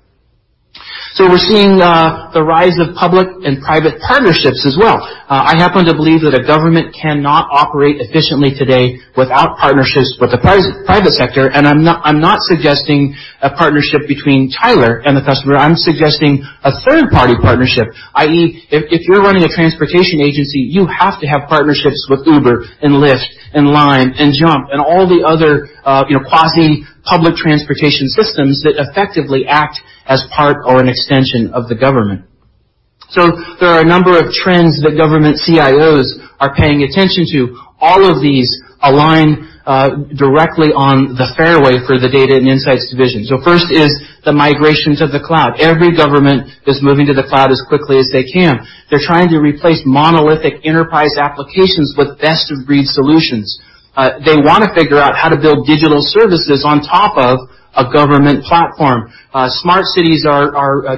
Speaker 12: We're seeing the rise of public and private partnerships as well. I happen to believe that a government cannot operate efficiently today without partnerships with the private sector, and I'm not suggesting a partnership between Tyler and the customer. I'm suggesting a third-party partnership, i.e., if you're running a transportation agency, you have to have partnerships with Uber and Lyft and Lime and JUMP and all the other quasi public transportation systems that effectively act as part or an extension of the government. There are a number of trends that government CIOs are paying attention to. All of these align directly on the fairway for the Data and Insights Division. First is the migrations of the cloud. Every government is moving to the cloud as quickly as they can. They're trying to replace monolithic enterprise applications with best-of-breed solutions. They want to figure out how to build digital services on top of a government platform. Smart cities are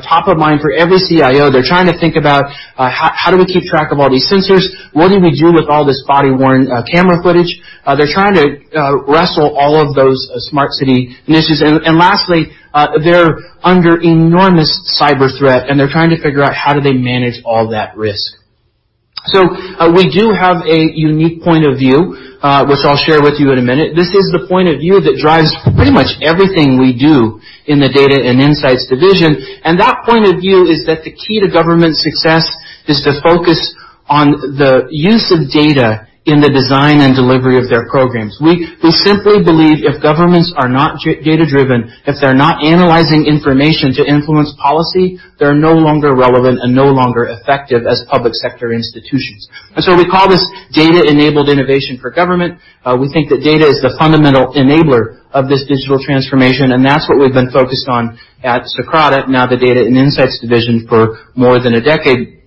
Speaker 12: top of mind for every CIO. They're trying to think about how do we keep track of all these sensors. What do we do with all this body-worn camera footage? They're trying to wrestle all of those smart city initiatives. Lastly, they're under enormous cyber threat, and they're trying to figure out how do they manage all that risk. We do have a unique point of view, which I'll share with you in a minute. This is the point of view that drives pretty much everything we do in the Data and Insights Division. That point of view is that the key to government success is to focus on the use of data in the design and delivery of their programs. We simply believe if governments are not data-driven, if they're not analyzing information to influence policy, they're no longer relevant and no longer effective as public sector institutions. We call this data-enabled innovation for government. We think that data is the fundamental enabler of this digital transformation, and that's what we've been focused on at Socrata, now the Data and Insights Division, for more than a decade.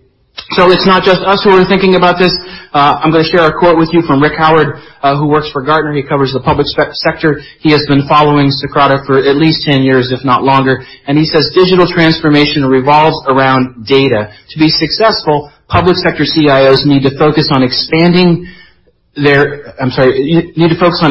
Speaker 12: It's not just us who are thinking about this. I'm going to share a quote with you from Rick Howard, who works for Gartner. He covers the public sector. He has been following Socrata for at least 10 years, if not longer. He says, "Digital transformation revolves around data. To be successful, public sector CIOs need to focus on expanding their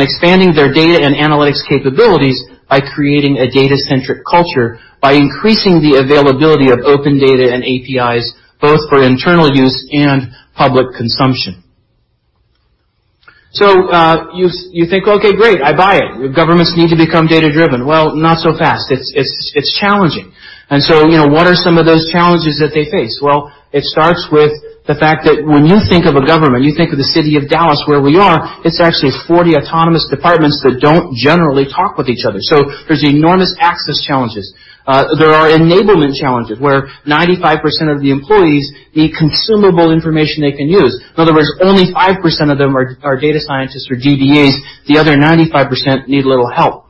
Speaker 12: data and analytics capabilities by creating a data-centric culture by increasing the availability of open data and APIs both for internal use and public consumption." You think, okay, great. I buy it. Governments need to become data-driven. Well, not so fast. It's challenging. What are some of those challenges that they face? Well, it starts with the fact that when you think of a government, you think of the city of Dallas, where we are, it's actually 40 autonomous departments that don't generally talk with each other. There's enormous access challenges. There are enablement challenges where 95% of the employees need consumable information they can use. In other words, only 5% of them are data scientists or DBAs. The other 95% need a little help.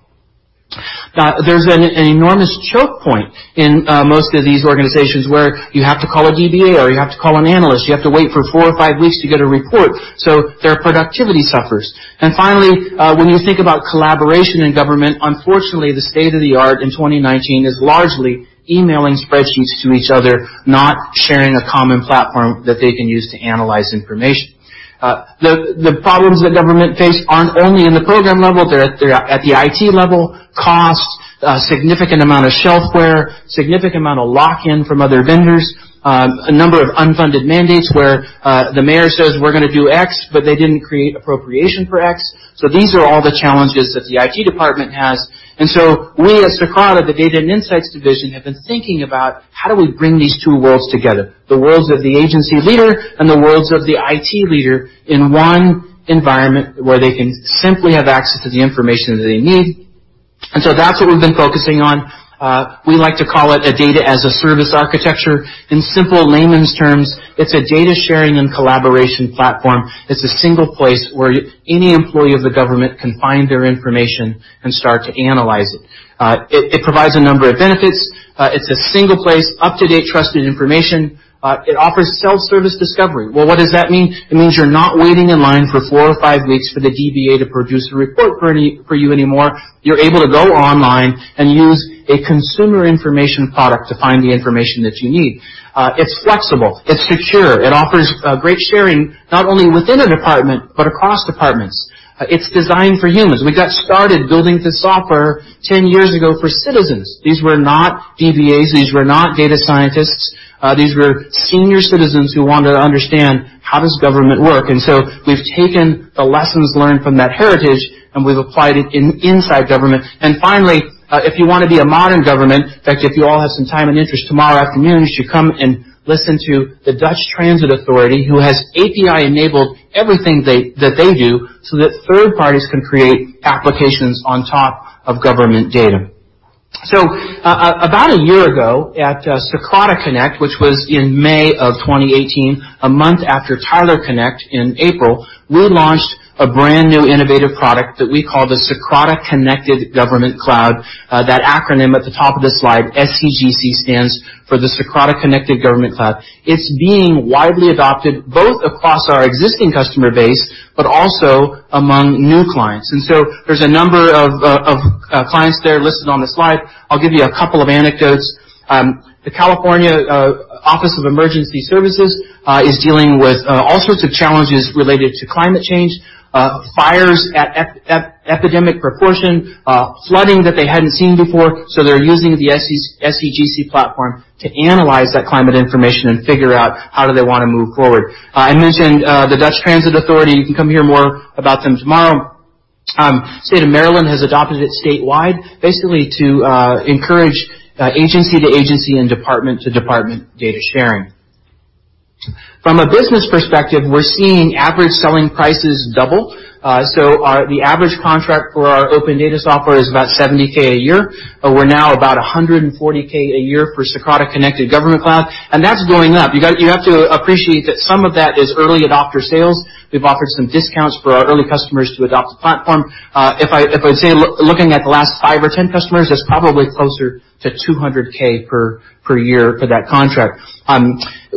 Speaker 12: There's an enormous choke point in most of these organizations where you have to call a DBA or you have to call an analyst. You have to wait for four or five weeks to get a report, so their productivity suffers. Finally, when you think about collaboration in government, unfortunately, the state of the art in 2019 is largely emailing spreadsheets to each other, not sharing a common platform that they can use to analyze information. The problems that government face aren't only in the program level. They're at the IT level. Costs, a significant amount of shelfware, significant amount of lock-in from other vendors, a number of unfunded mandates where the mayor says we're going to do X, but they didn't create appropriation for X. These are all the challenges that the IT department has. We at Socrata, the Data and Insights Division, have been thinking about how do we bring these two worlds together, the worlds of the agency leader and the worlds of the IT leader in one environment where they can simply have access to the information that they need. That's what we've been focusing on. We like to call it a data-as-a-service architecture. In simple layman's terms, it's a data sharing and collaboration platform. It's a single place where any employee of the government can find their information and start to analyze it. It provides a number of benefits. It's a single place, up-to-date, trusted information. It offers self-service discovery. Well, what does that mean? It means you're not waiting in line for four or five weeks for the DBA to produce a report for you anymore. You're able to go online and use a consumer information product to find the information that you need. It's flexible, it's secure. It offers great sharing, not only within a department, but across departments. It's designed for humans. We got started building this software 10 years ago for citizens. These were not DBAs. These were not data scientists. These were senior citizens who wanted to understand how does government work. We've taken the lessons learned from that heritage, and we've applied it inside government. Finally, if you want to be a modern government, in fact, if you all have some time and interest tomorrow afternoon, you should come and listen to the Dutch Transit Authority, who has API-enabled everything that they do so that third parties can create applications on top of government data. About a year ago at Socrata Connect, which was in May of 2018, a month after Tyler Connect in April, we launched a brand-new innovative product that we call the Socrata Connected Government Cloud. That acronym at the top of the slide, SCGC, stands for the Socrata Connected Government Cloud. It's being widely adopted, both across our existing customer base, but also among new clients. There's a number of clients there listed on the slide. I'll give you a couple of anecdotes. The California Governor's Office of Emergency Services is dealing with all sorts of challenges related to climate change, fires at epidemic proportion, flooding that they hadn't seen before. They're using the SCGC platform to analyze that climate information and figure out how do they want to move forward. I mentioned the Dutch Transit Authority. You can come hear more about them tomorrow. State of Maryland has adopted it statewide, basically to encourage agency to agency and department to department data sharing. From a business perspective, we're seeing average selling prices double. The average contract for our open data software is about $70K a year. We're now about $140K a year for Socrata Connected Government Cloud, and that's going up. You have to appreciate that some of that is early adopter sales. We've offered some discounts for our early customers to adopt the platform. If I say looking at the last 5 or 10 customers, it's probably closer to $200K per year for that contract.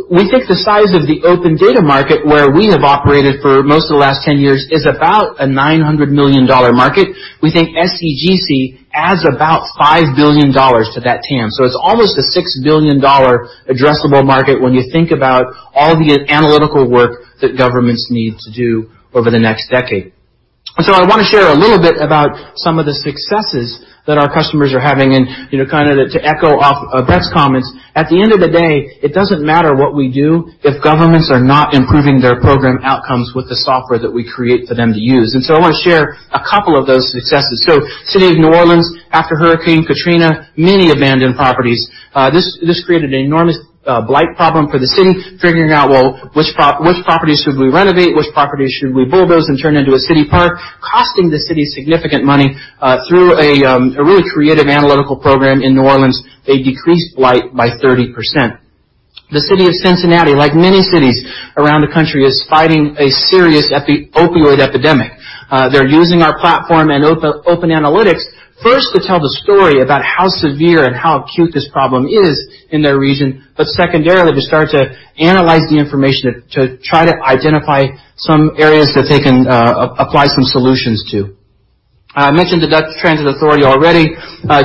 Speaker 12: We think the size of the open data market, where we have operated for most of the last 10 years, is about a $900 million market. We think SCGC adds about $5 billion to that TAM. It's almost a $6 billion addressable market when you think about all the analytical work that governments need to do over the next decade. I want to share a little bit about some of the successes that our customers are having. To echo off of Bret's comments, at the end of the day, it doesn't matter what we do if governments are not improving their program outcomes with the software that we create for them to use. I want to share a couple of those successes. City of New Orleans, after Hurricane Katrina, many abandoned properties. This created an enormous blight problem for the city, figuring out, well, which properties should we renovate? Which properties should we bulldoze and turn into a city park? Costing the city significant money. Through a really creative analytical program in New Orleans, they decreased blight by 30%. The City of Cincinnati, like many cities around the country, is fighting a serious opioid epidemic. They're using our platform and open analytics first to tell the story about how severe and how acute this problem is in their region. Secondarily, to start to analyze the information to try to identify some areas that they can apply some solutions to. I mentioned the Dutch Transit Authority already.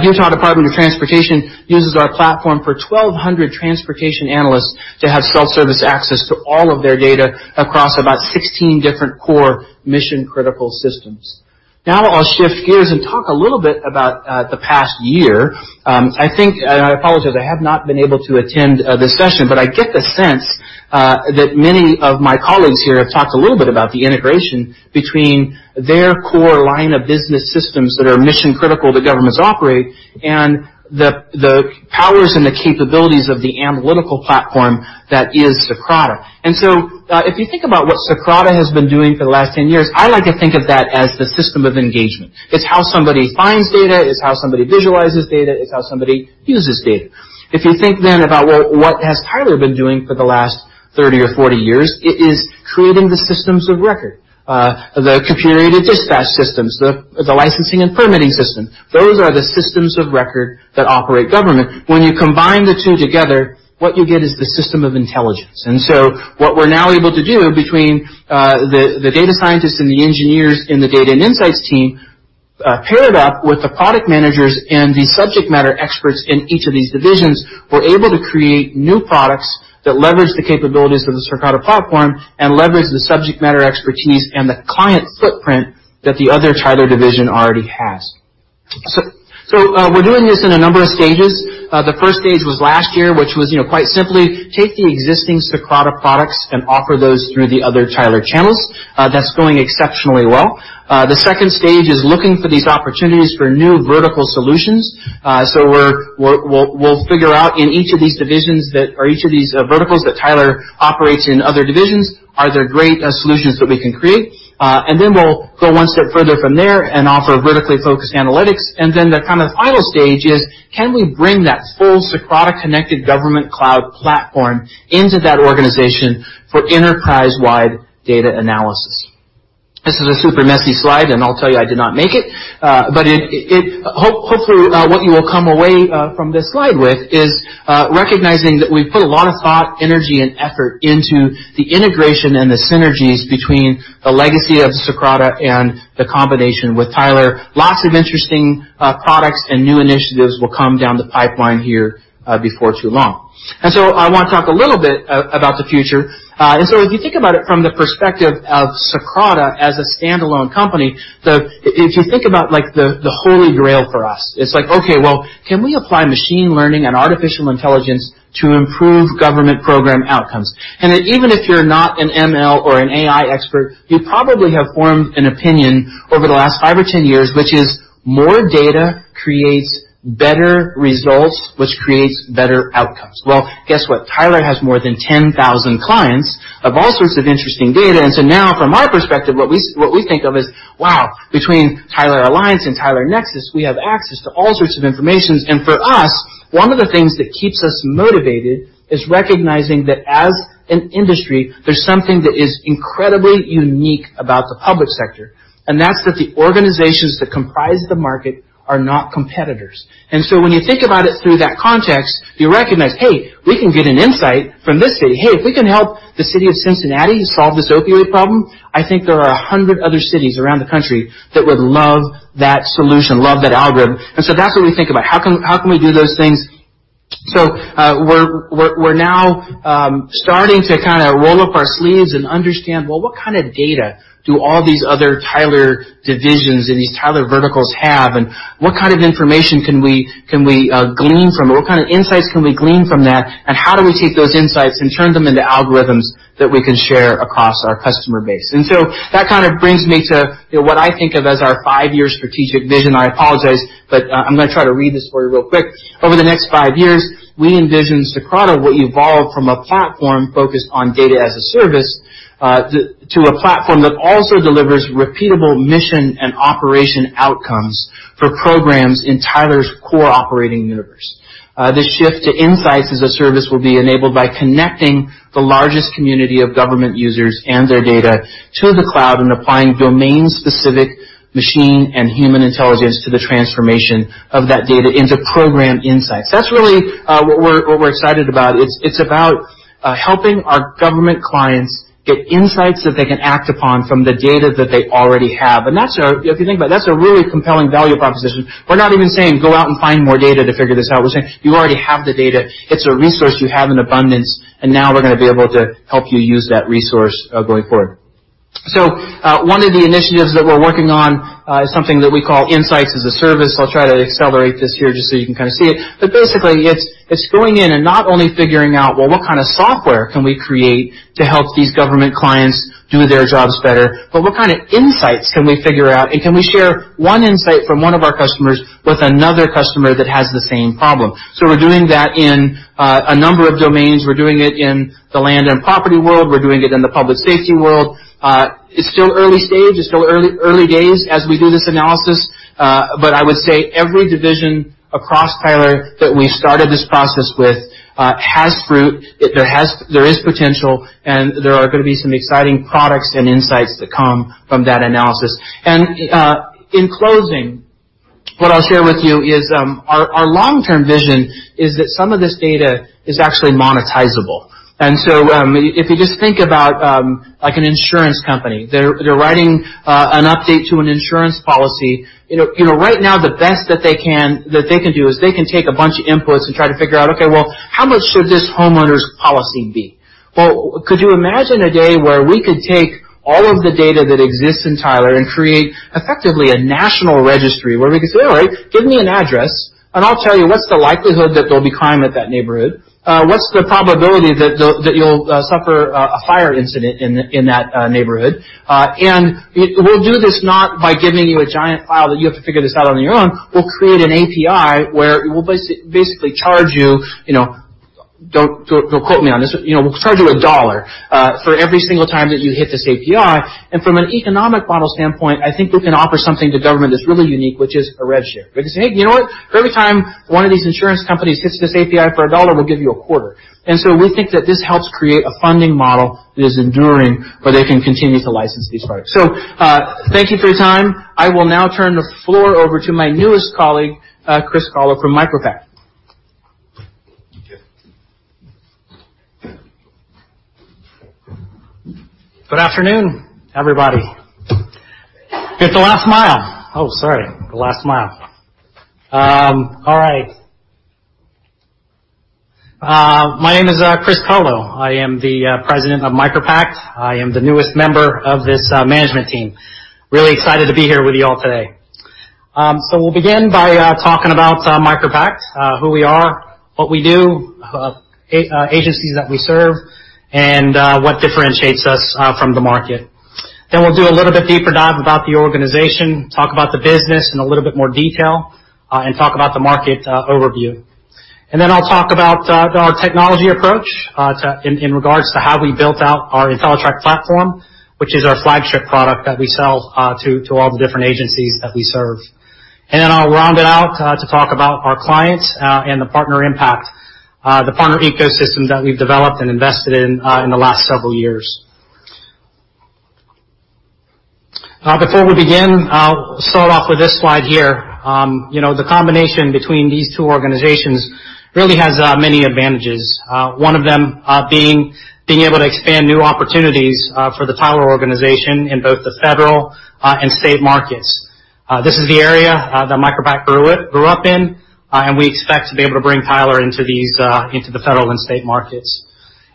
Speaker 12: Utah Department of Transportation uses our platform for 1,200 transportation analysts to have self-service access to all of their data across about 16 different core mission critical systems. I'll shift gears and talk a little bit about the past year. I apologize, I have not been able to attend this session, but I get the sense that many of my colleagues here have talked a little bit about the integration between their core line of business systems that are mission critical that governments operate, and the powers and the capabilities of the analytical platform that is Socrata. If you think about what Socrata has been doing for the last 10 years, I like to think of that as the system of engagement. It's how somebody finds data. It's how somebody visualizes data. It's how somebody uses data. If you think about, well, what has Tyler been doing for the last 30 or 40 years? It is creating the systems of record, the computer-aided dispatch systems, the licensing and permitting system. Those are the systems of record that operate government. When you combine the two together, what you get is the system of intelligence. What we're now able to do between the data scientists and the engineers in the Data and Insights team, paired up with the product managers and the subject matter experts in each of these divisions, we're able to create new products that leverage the capabilities of the Socrata platform and leverage the subject matter expertise and the client footprint that the other Tyler division already has. We're doing this in a number of stages. The stage 1 was last year, which was quite simply take the existing Socrata products and offer those through the other Tyler channels. That's going exceptionally well. The stage 2 is looking for these opportunities for new vertical solutions. We'll figure out in each of these divisions that are each of these verticals that Tyler operates in other divisions, are there great solutions that we can create? We'll go one step further from there and offer vertically focused analytics. The final stage is, can we bring that full Socrata Connected Government Cloud platform into that organization for enterprise-wide data analysis? This is a super messy slide, and I'll tell you, I did not make it. Hopefully, what you will come away from this slide with is recognizing that we've put a lot of thought, energy, and effort into the integration and the synergies between the legacy of Socrata and the combination with Tyler. Lots of interesting products and new initiatives will come down the pipeline here before too long. I want to talk a little bit about the future. If you think about it from the perspective of Socrata as a standalone company, if you think about the holy grail for us, it's like, okay, well, can we apply machine learning and artificial intelligence to improve government program outcomes? That even if you're not an ML or an AI expert, you probably have formed an opinion over the last five or 10 years, which is more data creates better results, which creates better outcomes. Well, guess what? Tyler has more than 10,000 clients of all sorts of interesting data. Now, from our perspective, what we think of is, wow, between Tyler Alliance and Tyler Nexus, we have access to all sorts of information. For us, one of the things that keeps us motivated is recognizing that as an industry, there's something that is incredibly unique about the public sector, and that's that the organizations that comprise the market are not competitors. When you think about it through that context, you recognize, hey, we can get an insight from this city. Hey, if we can help the city of Cincinnati solve this opioid problem, I think there are 100 other cities around the country that would love that solution, love that algorithm. That's what we think about. How can we do those things? We're now starting to roll up our sleeves and understand, well, what kind of data do all these other Tyler divisions and these Tyler verticals have, and what kind of information can we glean from it? What kind of insights can we glean from that? How do we take those insights and turn them into algorithms that we can share across our customer base? That brings me to what I think of as our five-year strategic vision. I apologize, but I'm going to try to read this for you real quick. Over the next five years, we envision Socrata will evolve from a platform focused on data as a service to a platform that also delivers repeatable mission and operation outcomes for programs in Tyler's core operating universe. This shift to insights as a service will be enabled by connecting the largest community of government users and their data to the cloud and applying domain-specific machine and human intelligence to the transformation of that data into program insights. That's really what we're excited about. It's about helping our government clients get insights that they can act upon from the data that they already have. If you think about it, that's a really compelling value proposition. We're not even saying go out and find more data to figure this out. We're saying you already have the data. It's a resource you have in abundance, and now we're going to be able to help you use that resource going forward. One of the initiatives that we're working on is something that we call Insights as a Service. I'll try to accelerate this here just so you can see it. Basically, it's going in and not only figuring out, well, what kind of software can we create to help these government clients do their jobs better, but what kind of insights can we figure out? Can we share one insight from one of our customers with another customer that has the same problem? We're doing that in a number of domains. We're doing it in the land and property world. We're doing it in the public safety world. It's still early stage. It's still early days as we do this analysis. I would say every division across Tyler that we've started this process with has fruit. There is potential, and there are going to be some exciting products and insights that come from that analysis. In closing, what I'll share with you is our long-term vision is that some of this data is actually monetizable. If you just think about an insurance company. They're writing an update to an insurance policy. Right now, the best that they can do is they can take a bunch of inputs and try to figure out, okay, how much should this homeowner's policy be? Could you imagine a day where we could take all of the data that exists in Tyler and create, effectively, a national registry where we could say, "All right, give me an address, and I'll tell you what's the likelihood that there'll be crime at that neighborhood. What's the probability that you'll suffer a fire incident in that neighborhood?" We'll do this not by giving you a giant file that you have to figure this out on your own. We'll create an API where we'll basically charge you, don't quote me on this, we'll charge you $1 for every single time that you hit this API. From an economic model standpoint, I think we can offer something to government that's really unique, which is a rev share. We can say, "Hey, you know what? For every time one of these insurance companies hits this API for $1, we'll give you $0.25." We think that this helps create a funding model that is enduring, where they can continue to license these products. Thank you for your time. I will now turn the floor over to my newest colleague, Chris Calo from MicroPact.
Speaker 13: Good afternoon, everybody. It's the last mile. The last mile. My name is Chris Calo. I am the president of MicroPact. I am the newest member of this management team. Really excited to be here with you all today. We'll begin by talking about MicroPact, who we are, what we do, agencies that we serve, and what differentiates us from the market. We'll do a little bit deeper dive about the organization, talk about the business in a little bit more detail, and talk about the market overview. I'll talk about our technology approach in regards to how we built out our Entellitrak platform, which is our flagship product that we sell to all the different agencies that we serve. I'll round it out to talk about our clients and the partner impact. The partner ecosystem that we've developed and invested in the last several years. Before we begin, I'll start off with this slide here. The combination between these two organizations really has many advantages. One of them being able to expand new opportunities for the Tyler organization in both the federal and state markets. This is the area that MicroPact grew up in, and we expect to be able to bring Tyler into the federal and state markets.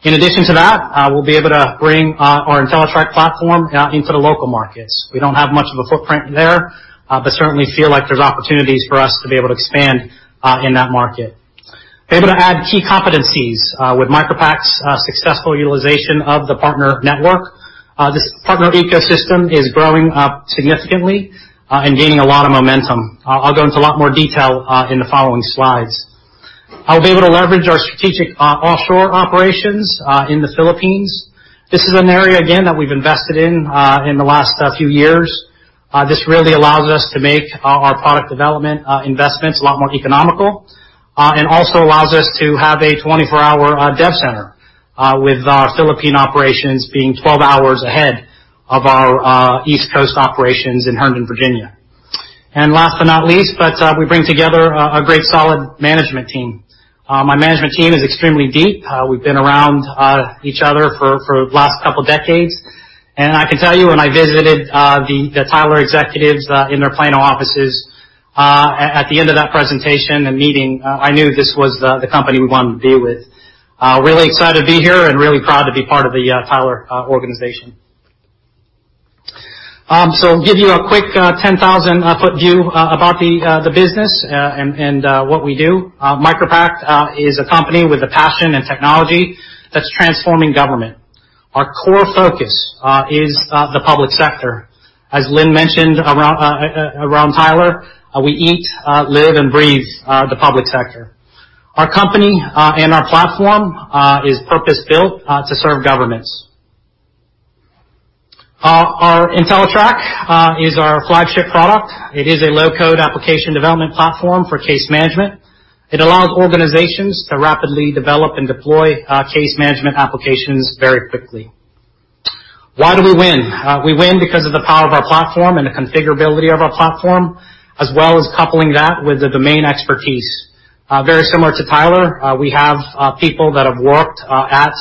Speaker 13: In addition to that, we'll be able to bring our Entellitrak platform into the local markets. We don't have much of a footprint there, but certainly feel like there's opportunities for us to be able to expand in that market. Be able to add key competencies with MicroPact's successful utilization of the partner network. This partner ecosystem is growing significantly, and gaining a lot of momentum. I'll go into a lot more detail in the following slides. I'll be able to leverage our strategic offshore operations in the Philippines. This is an area, again, that we've invested in the last few years. This really allows us to make our product development investments a lot more economical, and also allows us to have a 24-hour dev center, with our Philippine operations being 12 hours ahead of our East Coast operations in Herndon, Virginia. Last but not least, but we bring together a great, solid management team. My management team is extremely deep. We've been around each other for the last couple of decades, and I can tell you when I visited the Tyler executives in their Plano offices, at the end of that presentation and meeting, I knew this was the company we wanted to be with. Really excited to be here and really proud to be part of the Tyler organization. Give you a quick 10,000 foot view about the business and what we do. MicroPact is a company with a passion and technology that's transforming government. Our core focus is the public sector. As Lynn mentioned around Tyler, we eat, live, and breathe the public sector. Our company and our platform is purpose-built to serve governments. Our Entellitrak is our flagship product. It is a low-code application development platform for case management. It allows organizations to rapidly develop and deploy case management applications very quickly. Why do we win? We win because of the power of our platform and the configurability of our platform, as well as coupling that with the domain expertise. Very similar to Tyler, we have people that have worked at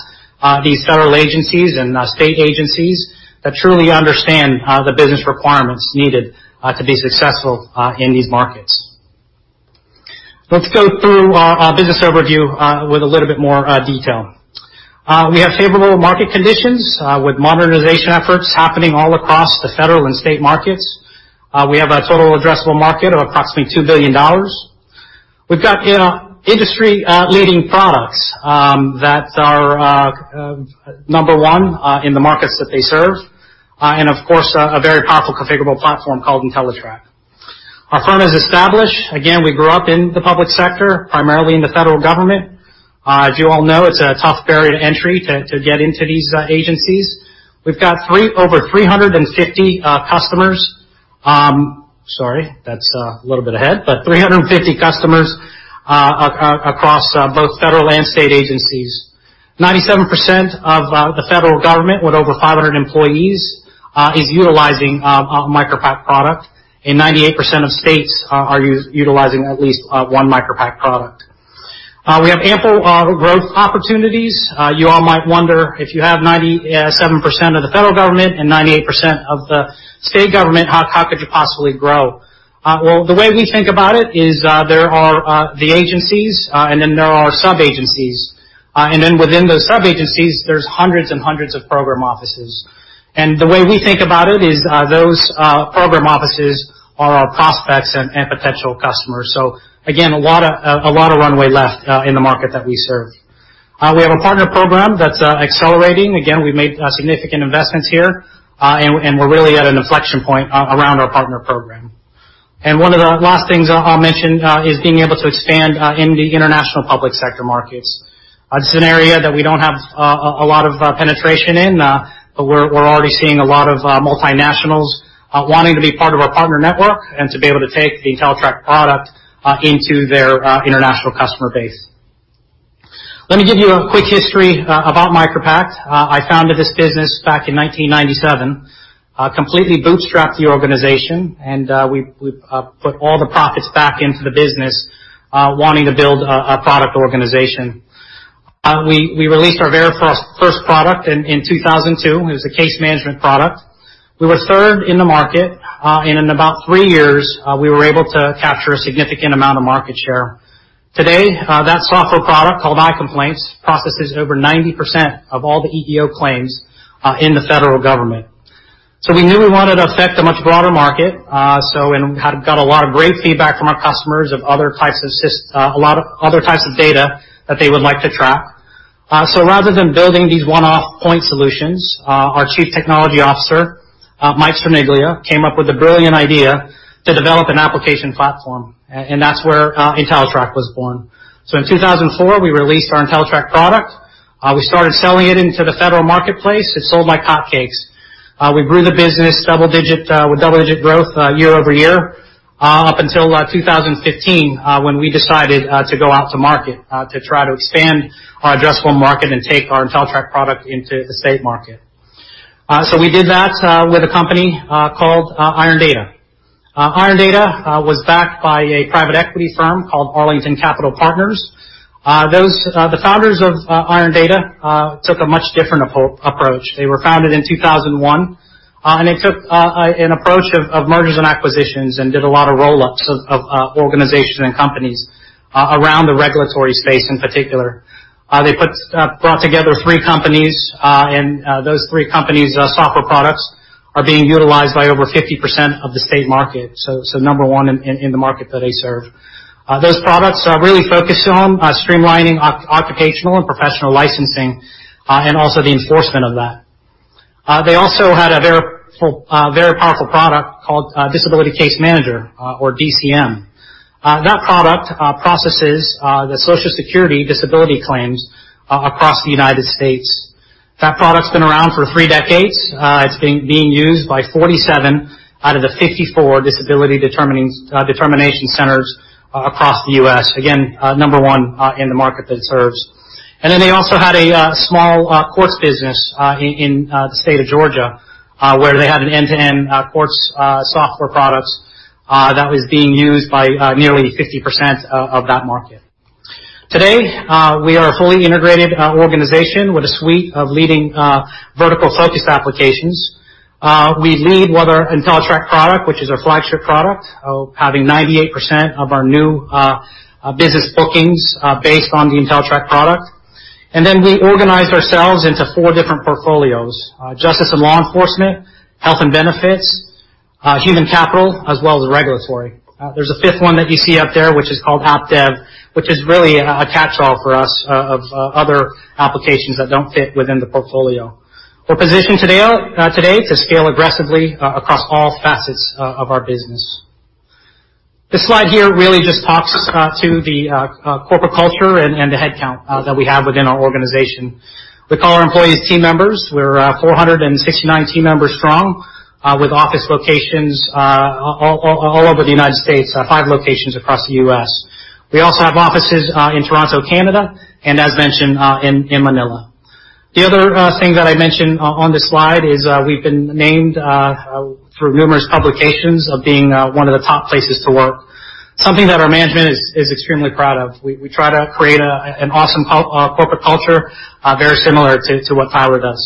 Speaker 13: these federal agencies and state agencies that truly understand the business requirements needed to be successful in these markets. Let's go through our business overview with a little bit more detail. We have favorable market conditions with modernization efforts happening all across the federal and state markets. We have a total addressable market of approximately $2 billion. We've got industry-leading products that are number 1 in the markets that they serve. Of course, a very powerful configurable platform called Entellitrak. Our firm is established. Again, we grew up in the public sector, primarily in the federal government. As you all know, it's a tough barrier to entry to get into these agencies. We've got over 350 customers. Sorry, that's a little bit ahead, but 350 customers across both federal and state agencies. 97% of the federal government with over 500 employees is utilizing a MicroPact product, and 98% of states are utilizing at least one MicroPact product. We have ample growth opportunities. You all might wonder, if you have 97% of the federal government and 98% of the state government, how could you possibly grow? The way we think about it is there are the agencies, then there are sub-agencies. Within those sub-agencies, there's hundreds and hundreds of program offices. The way we think about it is those program offices are our prospects and potential customers. A lot of runway left in the market that we serve. We have a partner program that's accelerating. Again, we've made significant investments here. We're really at an inflection point around our partner program. One of the last things I'll mention is being able to expand in the international public sector markets. It's an area that we don't have a lot of penetration in, but we're already seeing a lot of multinationals wanting to be part of our partner network and to be able to take the Entellitrak product into their international customer base. Let me give you a quick history about MicroPact. I founded this business back in 1997, completely bootstrapped the organization, and we've put all the profits back into the business, wanting to build a product organization. We released our very first product in 2002. It was a case management product. We were third in the market. In about three years, we were able to capture a significant amount of market share. Today, that software product, called ICOMPLAINTS, processes over 90% of all the EEO claims in the federal government. We knew we wanted to affect a much broader market, and we got a lot of great feedback from our customers of other types of data that they would like to track. Rather than building these one-off point solutions, our Chief Technology Officer, Mike Straniglia, came up with a brilliant idea to develop an application platform, and that's where Entellitrak was born. In 2004, we released our Entellitrak product. We started selling it into the federal marketplace. It sold like hotcakes. We grew the business with double-digit growth year-over-year up until 2015 when we decided to go out to market to try to expand our addressable market and take our Entellitrak product into the state market. We did that with a company called Iron Data. Iron Data was backed by a private equity firm called Arlington Capital Partners. The founders of Iron Data took a much different approach. They were founded in 2001, and they took an approach of mergers and acquisitions and did a lot of roll-ups of organizations and companies around the regulatory space in particular. They brought together three companies, and those three companies' software products are being utilized by over 50% of the state market. Number one in the market that they serve. Those products are really focused on streamlining occupational and professional licensing, and also the enforcement of that. They also had a very powerful product called Disability Case Manager or DCM. That product processes the Social Security disability claims across the U.S. That product's been around for three decades. It's being used by 47 out of the 54 disability determination centers across the U.S. Again, number one in the market it serves. They also had a small courts business in the state of Georgia, where they had an end-to-end courts software product that was being used by nearly 50% of that market. Today, we are a fully integrated organization with a suite of leading vertical-focused applications. We lead with our Entellitrak product, which is our flagship product, having 98% of our new business bookings based on the Entellitrak product. We organize ourselves into four different portfolios: justice and law enforcement, health and benefits, human capital, as well as regulatory. There's a fifth one that you see up there, which is called OpDev, which is really a catchall for us of other applications that don't fit within the portfolio. We're positioned today to scale aggressively across all facets of our business. This slide here really just talks to the corporate culture and the headcount that we have within our organization. We call our employees team members. We're 469 team members strong, with office locations all over the United States, five locations across the U.S. We also have offices in Toronto, Canada, and as mentioned, in Manila. The other thing that I mentioned on this slide is we've been named through numerous publications of being one of the top places to work, something that our management is extremely proud of. We try to create an awesome corporate culture, very similar to what Tyler does.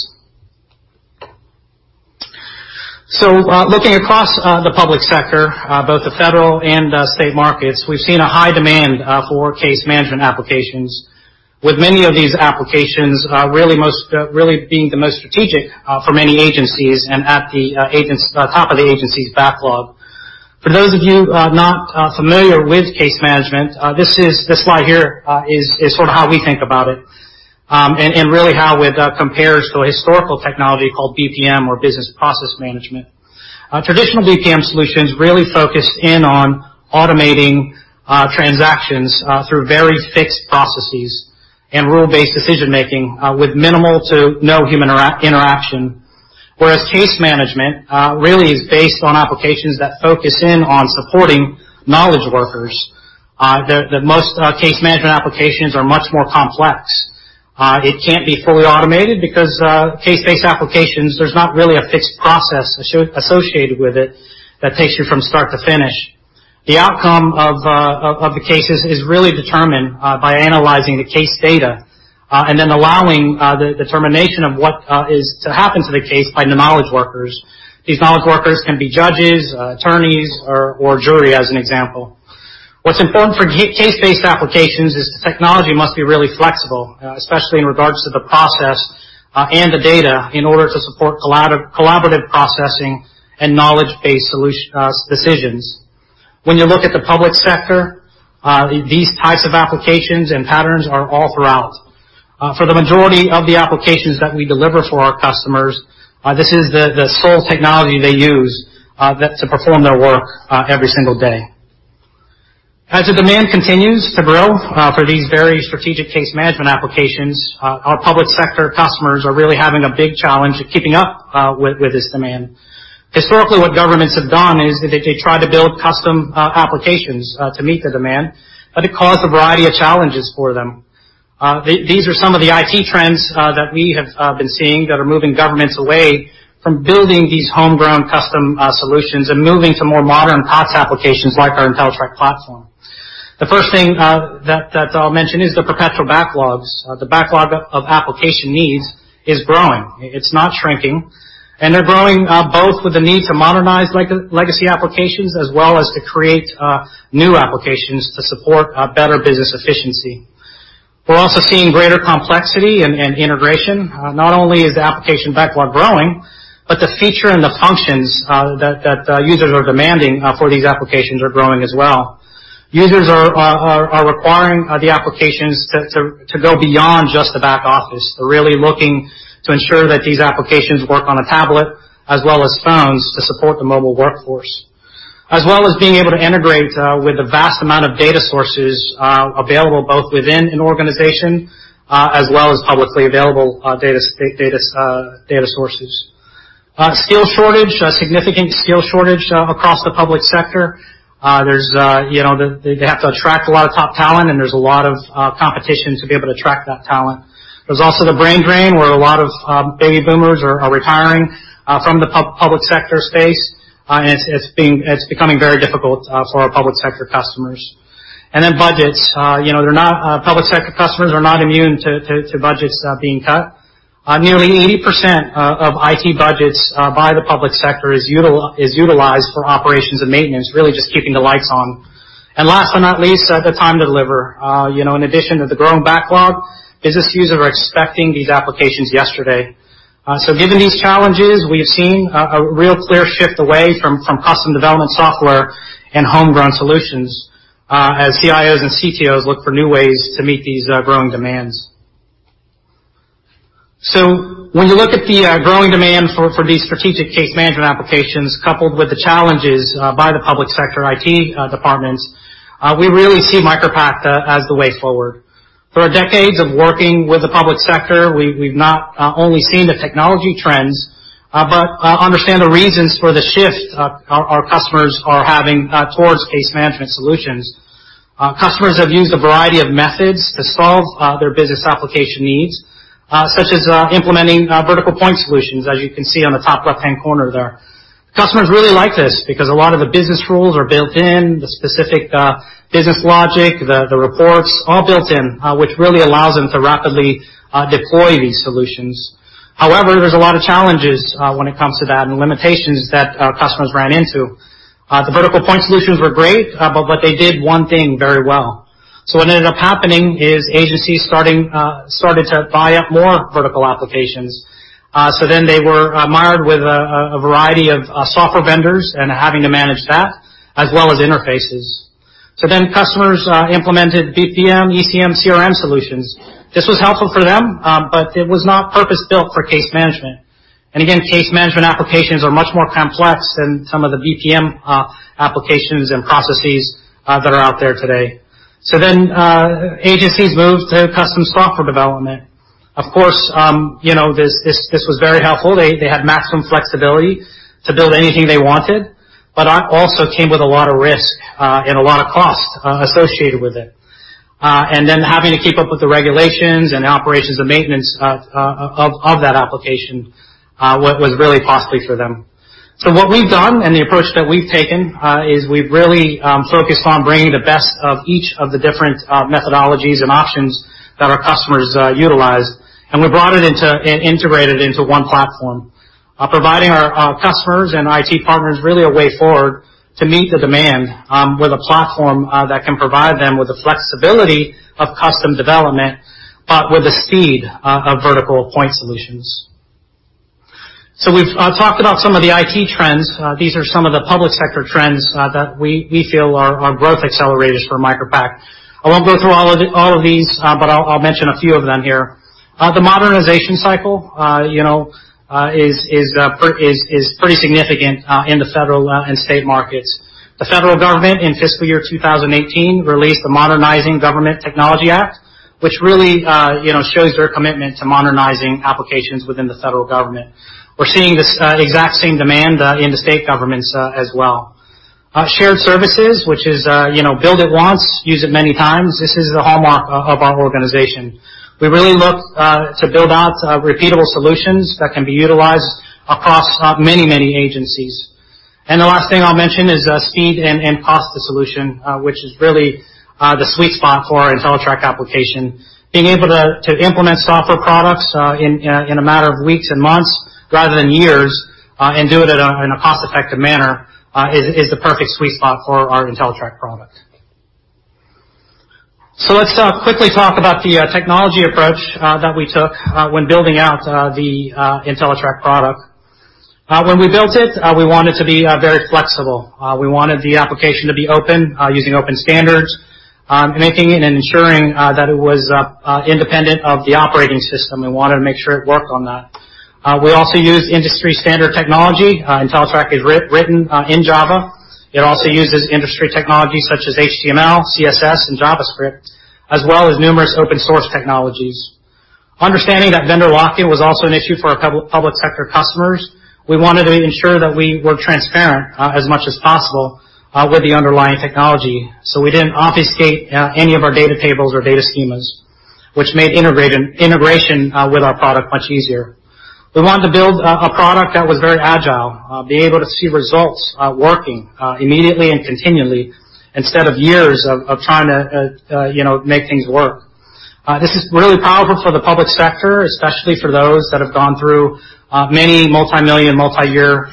Speaker 13: Looking across the public sector, both the federal and state markets, we've seen a high demand for case management applications, with many of these applications really being the most strategic for many agencies and at the top of the agency's backlog. For those of you not familiar with case management, this slide here is sort of how we think about it, and really how it compares to a historical technology called BPM or business process management. Traditional BPM solutions really focus in on automating transactions through very fixed processes and rule-based decision-making with minimal to no human interaction. Whereas case management really is based on applications that focus in on supporting knowledge workers. The most case management applications are much more complex. It can't be fully automated because case-based applications, there's not really a fixed process associated with it that takes you from start to finish. The outcome of the cases is really determined by analyzing the case data, allowing the determination of what is to happen to the case by the knowledge workers. These knowledge workers can be judges, attorneys, or jury, as an example. What's important for case-based applications is the technology must be really flexible, especially in regards to the process and the data in order to support collaborative processing and knowledge-based decisions. When you look at the public sector, these types of applications and patterns are all throughout. For the majority of the applications that we deliver for our customers, this is the sole technology they use to perform their work every single day. As the demand continues to grow for these very strategic case management applications, our public sector customers are really having a big challenge keeping up with this demand. Historically, what governments have done is they try to build custom applications to meet the demand, it caused a variety of challenges for them. These are some of the IT trends that we have been seeing that are moving governments away from building these homegrown custom solutions and moving to more modern COTS applications like our Entellitrak platform. The first thing that I'll mention is the perpetual backlogs. The backlog of application needs is growing. It's not shrinking. They're growing both with the need to modernize legacy applications as well as to create new applications to support better business efficiency. We're also seeing greater complexity and integration. Not only is the application backlog growing, but the feature and the functions that users are demanding for these applications are growing as well. Users are requiring the applications to go beyond just the back office. They're really looking to ensure that these applications work on a tablet as well as phones to support the mobile workforce. As well as being able to integrate with the vast amount of data sources available, both within an organization as well as publicly available data sources. Skills shortage, a significant skills shortage across the public sector. They have to attract a lot of top talent, and there's a lot of competition to be able to attract that talent. There's also the brain drain, where a lot of baby boomers are retiring from the public sector space, and it's becoming very difficult for our public sector customers. Then budgets. Public sector customers are not immune to budgets being cut. Nearly 80% of IT budgets by the public sector is utilized for operations and maintenance, really just keeping the lights on. Last but not least, the time to deliver. In addition to the growing backlog, business users are expecting these applications yesterday. Given these challenges, we have seen a real clear shift away from custom development software and homegrown solutions, as CIOs and CTOs look for new ways to meet these growing demands. When you look at the growing demand for these strategic case management applications coupled with the challenges by the public sector IT departments, we really see MicroPact as the way forward. Through our decades of working with the public sector, we've not only seen the technology trends, but understand the reasons for the shift our customers are having towards case management solutions. Customers have used a variety of methods to solve their business application needs, such as implementing vertical point solutions, as you can see on the top left-hand corner there. Customers really like this because a lot of the business rules are built in, the specific business logic, the reports, all built in, which really allows them to rapidly deploy these solutions. However, there's a lot of challenges when it comes to that and limitations that our customers ran into. The vertical point solutions were great, but they did one thing very well. What ended up happening is agencies started to buy up more vertical applications. Then they were mired with a variety of software vendors and having to manage that, as well as interfaces. Then customers implemented BPM, ECM, CRM solutions. This was helpful for them, but it was not purpose-built for case management. Again, case management applications are much more complex than some of the BPM applications and processes that are out there today. Then agencies moved to custom software development. Of course, this was very helpful. They had maximum flexibility to build anything they wanted, also came with a lot of risk and a lot of cost associated with it. Having to keep up with the regulations and the operations and maintenance of that application was really costly for them. What we've done and the approach that we've taken is we've really focused on bringing the best of each of the different methodologies and options that our customers utilize, and we brought it and integrated into one platform. Providing our customers and IT partners really a way forward to meet the demand, with a platform that can provide them with the flexibility of custom development, but with the speed of vertical point solutions. We've talked about some of the IT trends. These are some of the public sector trends that we feel are growth accelerators for MicroPact. I won't go through all of these, but I'll mention a few of them here. The modernization cycle is pretty significant in the federal and state markets. The federal government in fiscal year 2018 released the Modernizing Government Technology Act, which really shows their commitment to modernizing applications within the federal government. We're seeing this exact same demand in the state governments as well. Shared services, which is build it once, use it many times. This is the hallmark of our organization. We really look to build out repeatable solutions that can be utilized across many, many agencies. The last thing I'll mention is speed and cost to solution, which is really the sweet spot for our Entellitrak application. Being able to implement software products in a matter of weeks and months rather than years, and do it in a cost-effective manner, is the perfect sweet spot for our Entellitrak product. Let's quickly talk about the technology approach that we took when building out the Entellitrak product. When we built it, we wanted to be very flexible. We wanted the application to be open, using open standards, making and ensuring that it was independent of the operating system. We wanted to make sure it worked on that. We also used industry-standard technology. Entellitrak is written in Java. It also uses industry technology such as HTML, CSS, and JavaScript, as well as numerous open source technologies. Understanding that vendor lock-in was also an issue for our public sector customers, we wanted to ensure that we were transparent as much as possible with the underlying technology. We didn't obfuscate any of our data tables or data schemas, which made integration with our product much easier. We wanted to build a product that was very agile, be able to see results working immediately and continually instead of years of trying to make things work. This is really powerful for the public sector, especially for those that have gone through many multimillion, multi-year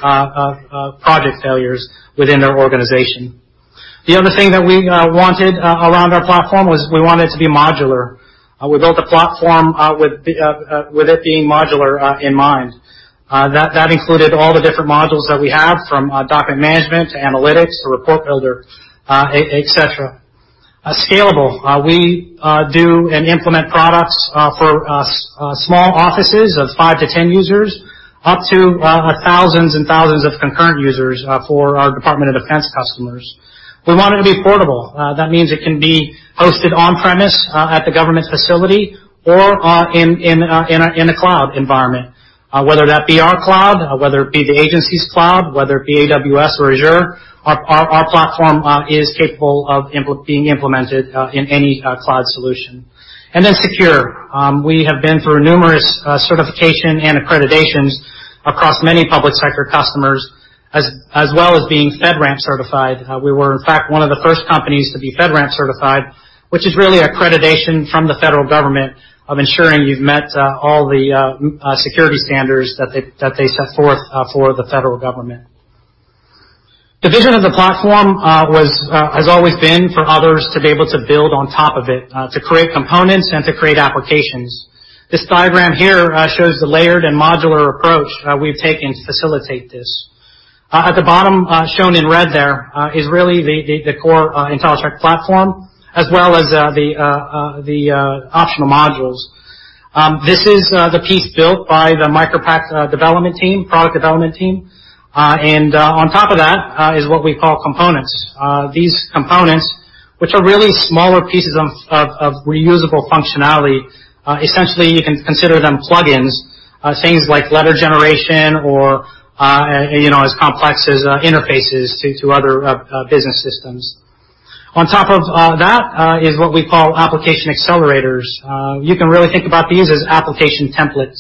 Speaker 13: project failures within their organization. The other thing that we wanted around our platform was we wanted it to be modular. We built a platform with it being modular in mind. That included all the different modules that we have, from document management to analytics to report builder, et cetera. Scalable. We do and implement products for small offices of five to 10 users, up to thousands and thousands of concurrent users for our Department of Defense customers. We want it to be portable. That means it can be hosted on-premise at the government facility or in a cloud environment, whether that be our cloud, whether it be the agency's cloud, whether it be AWS or Azure, our platform is capable of being implemented in any cloud solution. Secure. We have been through numerous certification and accreditations across many public sector customers, as well as being FedRAMP certified. We were, in fact, one of the first companies to be FedRAMP certified, which is really accreditation from the federal government of ensuring you've met all the security standards that they set forth for the federal government. The vision of the platform has always been for others to be able to build on top of it, to create components and to create applications. This diagram here shows the layered and modular approach we've taken to facilitate this. At the bottom, shown in red there, is really the core Entellitrak platform, as well as the optional modules. This is the piece built by the MicroPact development team, product development team. On top of that is what we call components. These components, which are really smaller pieces of reusable functionality, essentially you can consider them plug-ins, things like letter generation or as complex as interfaces to other business systems. On top of that is what we call application accelerators. You can really think about these as application templates.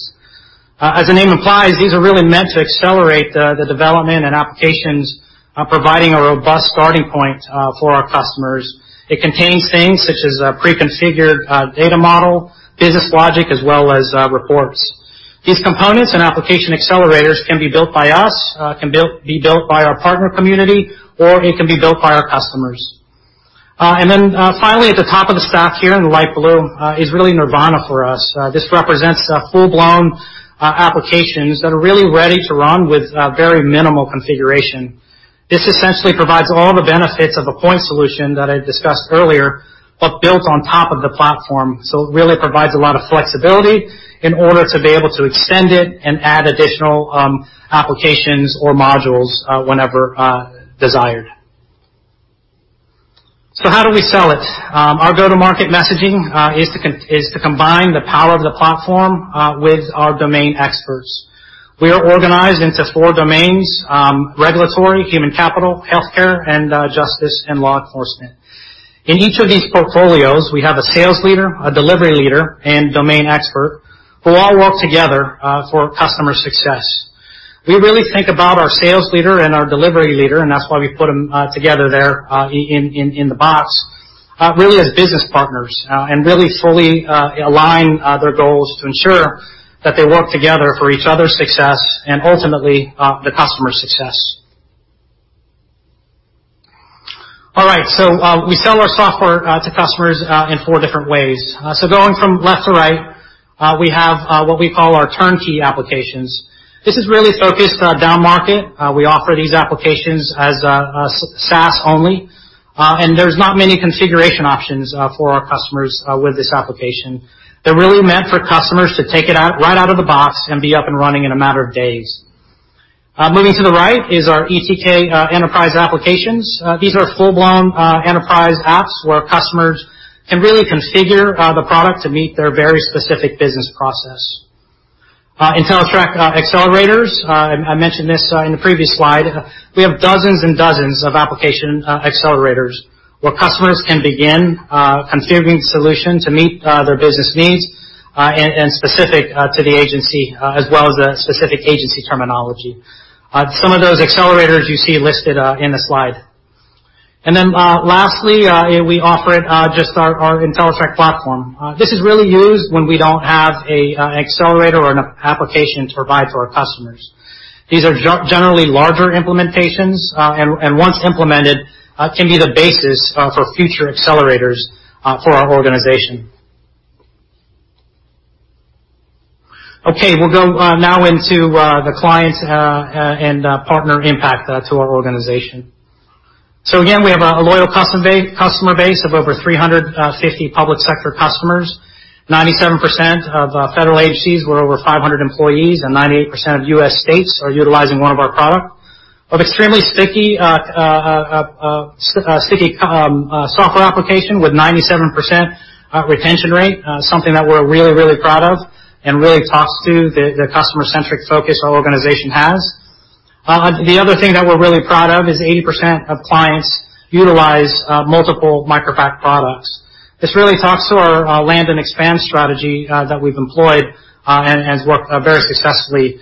Speaker 13: As the name implies, these are really meant to accelerate the development and applications, providing a robust starting point for our customers. It contains things such as a pre-configured data model, business logic, as well as reports. These components and application accelerators can be built by us, can be built by our partner community, or it can be built by our customers. Finally, at the top of the stack here in the light blue, is really nirvana for us. This represents full-blown applications that are really ready to run with very minimal configuration. This essentially provides all the benefits of a point solution that I discussed earlier, but built on top of the platform. It really provides a lot of flexibility in order to be able to extend it and add additional applications or modules whenever desired. How do we sell it? Our go-to-market messaging is to combine the power of the platform with our domain experts. We are organized into four domains: regulatory, human capital, healthcare, and justice and law enforcement. In each of these portfolios, we have a sales leader, a delivery leader, and domain expert who all work together for customer success. We really think about our sales leader and our delivery leader, and that's why we put them together there in the box, really as business partners, and really fully align their goals to ensure that they work together for each other's success and ultimately the customer's success. All right. We sell our software to customers in four different ways. Going from left to right, we have what we call our turnkey applications. This is really focused down market. We offer these applications as SaaS only. There's not many configuration options for our customers with this application. They're really meant for customers to take it right out of the box and be up and running in a matter of days. Moving to the right is our ETK enterprise applications. These are full-blown enterprise apps where customers can really configure the product to meet their very specific business process. Entellitrak accelerators, I mentioned this in the previous slide. We have dozens and dozens of application accelerators where customers can begin configuring solutions to meet their business needs and specific to the agency, as well as the specific agency terminology. Some of those accelerators you see listed in the slide. Lastly, we offer just our Entellitrak platform. This is really used when we don't have an accelerator or an application to provide to our customers. These are generally larger implementations, and once implemented, can be the basis for future accelerators for our organization. We'll go now into the client and partner impact to our organization. Again, we have a loyal customer base of over 350 public sector customers. 97% of federal agencies with over 500 employees and 98% of U.S. states are utilizing one of our products. We have extremely sticky software application with 97% retention rate, something that we're really, really proud of and really talks to the customer-centric focus our organization has. The other thing that we're really proud of is 80% of clients utilize multiple MicroPact products. This really talks to our land and expand strategy that we've employed and has worked very successfully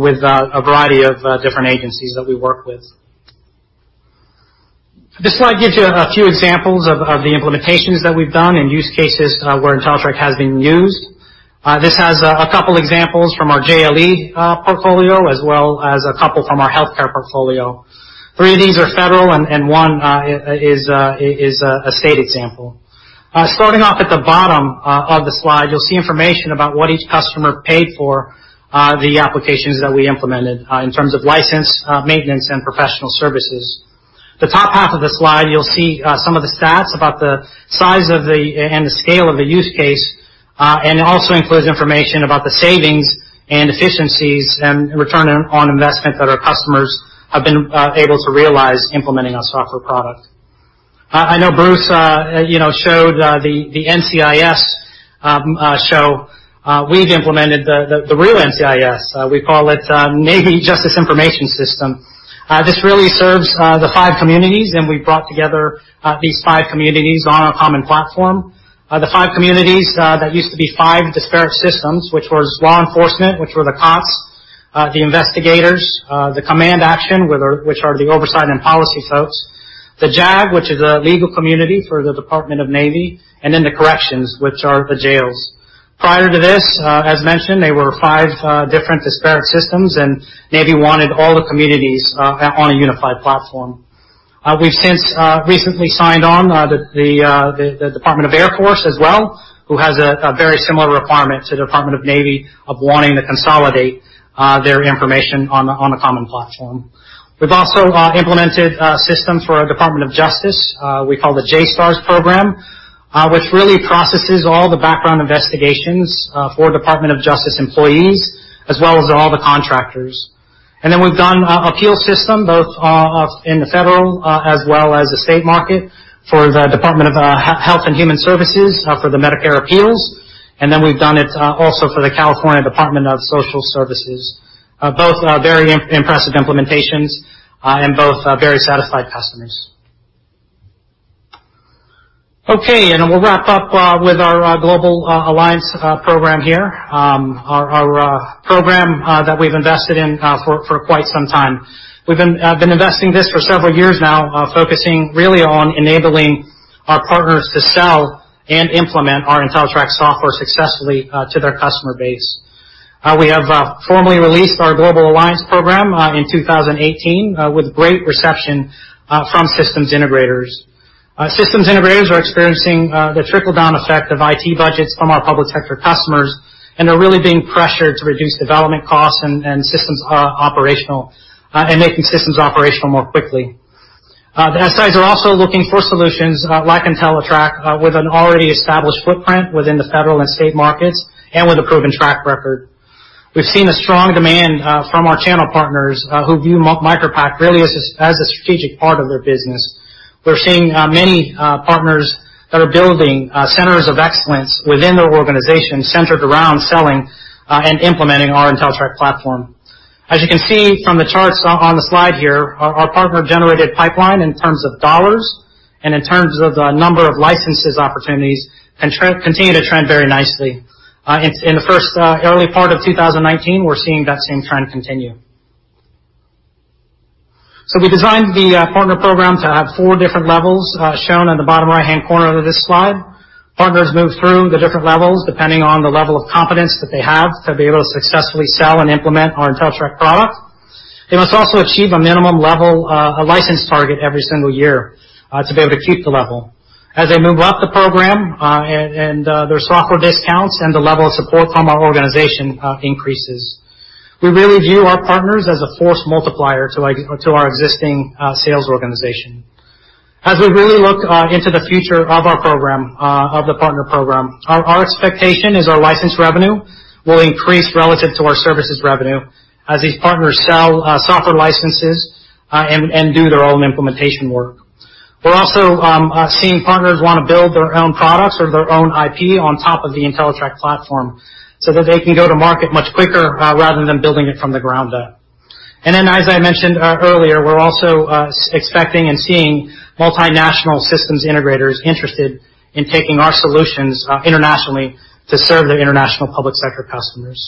Speaker 13: with a variety of different agencies that we work with. This slide gives you a few examples of the implementations that we've done and use cases where Entellitrak has been used. This has a couple examples from our JLE portfolio, as well as a couple from our healthcare portfolio. Three of these are federal and one is a state example. Starting off at the bottom of the slide, you'll see information about what each customer paid for the applications that we implemented in terms of license, maintenance, and professional services. The top half of the slide, you'll see some of the stats about the size and the scale of the use case, and it also includes information about the savings and efficiencies and return on investment that our customers have been able to realize implementing our software product. I know Bruce showed the NCIS show. We've implemented the real NCIS. We call it Navy Justice Information System. This really serves the five communities, and we've brought together these five communities on a common platform. The five communities, that used to be five disparate systems, which was law enforcement, which were the cops, the investigators, the command action, which are the oversight and policy folks, the JAG, which is a legal community for the Department of the Navy, and then the corrections, which are the jails. Prior to this, as mentioned, they were five different disparate systems, and Navy wanted all the communities on a unified platform. We've since recently signed on the Department of the Air Force as well, who has a very similar requirement to Department of the Navy of wanting to consolidate their information on a common platform. We've also implemented systems for our Department of Justice. We call the JSTARS program, which really processes all the background investigations for Department of Justice employees, as well as all the contractors. We've done appeals system, both in the federal as well as the state market for the United States Department of Health and Human Services for the Medicare appeals. We've done it also for the California Department of Social Services. Both very impressive implementations, and both very satisfied customers. We'll wrap up with our Global Alliance program here. Our program that we've invested in for quite some time. We've been investing this for several years now, focusing really on enabling our partners to sell and implement our Entellitrak software successfully to their customer base. We have formally released our Global Alliance program in 2018 with great reception from systems integrators. Systems integrators are experiencing the trickle-down effect of IT budgets from our public sector customers, and they're really being pressured to reduce development costs and making systems operational more quickly. The SIs are also looking for solutions like Entellitrak with an already established footprint within the federal and state markets and with a proven track record. We've seen a strong demand from our channel partners who view MicroPact really as a strategic part of their business. We're seeing many partners that are building centers of excellence within their organization centered around selling and implementing our Entellitrak platform. As you can see from the charts on the slide here, our partner-generated pipeline in terms of dollars and in terms of the number of licenses opportunities continue to trend very nicely. In the first early part of 2019, we're seeing that same trend continue. We designed the partner program to have four different levels, shown on the bottom right-hand corner of this slide. Partners move through the different levels depending on the level of competence that they have to be able to successfully sell and implement our Entellitrak product. They must also achieve a minimum level, a license target every single year to be able to keep the level. As they move up the program, and their software discounts and the level of support from our organization increases. We really view our partners as a force multiplier to our existing sales organization. We really look into the future of the partner program, our expectation is our license revenue will increase relative to our services revenue as these partners sell software licenses and do their own implementation work. We're also seeing partners want to build their own products or their own IP on top of the Entellitrak platform so that they can go to market much quicker rather than building it from the ground up. Then, as I mentioned earlier, we're also expecting and seeing multinational systems integrators interested in taking our solutions internationally to serve their international public sector customers.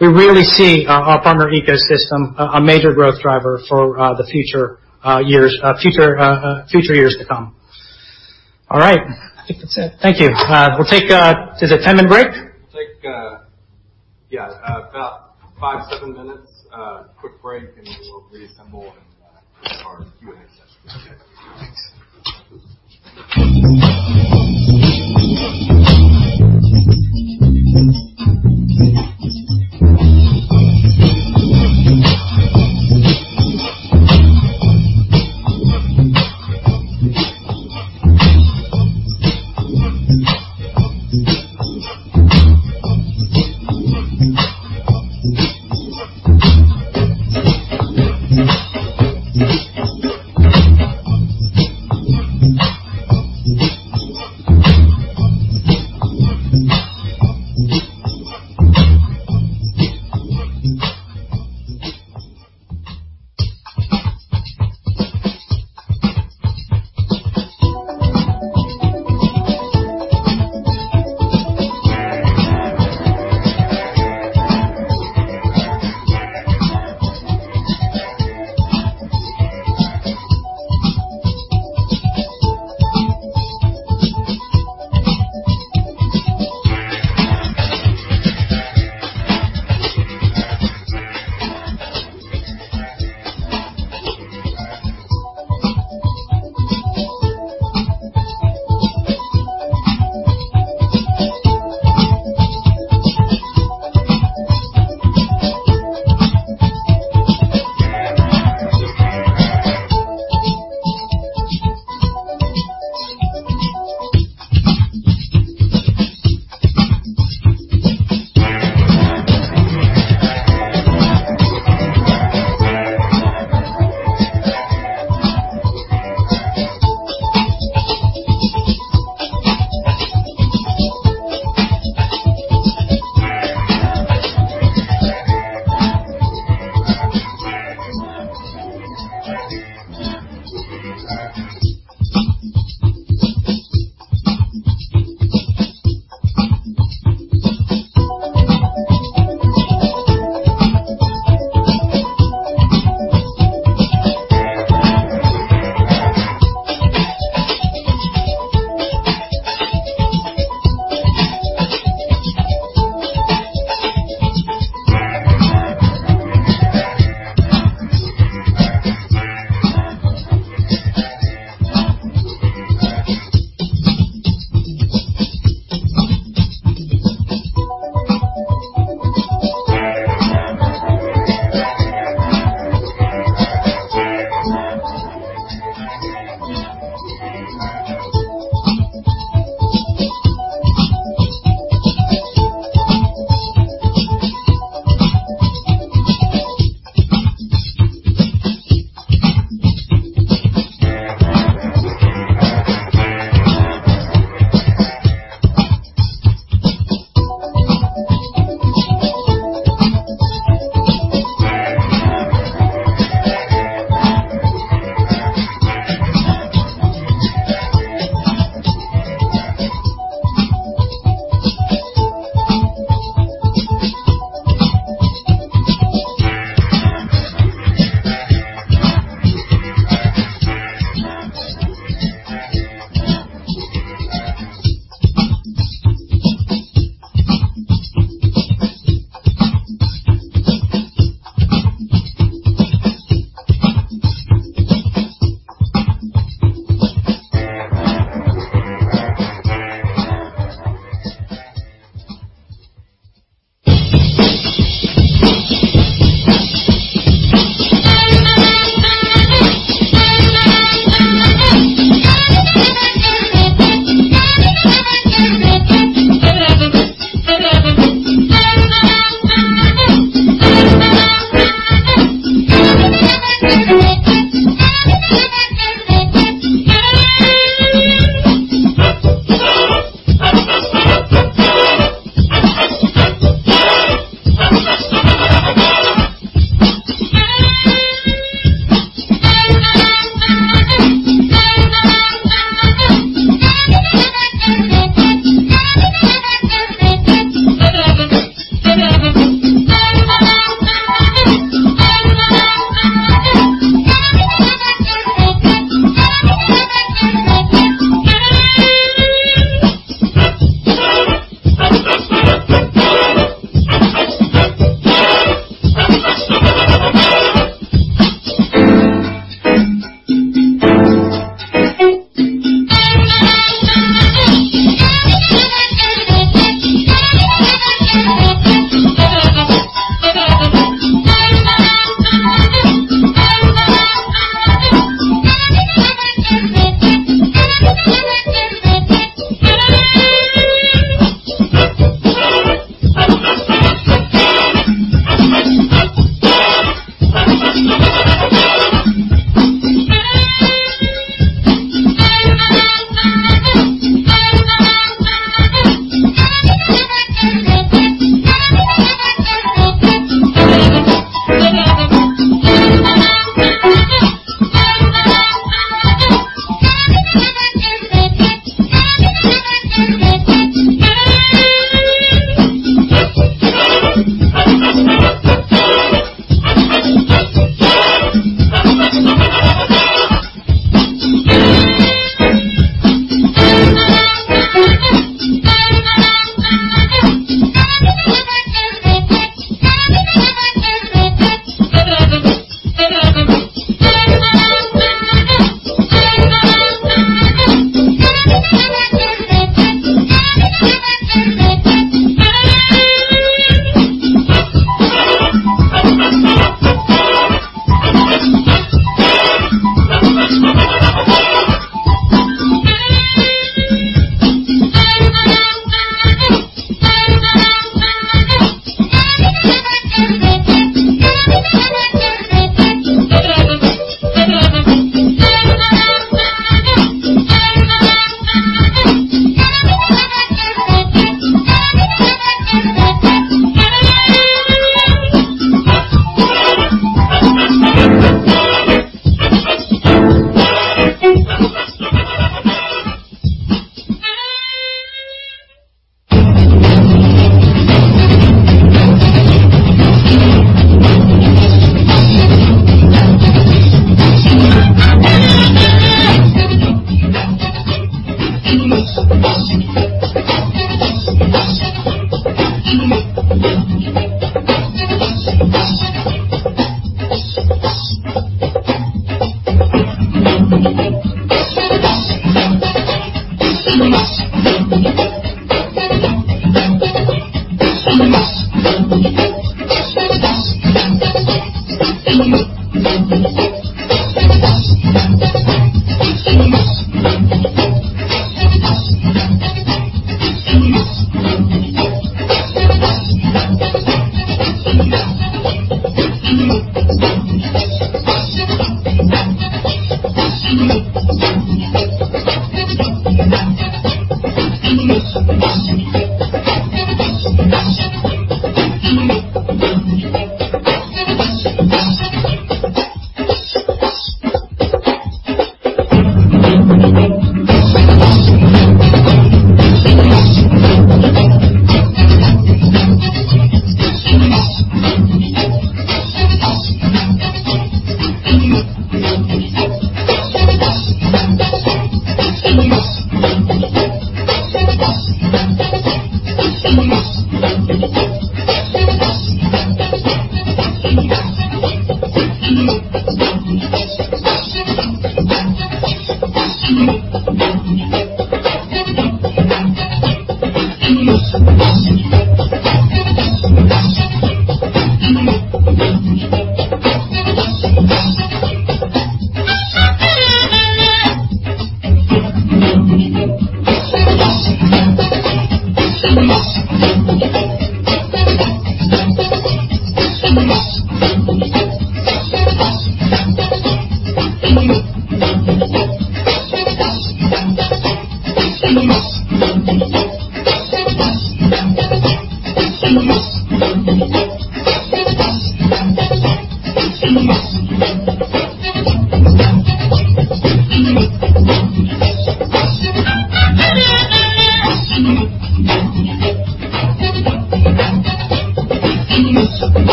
Speaker 13: We really see our partner ecosystem a major growth driver for the future years to come. All right. I think that's it. Thank you. We'll take a-- Is it 10-minute break?
Speaker 14: Take a, yeah, about five, seven minutes quick break, and we will reassemble and start the Q&A session.
Speaker 13: Okay. Thanks.
Speaker 1: If you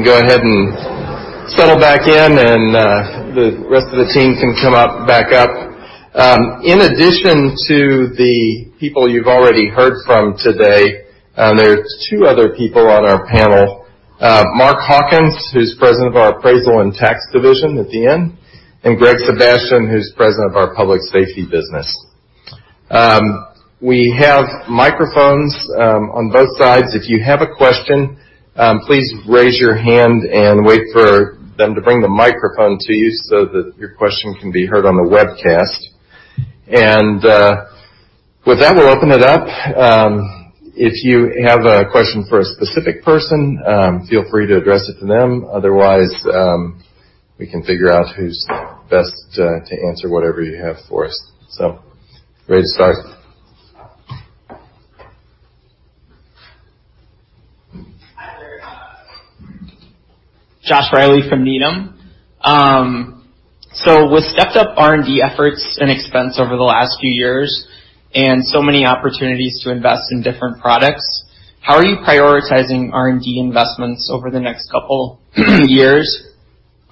Speaker 1: can go ahead and settle back in. The rest of the team can come back up. In addition to the people you've already heard from today, there's two other people on our panel, Mark Hawkins, who's President of our Appraisal & Tax Division at the end, and Greg Sebastian, who's President of our Public Safety Division. We have microphones on both sides. If you have a question, please raise your hand and wait for them to bring the microphone to you so that your question can be heard on the webcast. With that, we'll open it up. If you have a question for a specific person, feel free to address it to them. Otherwise, we can figure out who's best to answer whatever you have for us. Ready to start?
Speaker 15: Hi there. Josh Riley from Needham. With stepped up R&D efforts and expense over the last few years and so many opportunities to invest in different products, how are you prioritizing R&D investments over the next couple years?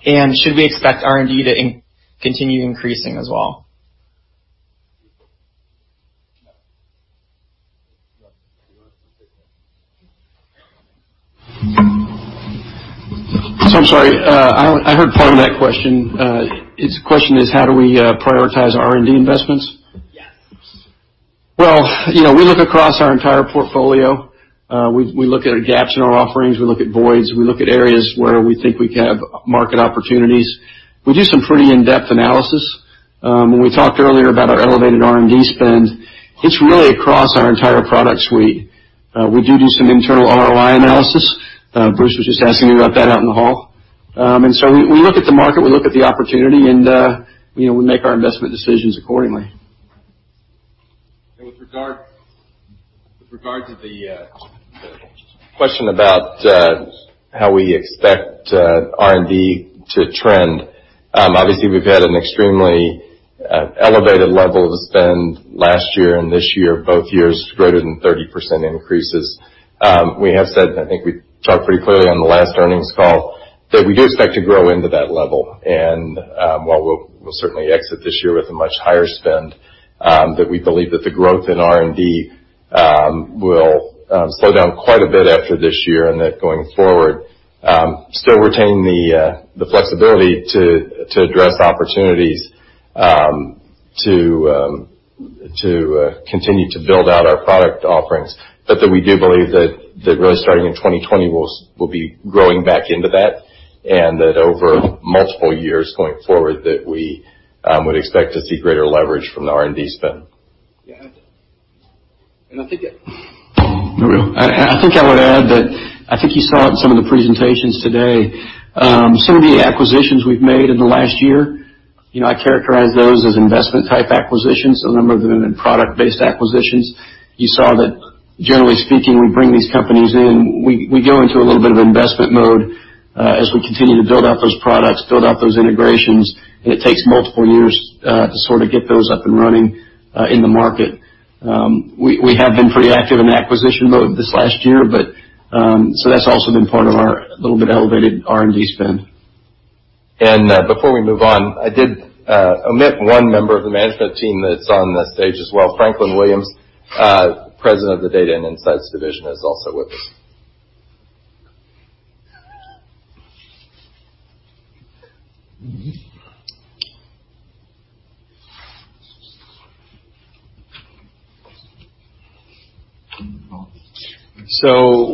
Speaker 15: Should we expect R&D to continue increasing as well?
Speaker 3: I'm sorry. I heard part of that question. His question is how do we prioritize R&D investments?
Speaker 15: Yeah.
Speaker 3: Well, we look across our entire portfolio. We look at gaps in our offerings. We look at voids. We look at areas where we think we have market opportunities. We do some pretty in-depth analysis. When we talked earlier about our elevated R&D spend, it's really across our entire product suite. We do some internal ROI analysis. Bruce was just asking me about that out in the hall. We look at the market, we look at the opportunity, and we make our investment decisions accordingly.
Speaker 1: With regard to the question about how we expect R&D to trend, obviously, we've had an extremely elevated levels of spend last year and this year, both years greater than 30% increases. We have said, and I think we talked pretty clearly on the last earnings call, that we do expect to grow into that level. While we'll certainly exit this year with a much higher spend, that we believe that the growth in R&D will slow down quite a bit after this year, and that going forward, still retaining the flexibility to address opportunities to continue to build out our product offerings. We do believe that really starting in 2020 we'll be growing back into that, and that over multiple years going forward, that we would expect to see greater leverage from the R&D spend.
Speaker 7: Yeah. I think I would add that, I think you saw it in some of the presentations today, some of the acquisitions we've made in the last year, I characterize those as investment type acquisitions. A number of them have been product-based acquisitions. You saw that generally speaking, we bring these companies in, we go into a little bit of investment mode as we continue to build out those products, build out those integrations, and it takes multiple years to sort of get those up and running in the market. We have been pretty active in acquisition mode this last year, so that's also been part of our little bit elevated R&D spend.
Speaker 1: Before we move on, I did omit one member of the management team that's on the stage as well. Franklin Williams, President of the Data and Insights Division, is also with us.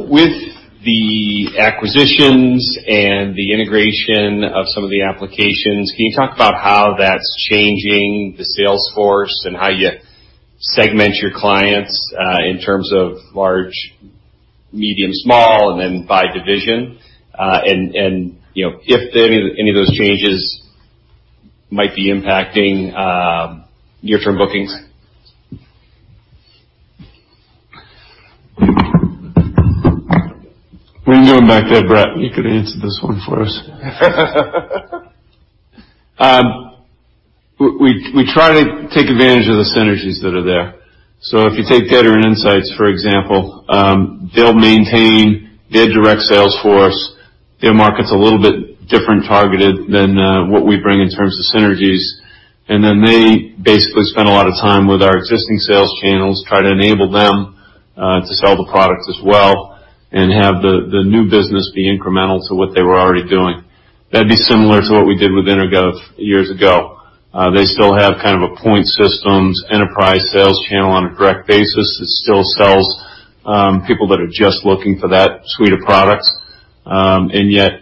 Speaker 1: With the acquisitions and the integration of some of the applications, can you talk about how that's changing the sales force and how you segment your clients in terms of large, medium, small, and then by division? If any of those changes might be impacting near-term bookings.
Speaker 7: What are you doing back there, Bret? You could answer this one for us. We try to take advantage of the synergies that are there. If you take Data and Insights, for example, they'll maintain their direct sales force. Their market's a little bit different targeted than what we bring in terms of synergies. They basically spend a lot of time with our existing sales channels, try to enable them to sell the products as well, and have the new business be incremental to what they were already doing. That'd be similar to what we did with EnerGov years ago. They still have kind of a point systems enterprise sales channel on a direct basis that still sells people that are just looking for that suite of products. Yet,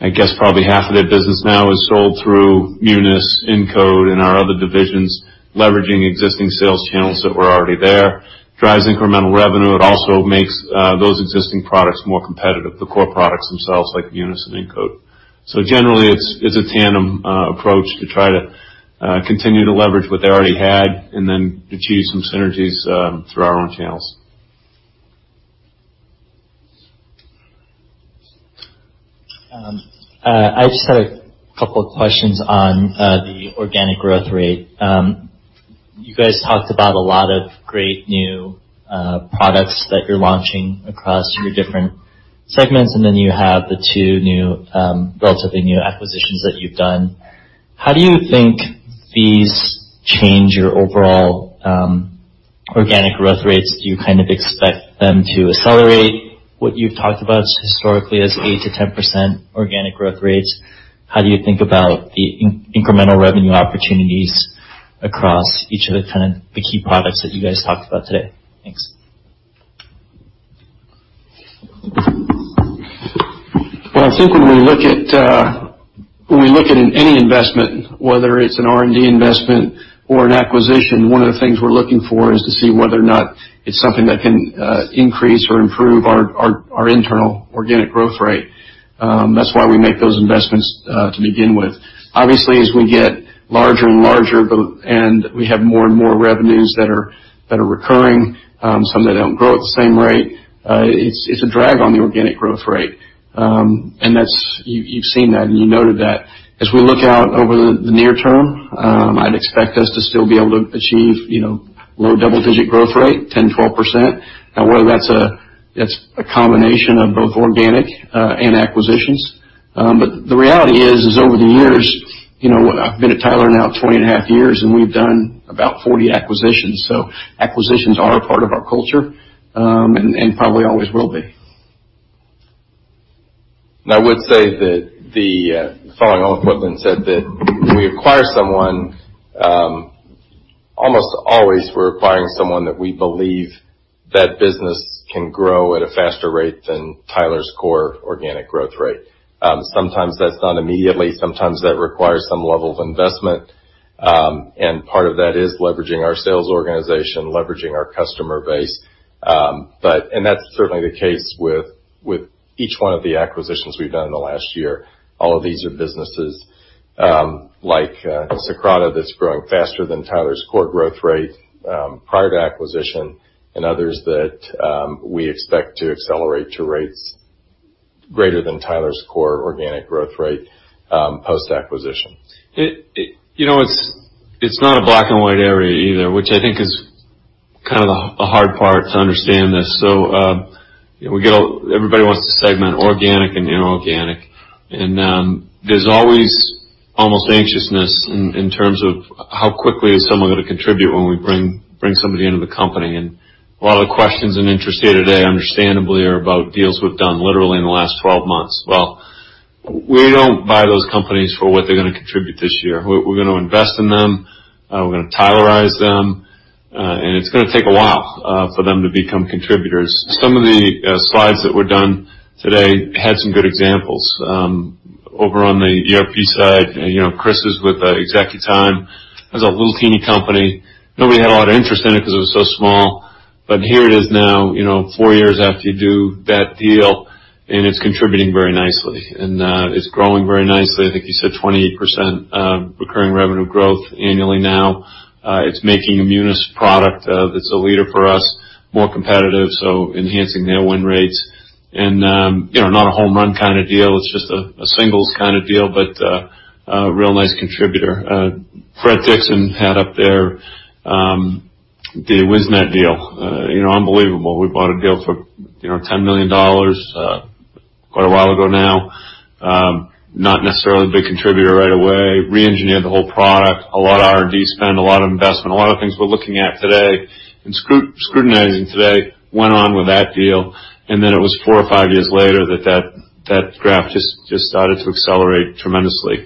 Speaker 7: I guess probably half of their business now is sold through Munis, Incode, and our other divisions, leveraging existing sales channels that were already there. Drives incremental revenue. It also makes those existing products more competitive, the core products themselves, like Munis and Incode. Generally, it's a tandem approach to try to continue to leverage what they already had and then achieve some synergies through our own channels.
Speaker 16: I just had a couple of questions on the organic growth rate. You guys talked about a lot of great new products that you're launching across your different segments, and then you have the two relatively new acquisitions that you've done. How do you think these change your overall organic growth rates? Do you kind of expect them to accelerate what you've talked about historically as 8%-10% organic growth rates? How do you think about the incremental revenue opportunities across each of the key products that you guys talked about today? Thanks.
Speaker 3: I think when we look at any investment, whether it's an R&D investment or an acquisition, one of the things we're looking for is to see whether or not it's something that can increase or improve our internal organic growth rate. That's why we make those investments to begin with. Obviously, as we get larger and larger, and we have more and more revenues that are recurring, some that don't grow at the same rate, it's a drag on the organic growth rate. You've seen that, and you noted that. As we look out over the near term, I'd expect us to still be able to achieve low double-digit growth rate, 10%, 12%. Now, whether that's a combination of both organic and acquisitions. The reality is over the years, I've been at Tyler now 20 and a half years, and we've done about 40 acquisitions.
Speaker 7: Acquisitions are a part of our culture, and probably always will be.
Speaker 1: I would say that, following what Lynn said, that when we acquire someone, almost always we're acquiring someone that we believe that business can grow at a faster rate than Tyler's core organic growth rate. Sometimes that's done immediately, sometimes that requires some level of investment. Part of that is leveraging our sales organization, leveraging our customer base. That's certainly the case with each one of the acquisitions we've done in the last year. All of these are businesses, like Socrata, that's growing faster than Tyler's core growth rate prior to acquisition, and others that we expect to accelerate to rates greater than Tyler's core organic growth rate, post-acquisition.
Speaker 2: It's not a black and white area either, which I think is the hard part to understand this. Everybody wants to segment organic and inorganic. There's always almost anxiousness in terms of how quickly is someone going to contribute when we bring somebody into the company. A lot of the questions and interest here today, understandably, are about deals we've done literally in the last 12 months. We don't buy those companies for what they're going to contribute this year. We're going to invest in them, we're going to Tylerize them, and it's going to take a while for them to become contributors. Some of the slides that were done today had some good examples. Over on the ERP side, Chris is with ExecuTime as a little teeny company. Nobody had a lot of interest in it because it was so small. Here it is now, 4 years after you do that deal, it's contributing very nicely. It's growing very nicely. I think you said 28% recurring revenue growth annually now. It's making Munis product, that's a leader for us, more competitive, so enhancing their win rates. Not a home run kind of deal, it's just a singles kind of deal, but a real nice contributor. Bret Dixon had up there, the Wisnet deal. Unbelievable. We bought a deal for $10 million quite a while ago now. Not necessarily a big contributor right away. Re-engineered the whole product, a lot of R&D spend, a lot of investment, a lot of things we're looking at today and scrutinizing today went on with that deal, then it was four or five years later that that graph just started to accelerate tremendously.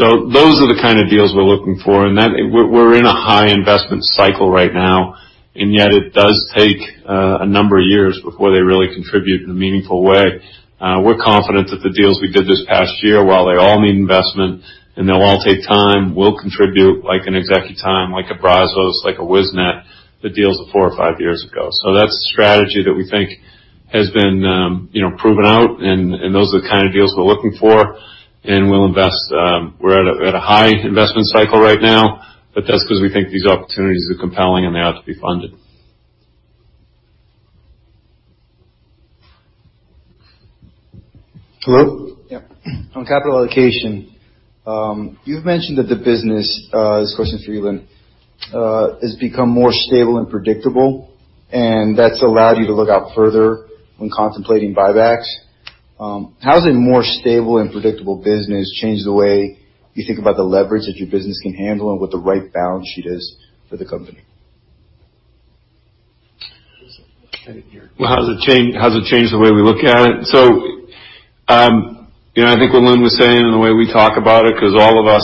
Speaker 2: Those are the kind of deals we're looking for, we're in a high investment cycle right now, yet it does take a number of years before they really contribute in a meaningful way. We're confident that the deals we did this past year, while they all need investment and they'll all take time, will contribute like an ExecuTime, like a Brazos, like a Wisnet, the deals of four or five years ago. That's the strategy that we think has been proven out, those are the kind of deals we're looking for, we'll invest. We're at a high investment cycle right now, that's because we think these opportunities are compelling and they ought to be funded.
Speaker 16: Hello? On capital allocation, you've mentioned that the business, this question is for you, Lynn, has become more stable and predictable, that's allowed you to look out further when contemplating buybacks. How has a more stable and predictable business changed the way you think about the leverage that your business can handle and what the right balance sheet is for the company?
Speaker 2: How has it changed the way we look at it? I think what Lynn was saying, the way we talk about it, because all of us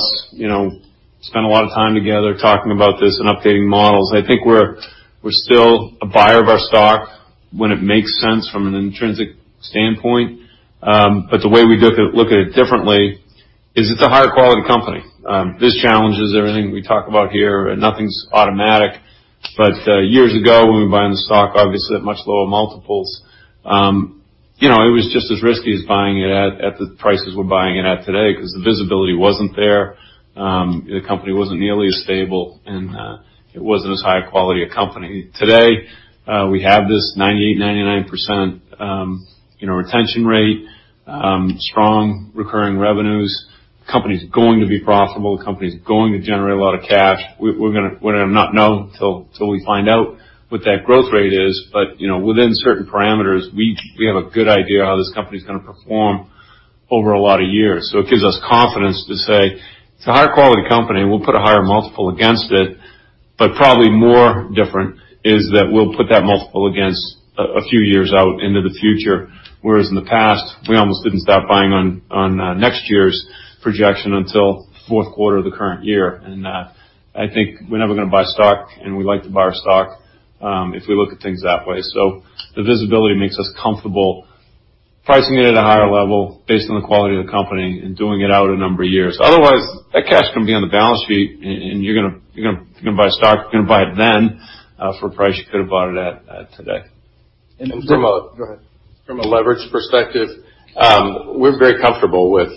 Speaker 2: spend a lot of time together talking about this and updating models. I think we're still a buyer of our stock when it makes sense from an intrinsic standpoint. The way we look at it differently is it's a higher quality company. There's challenges, everything we talk about here, nothing's automatic. Years ago, when we were buying the stock, obviously, at much lower multiples, it was just as risky as buying it at the prices we're buying it at today because the visibility wasn't there. The company wasn't nearly as stable, it wasn't as high quality a company. Today, we have this 98%, 99% retention rate, strong recurring revenues. The company's going to be profitable. The company's going to generate a lot of cash. We're going to not know till we find out what that growth rate is. Within certain parameters, we have a good idea how this company is going to perform over a lot of years. It gives us confidence to say it's a higher quality company, we'll put a higher multiple against it. Probably more different is that we'll put that multiple against a few years out into the future. Whereas in the past, we almost didn't stop buying on next year's projection until the fourth quarter of the current year. I think we're never going to buy stock, and we like to buy our stock, if we look at things that way. The visibility makes us comfortable pricing it at a higher level based on the quality of the company and doing it out a number of years. Otherwise, that cash can be on the balance sheet and you're going to buy stock, you're going to buy it then for a price you could have bought it at today.
Speaker 1: From a leverage perspective, we're very comfortable with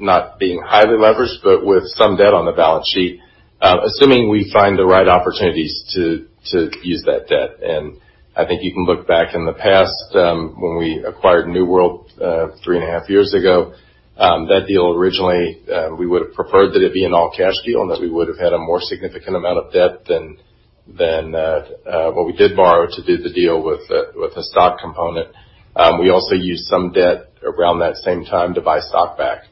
Speaker 1: not being highly leveraged, but with some debt on the balance sheet, assuming we find the right opportunities to use that debt. I think you can look back in the past when we acquired New World three and a half years ago. That deal originally, we would have preferred that it be an all-cash deal and that we would have had a more significant amount of debt than what we did borrow to do the deal with a stock component. We also used some debt around that same time to buy stock back.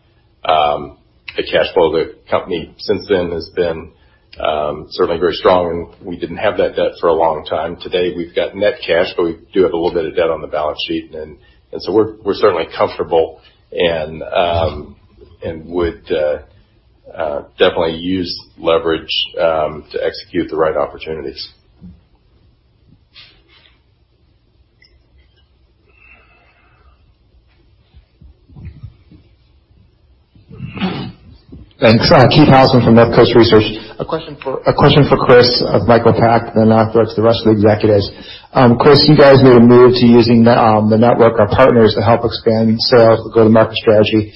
Speaker 1: The cash flow of the company since then has been certainly very strong, and we didn't have that debt for a long time. Today, we've got net cash, but we do have a little bit of debt on the balance sheet. We're certainly comfortable and would definitely use leverage to execute the right opportunities.
Speaker 17: Thanks. Keith Housum from Northcoast Research. A question for Chris of MicroPact, then afterwards, the rest of the executives. Chris, you guys made a move to using the network of partners to help expand sales with go-to-market strategy.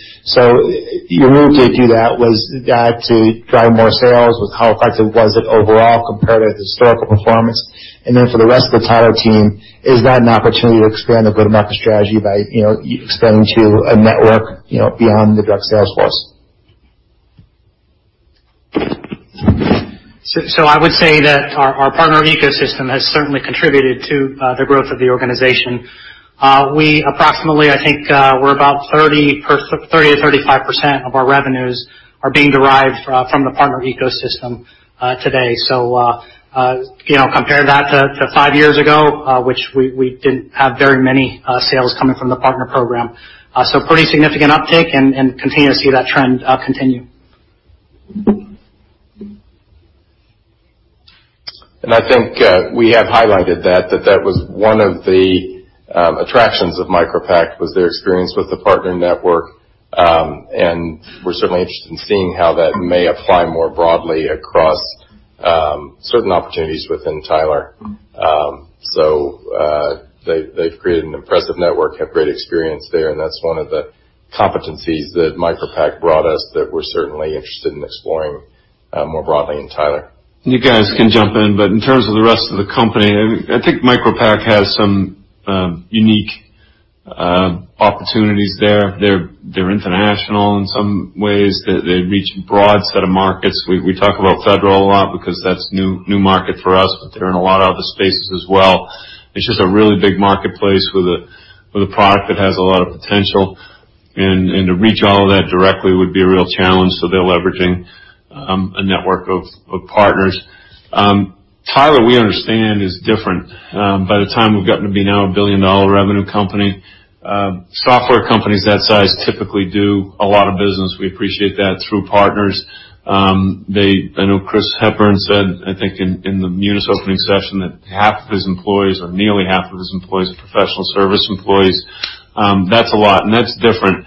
Speaker 17: Your move to do that, was that to drive more sales? How effective was it overall compared to historical performance? For the rest of the Tyler team, is that an opportunity to expand the go-to-market strategy by expanding to a network beyond the direct sales force?
Speaker 13: I would say that our partner ecosystem has certainly contributed to the growth of the organization. Approximately, I think, about 30%-35% of our revenues are being derived from the partner ecosystem today. Compare that to five years ago, which we didn't have very many sales coming from the partner program. Pretty significant uptick, and continue to see that trend continue.
Speaker 3: I think we have highlighted that was one of the attractions of MicroPact, was their experience with the partner network. We're certainly interested in seeing how that may apply more broadly across certain opportunities within Tyler. They've created an impressive network, have great experience there, and that's one of the competencies that MicroPact brought us that we're certainly interested in exploring more broadly in Tyler.
Speaker 2: You guys can jump in terms of the rest of the company, I think MicroPact has some unique opportunities there. They're international in some ways. They reach a broad set of markets. We talk about federal a lot because that's a new market for us, but they're in a lot of other spaces as well. It's just a really big marketplace with a product that has a lot of potential, to reach all of that directly would be a real challenge, so they're leveraging a network of partners. Tyler, we understand, is different. By the time we've gotten to be now a $1 billion-revenue company, software companies that size typically do a lot of business, we appreciate that, through partners. I know Chris Hepburn said, I think in the Munis opening session, that half of his employees or nearly half of his employees are professional service employees. That's a lot, and that's different.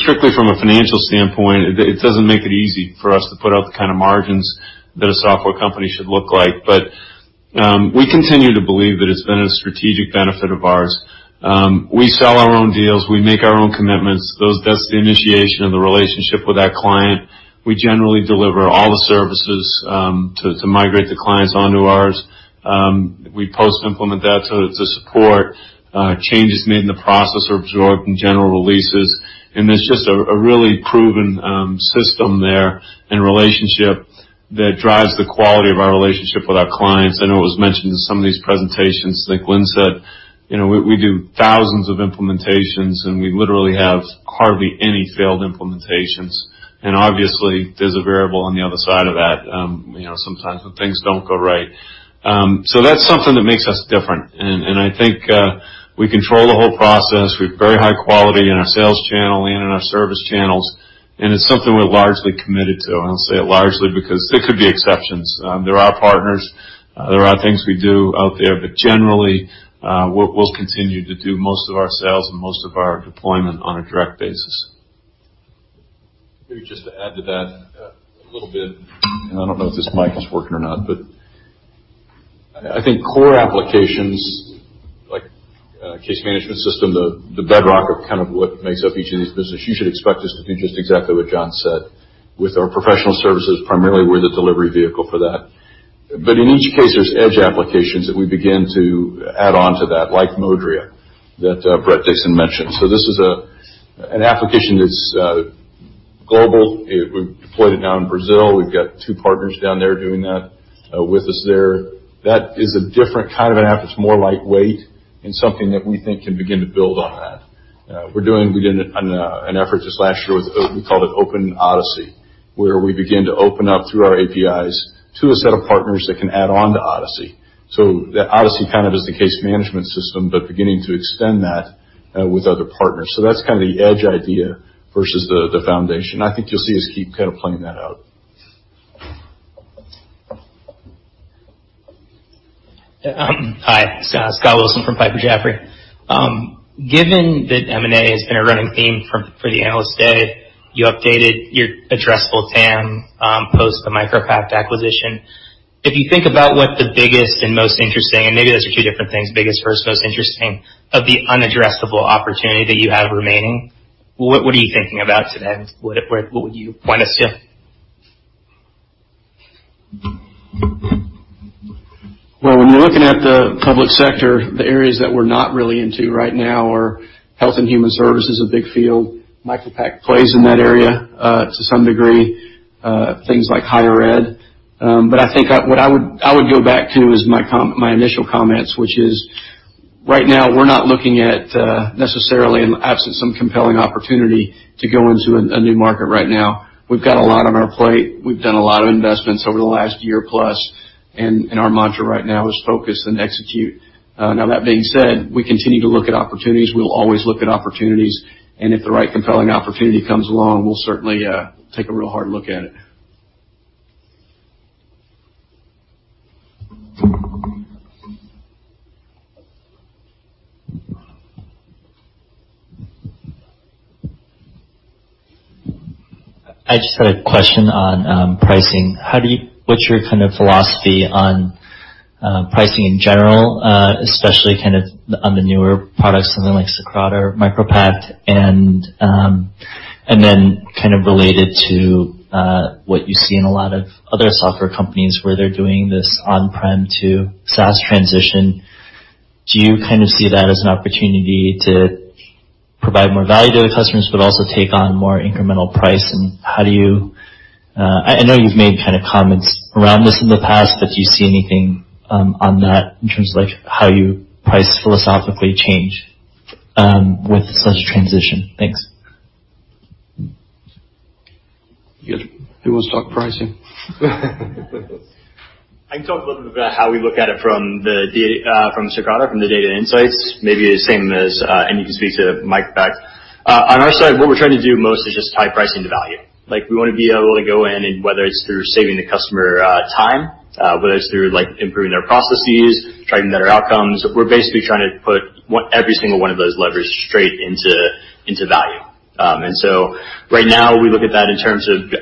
Speaker 2: Strictly from a financial standpoint, it doesn't make it easy for us to put out the kind of margins that a software company should look like. We continue to believe that it's been a strategic benefit of ours. We sell our own deals. We make our own commitments. That's the initiation of the relationship with that client. We generally deliver all the services to migrate the clients onto ours. We post-implement that to support changes made in the process or absorb in general releases. There's just a really proven system there and relationship that drives the quality of our relationship with our clients. I know it was mentioned in some of these presentations, I think Lynn said, we do thousands of implementations, and we literally have hardly any failed implementations. Obviously, there's a variable on the other side of that. Sometimes when things don't go right. That's something that makes us different. I think we control the whole process. We have very high quality in our sales channel and in our service channels, and it's something we're largely committed to. I'll say it largely because there could be exceptions. There are partners, there are things we do out there, but generally, we'll continue to do most of our sales and most of our deployment on a direct basis.
Speaker 4: Maybe just to add to that a little bit. I don't know if this mic is working or not, but I think core applications, like case management system, the bedrock of what makes up each of these businesses, you should expect us to do just exactly what John said. With our professional services, primarily, we're the delivery vehicle for that. In each case, there's edge applications that we begin to add on to that, like Modria, that Bret Dixon mentioned. This is an application that's global. We've deployed it now in Brazil. We've got two partners down there doing that with us there. That is a different kind of an app. It's more lightweight and something that we think can begin to build on that. We did an effort just last year with, we called it Open Odyssey, where we begin to open up through our APIs to a set of partners that can add on to Odyssey. Odyssey is the case management system, beginning to extend that with other partners. That's the edge idea versus the foundation. I think you'll see us keep playing that out.
Speaker 18: Hi, Scott Wilson from Piper Jaffray. Given that M&A has been a running theme for the Analyst Day, you updated your addressable TAM post the MicroPact acquisition. If you think about what the biggest and most interesting, and maybe those are two different things, biggest first, most interesting, of the unaddressable opportunity that you have remaining, what are you thinking about today? What would you point us to?
Speaker 3: Well, when you're looking at the public sector, the areas that we're not really into right now are health and human services, a big field. MicroPact plays in that area to some degree. Things like higher ed. I think what I would go back to is my initial comments, which is, right now, we're not looking at necessarily, absent some compelling opportunity, to go into a new market right now. We've got a lot on our plate. We've done a lot of investments over the last year plus, and our mantra right now is focus and execute. Now that being said, we continue to look at opportunities. We'll always look at opportunities, and if the right compelling opportunity comes along, we'll certainly take a real hard look at it.
Speaker 16: I just had a question on pricing. What's your philosophy on pricing in general, especially on the newer products, something like Socrata or MicroPact? Related to what you see in a lot of other software companies where they're doing this on-prem to SaaS transition Do you see that as an opportunity to provide more value to the customers but also take on more incremental price? I know you've made comments around this in the past, but do you see anything on that in terms of how you price philosophically change with such a transition? Thanks.
Speaker 2: Who wants to talk pricing?
Speaker 19: I can talk a little bit about how we look at it from Socrata, from the Data and Insights, maybe the same as and you can speak to MicroPact. On our side, what we're trying to do most is just tie pricing to value. We want to be able to go in, and whether it's through saving the customer time, whether it's through improving their processes, driving better outcomes, we're basically trying to put every single one of those levers straight into value. Right now, we look at that in terms of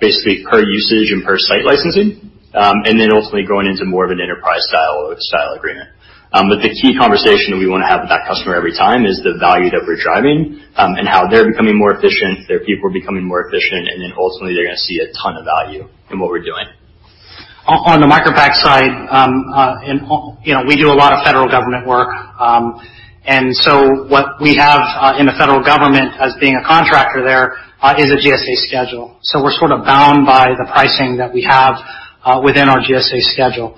Speaker 19: basically per usage and per site licensing, and then ultimately going into more of an enterprise-style agreement. The key conversation that we want to have with that customer every time is the value that we're driving and how they're becoming more efficient, their people are becoming more efficient, and then ultimately they're going to see a ton of value in what we're doing.
Speaker 13: On the MicroPact side, we do a lot of federal government work. What we have in the federal government as being a contractor there is a GSA schedule. We're sort of bound by the pricing that we have within our GSA schedule.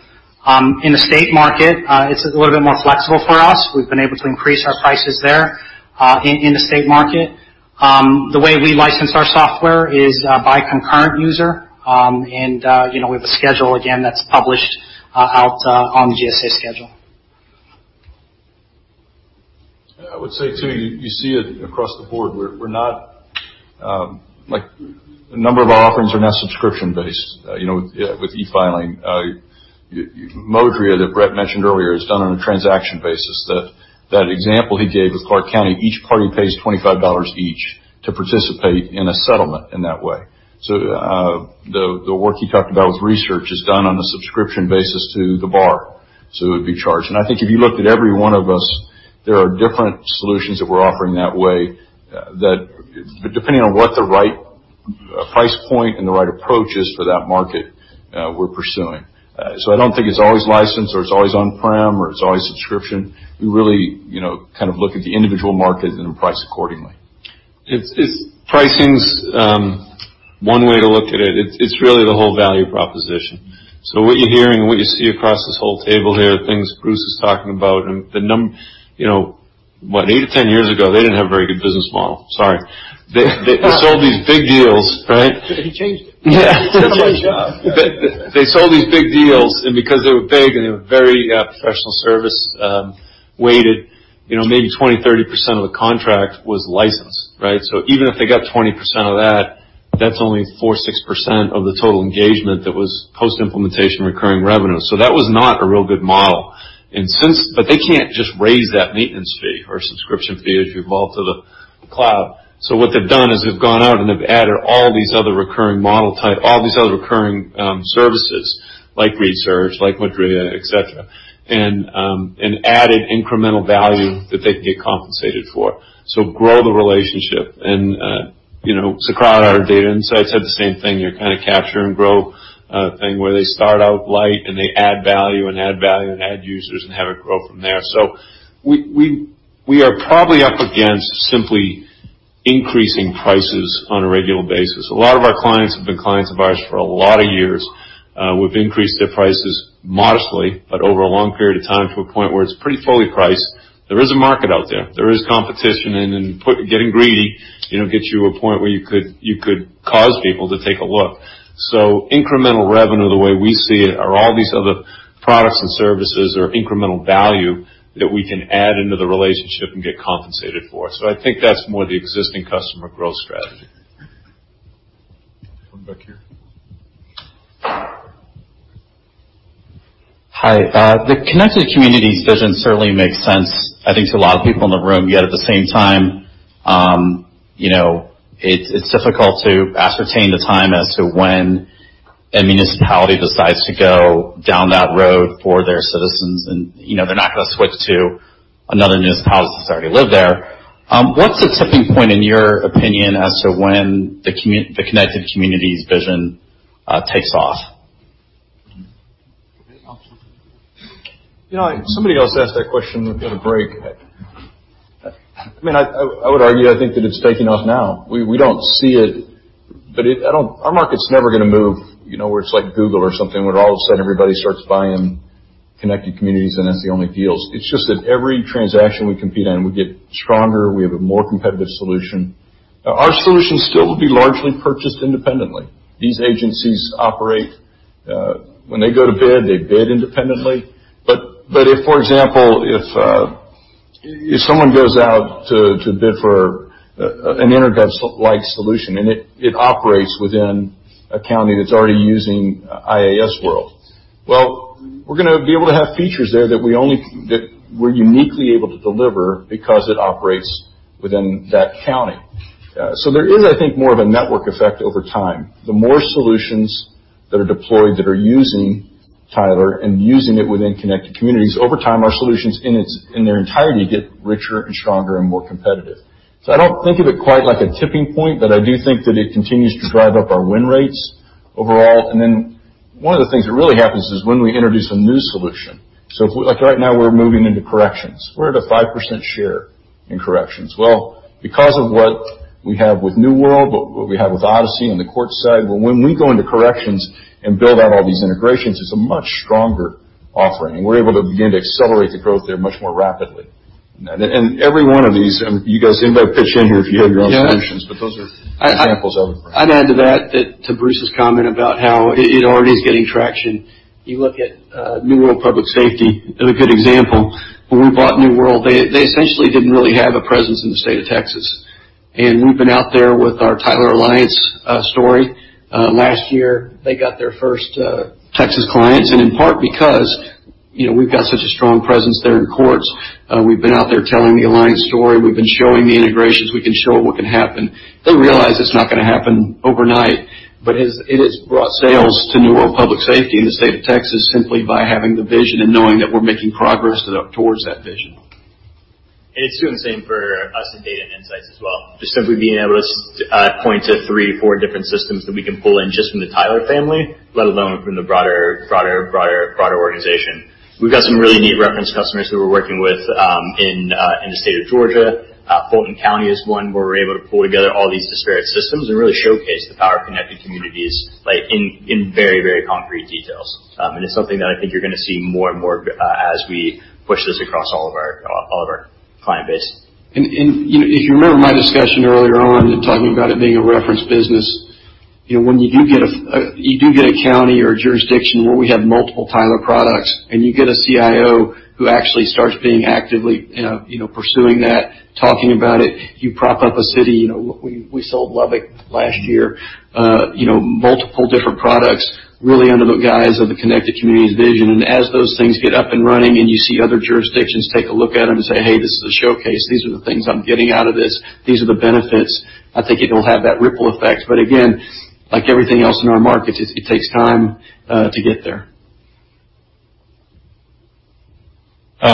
Speaker 13: In the state market, it's a little bit more flexible for us. We've been able to increase our prices there in the state market. The way we license our software is by concurrent user, and we have a schedule, again, that's published out on the GSA schedule.
Speaker 4: I would say, too, you see it across the board. A number of our offerings are not subscription-based. With e-filing, Modria, that Bret mentioned earlier, is done on a transaction basis. That example he gave with Clark County, each party pays $25 each to participate in a settlement in that way. The work he talked about with re:Search is done on a subscription basis to the bar, so it would be charged. I think if you looked at every one of us, there are different solutions that we're offering that way, depending on what the right price point and the right approach is for that market we're pursuing. I don't think it's always licensed, or it's always on-prem, or it's always subscription. We really look at the individual market and price accordingly.
Speaker 2: Pricing's one way to look at it. It's really the whole value proposition. What you hear and what you see across this whole table here, the things Bruce is talking about, and the number-- eight to 10 years ago, they didn't have a very good business model. Sorry. They sold these big deals, right?
Speaker 14: He changed it.
Speaker 2: Yeah. They sold these big deals, because they were big and they were very professional service weighted, maybe 20%-30% of the contract was licensed. Even if they got 20% of that's only 4%-6% of the total engagement that was post-implementation recurring revenue. That was not a real good model. They can't just raise that maintenance fee or subscription fee as you evolve to the cloud. What they've done is they've gone out and they've added all these other recurring services, like re:Search, like Modria, et cetera, and added incremental value that they can get compensated for. Grow the relationship. Socrata, our Data and Insights, had the same thing. Your capture and grow thing where they start out light, and they add value and add value and add users and have it grow from there. We are probably up against simply increasing prices on a regular basis. A lot of our clients have been clients of ours for a lot of years. We've increased their prices modestly, but over a long period of time to a point where it's pretty fully priced. There is a market out there. There is competition, and then getting greedy gets you to a point where you could cause people to take a look. Incremental revenue, the way we see it, are all these other products and services or incremental value that we can add into the relationship and get compensated for. I think that's more the existing customer growth strategy.
Speaker 14: Come back here.
Speaker 16: Hi. The Connected Communities vision certainly makes sense, I think, to a lot of people in the room. At the same time, it's difficult to ascertain the time as to when a municipality decides to go down that road for their citizens, and they're not going to switch to another municipality, because they already live there. What's the tipping point, in your opinion, as to when the Connected Communities vision takes off?
Speaker 4: Somebody else asked that question at the break. I would argue, I think that it's taking off now. We don't see it, but our market's never going to move where it's like Google or something, where all of a sudden everybody starts buying Connected Communities, and that's the only deals. It's just that every transaction we compete in, we get stronger, we have a more competitive solution. Our solution still will be largely purchased independently. These agencies operate when they go to bid, they bid independently. If, for example, if someone goes out to bid for an EnerGov-like solution and it operates within a county that's already using iasWorld. Well, we're going to be able to have features there that we're uniquely able to deliver because it operates within that county. There is, I think, more of a network effect over time. The more solutions that are deployed that are using Tyler and using it within Connected Communities, over time, our solutions in their entirety get richer and stronger and more competitive. I don't think of it quite like a tipping point, but I do think that it continues to drive up our win rates overall. One of the things that really happens is when we introduce a new solution. Right now, we're moving into corrections. We're at a 5% share in corrections. Because of what we have with New World, what we have with Odyssey on the court side, when we go into corrections and build out all these integrations, it's a much stronger offering, and we're able to begin to accelerate the growth there much more rapidly. Every one of these, you guys, anybody pitch in here if you have your own solutions, those are examples I would bring.
Speaker 10: I'd add to that, to Bruce's comment about how it already is getting traction. You look at New World Public Safety as a good example. When we bought New World, they essentially didn't really have a presence in the state of Texas. We've been out there with our Tyler Alliance story. Last year, they got their first Texas clients, in part because we've got such a strong presence there in courts. We've been out there telling the Alliance story. We've been showing the integrations. We can show what can happen. They realize it's not going to happen overnight, it has brought sales to New World Public Safety in the state of Texas simply by having the vision and knowing that we're making progress towards that vision.
Speaker 19: It's doing the same for us in data and insights as well. Just simply being able to point to three, four different systems that we can pull in just from the Tyler family, let alone from the broader organization. We've got some really neat reference customers who we're working with in the state of Georgia. Fulton County is one where we're able to pull together all these disparate systems and really showcase the power of Connected Communities in very concrete details. It's something that I think you're going to see more and more as we push this across all of our client base.
Speaker 10: If you remember my discussion earlier on, talking about it being a reference business, when you do get a county or a jurisdiction where we have multiple Tyler products, and you get a CIO who actually starts being actively pursuing that, talking about it, you prop up a city. We sold Lubbock last year, multiple different products, really under the guise of the Connected Communities vision. As those things get up and running, and you see other jurisdictions take a look at them and say, "Hey, this is a showcase. These are the things I'm getting out of this. These are the benefits," I think it'll have that ripple effect. Again, like everything else in our markets, it takes time to get there.
Speaker 16: A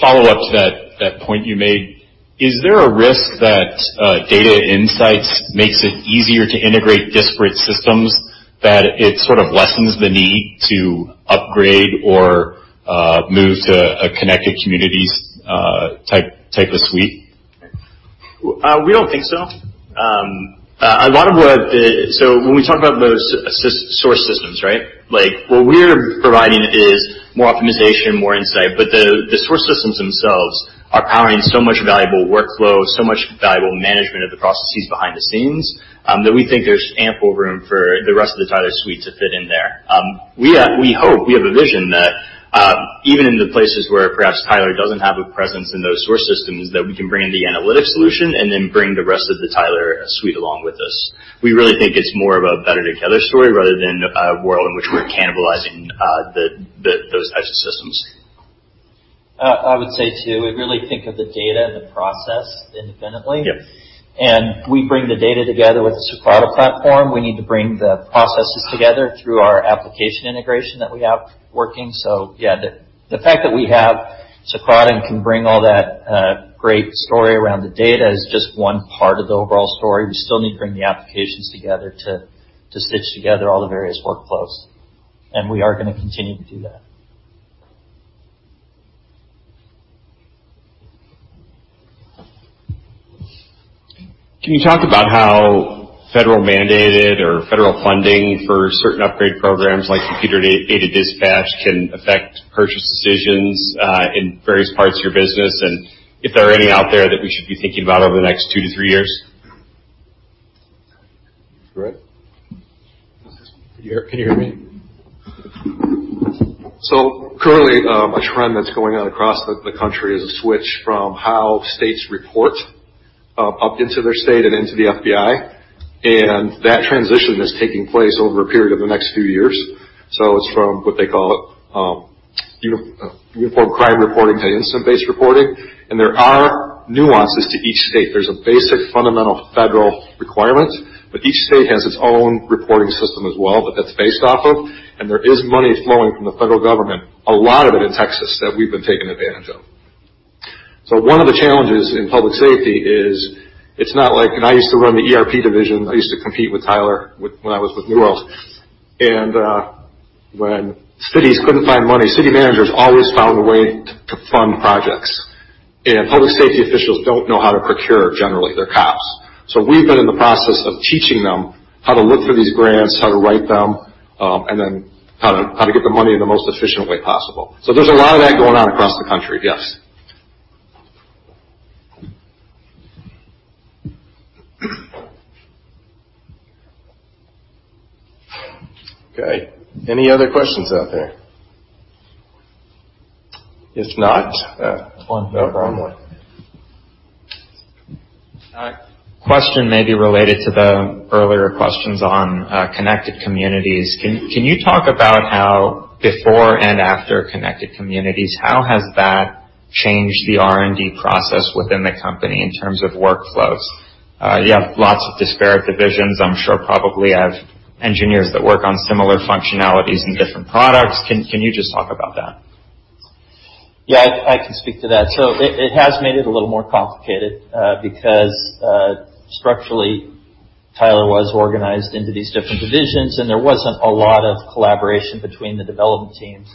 Speaker 16: follow-up to that point you made. Is there a risk that data insights makes it easier to integrate disparate systems, that it sort of lessens the need to upgrade or move to a Connected Communities type of suite?
Speaker 19: We don't think so. When we talk about those source systems, what we're providing is more optimization, more insight. The source systems themselves are powering so much valuable workflow, so much valuable management of the processes behind the scenes, that we think there's ample room for the rest of the Tyler suite to fit in there. We hope, we have a vision that even in the places where perhaps Tyler doesn't have a presence in those source systems, that we can bring in the analytics solution and then bring the rest of the Tyler suite along with us. We really think it's more of a better together story rather than a world in which we're cannibalizing those types of systems.
Speaker 6: I would say, too, we really think of the data and the process independently.
Speaker 19: Yes.
Speaker 6: We bring the data together with the Socrata platform. We need to bring the processes together through our application integration that we have working. Yeah, the fact that we have Socrata and can bring all that great story around the data is just one part of the overall story. We still need to bring the applications together to stitch together all the various workflows, we are going to continue to do that.
Speaker 16: Can you talk about how federal mandated or federal funding for certain upgrade programs like computer-aided dispatch can affect purchase decisions in various parts of your business, and if there are any out there that we should be thinking about over the next two to three years?
Speaker 4: Brett?
Speaker 10: Can you hear me? Currently, a trend that's going on across the country is a switch from how states report up into their state and into the FBI, that transition is taking place over a period of the next few years. It's from what they call uniform crime reporting to incident-based reporting, there are nuances to each state. There's a basic fundamental federal requirement, but each state has its own reporting system as well that that's based off of, there is money flowing from the federal government, a lot of it in Texas, that we've been taking advantage of. One of the challenges in public safety is it's not like I used to run the ERP division. I used to compete with Tyler when I was with New World. When cities couldn't find money, city managers always found a way to fund projects, public safety officials don't know how to procure, generally. They're cops. We've been in the process of teaching them how to look for these grants, how to write them, then how to get the money in the most efficient way possible. There's a lot of that going on across the country. Yes.
Speaker 4: Okay. Any other questions out there? If not.
Speaker 16: One.
Speaker 4: That wrong one.
Speaker 16: Question maybe related to the earlier questions on Connected Communities. Can you talk about how before and after Connected Communities, how has that changed the R&D process within the company in terms of workflows? You have lots of disparate divisions, I'm sure probably have engineers that work on similar functionalities in different products. Can you just talk about that?
Speaker 6: Yeah, I can speak to that. It has made it a little more complicated, because structurally, Tyler was organized into these different divisions, and there wasn't a lot of collaboration between the development teams.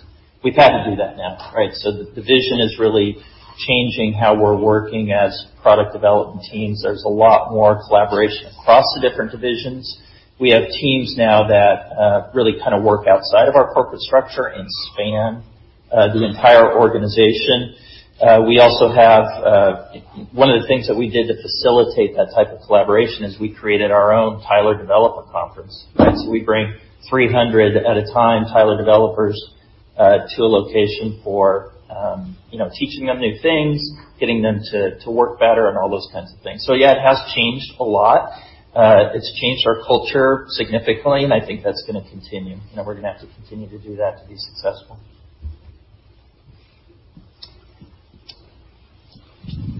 Speaker 6: We've had to do that now, right? The division is really changing how we're working as product development teams. There's a lot more collaboration across the different divisions. We have teams now that really kind of work outside of our corporate structure and span the entire organization. One of the things that we did to facilitate that type of collaboration is we created our own Tyler development conference. We bring 300 at a time, Tyler developers, to a location for teaching them new things, getting them to work better, and all those kinds of things. Yeah, it has changed a lot. It's changed our culture significantly, and I think that's going to continue, and we're going to have to continue to do that to be successful.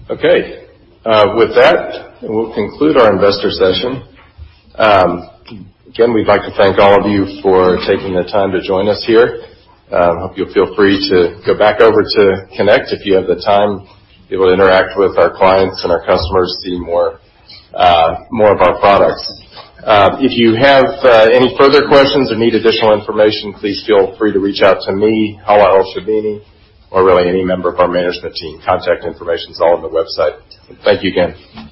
Speaker 1: Okay. With that, we'll conclude our investor session. Again, we'd like to thank all of you for taking the time to join us here. Hope you'll feel free to go back over to Connect if you have the time. Be able to interact with our clients and our customers, see more of our products. If you have any further questions or need additional information, please feel free to reach out to me, Hala Elsherbini, or really any member of our management team. Contact information is all on the website. Thank you again.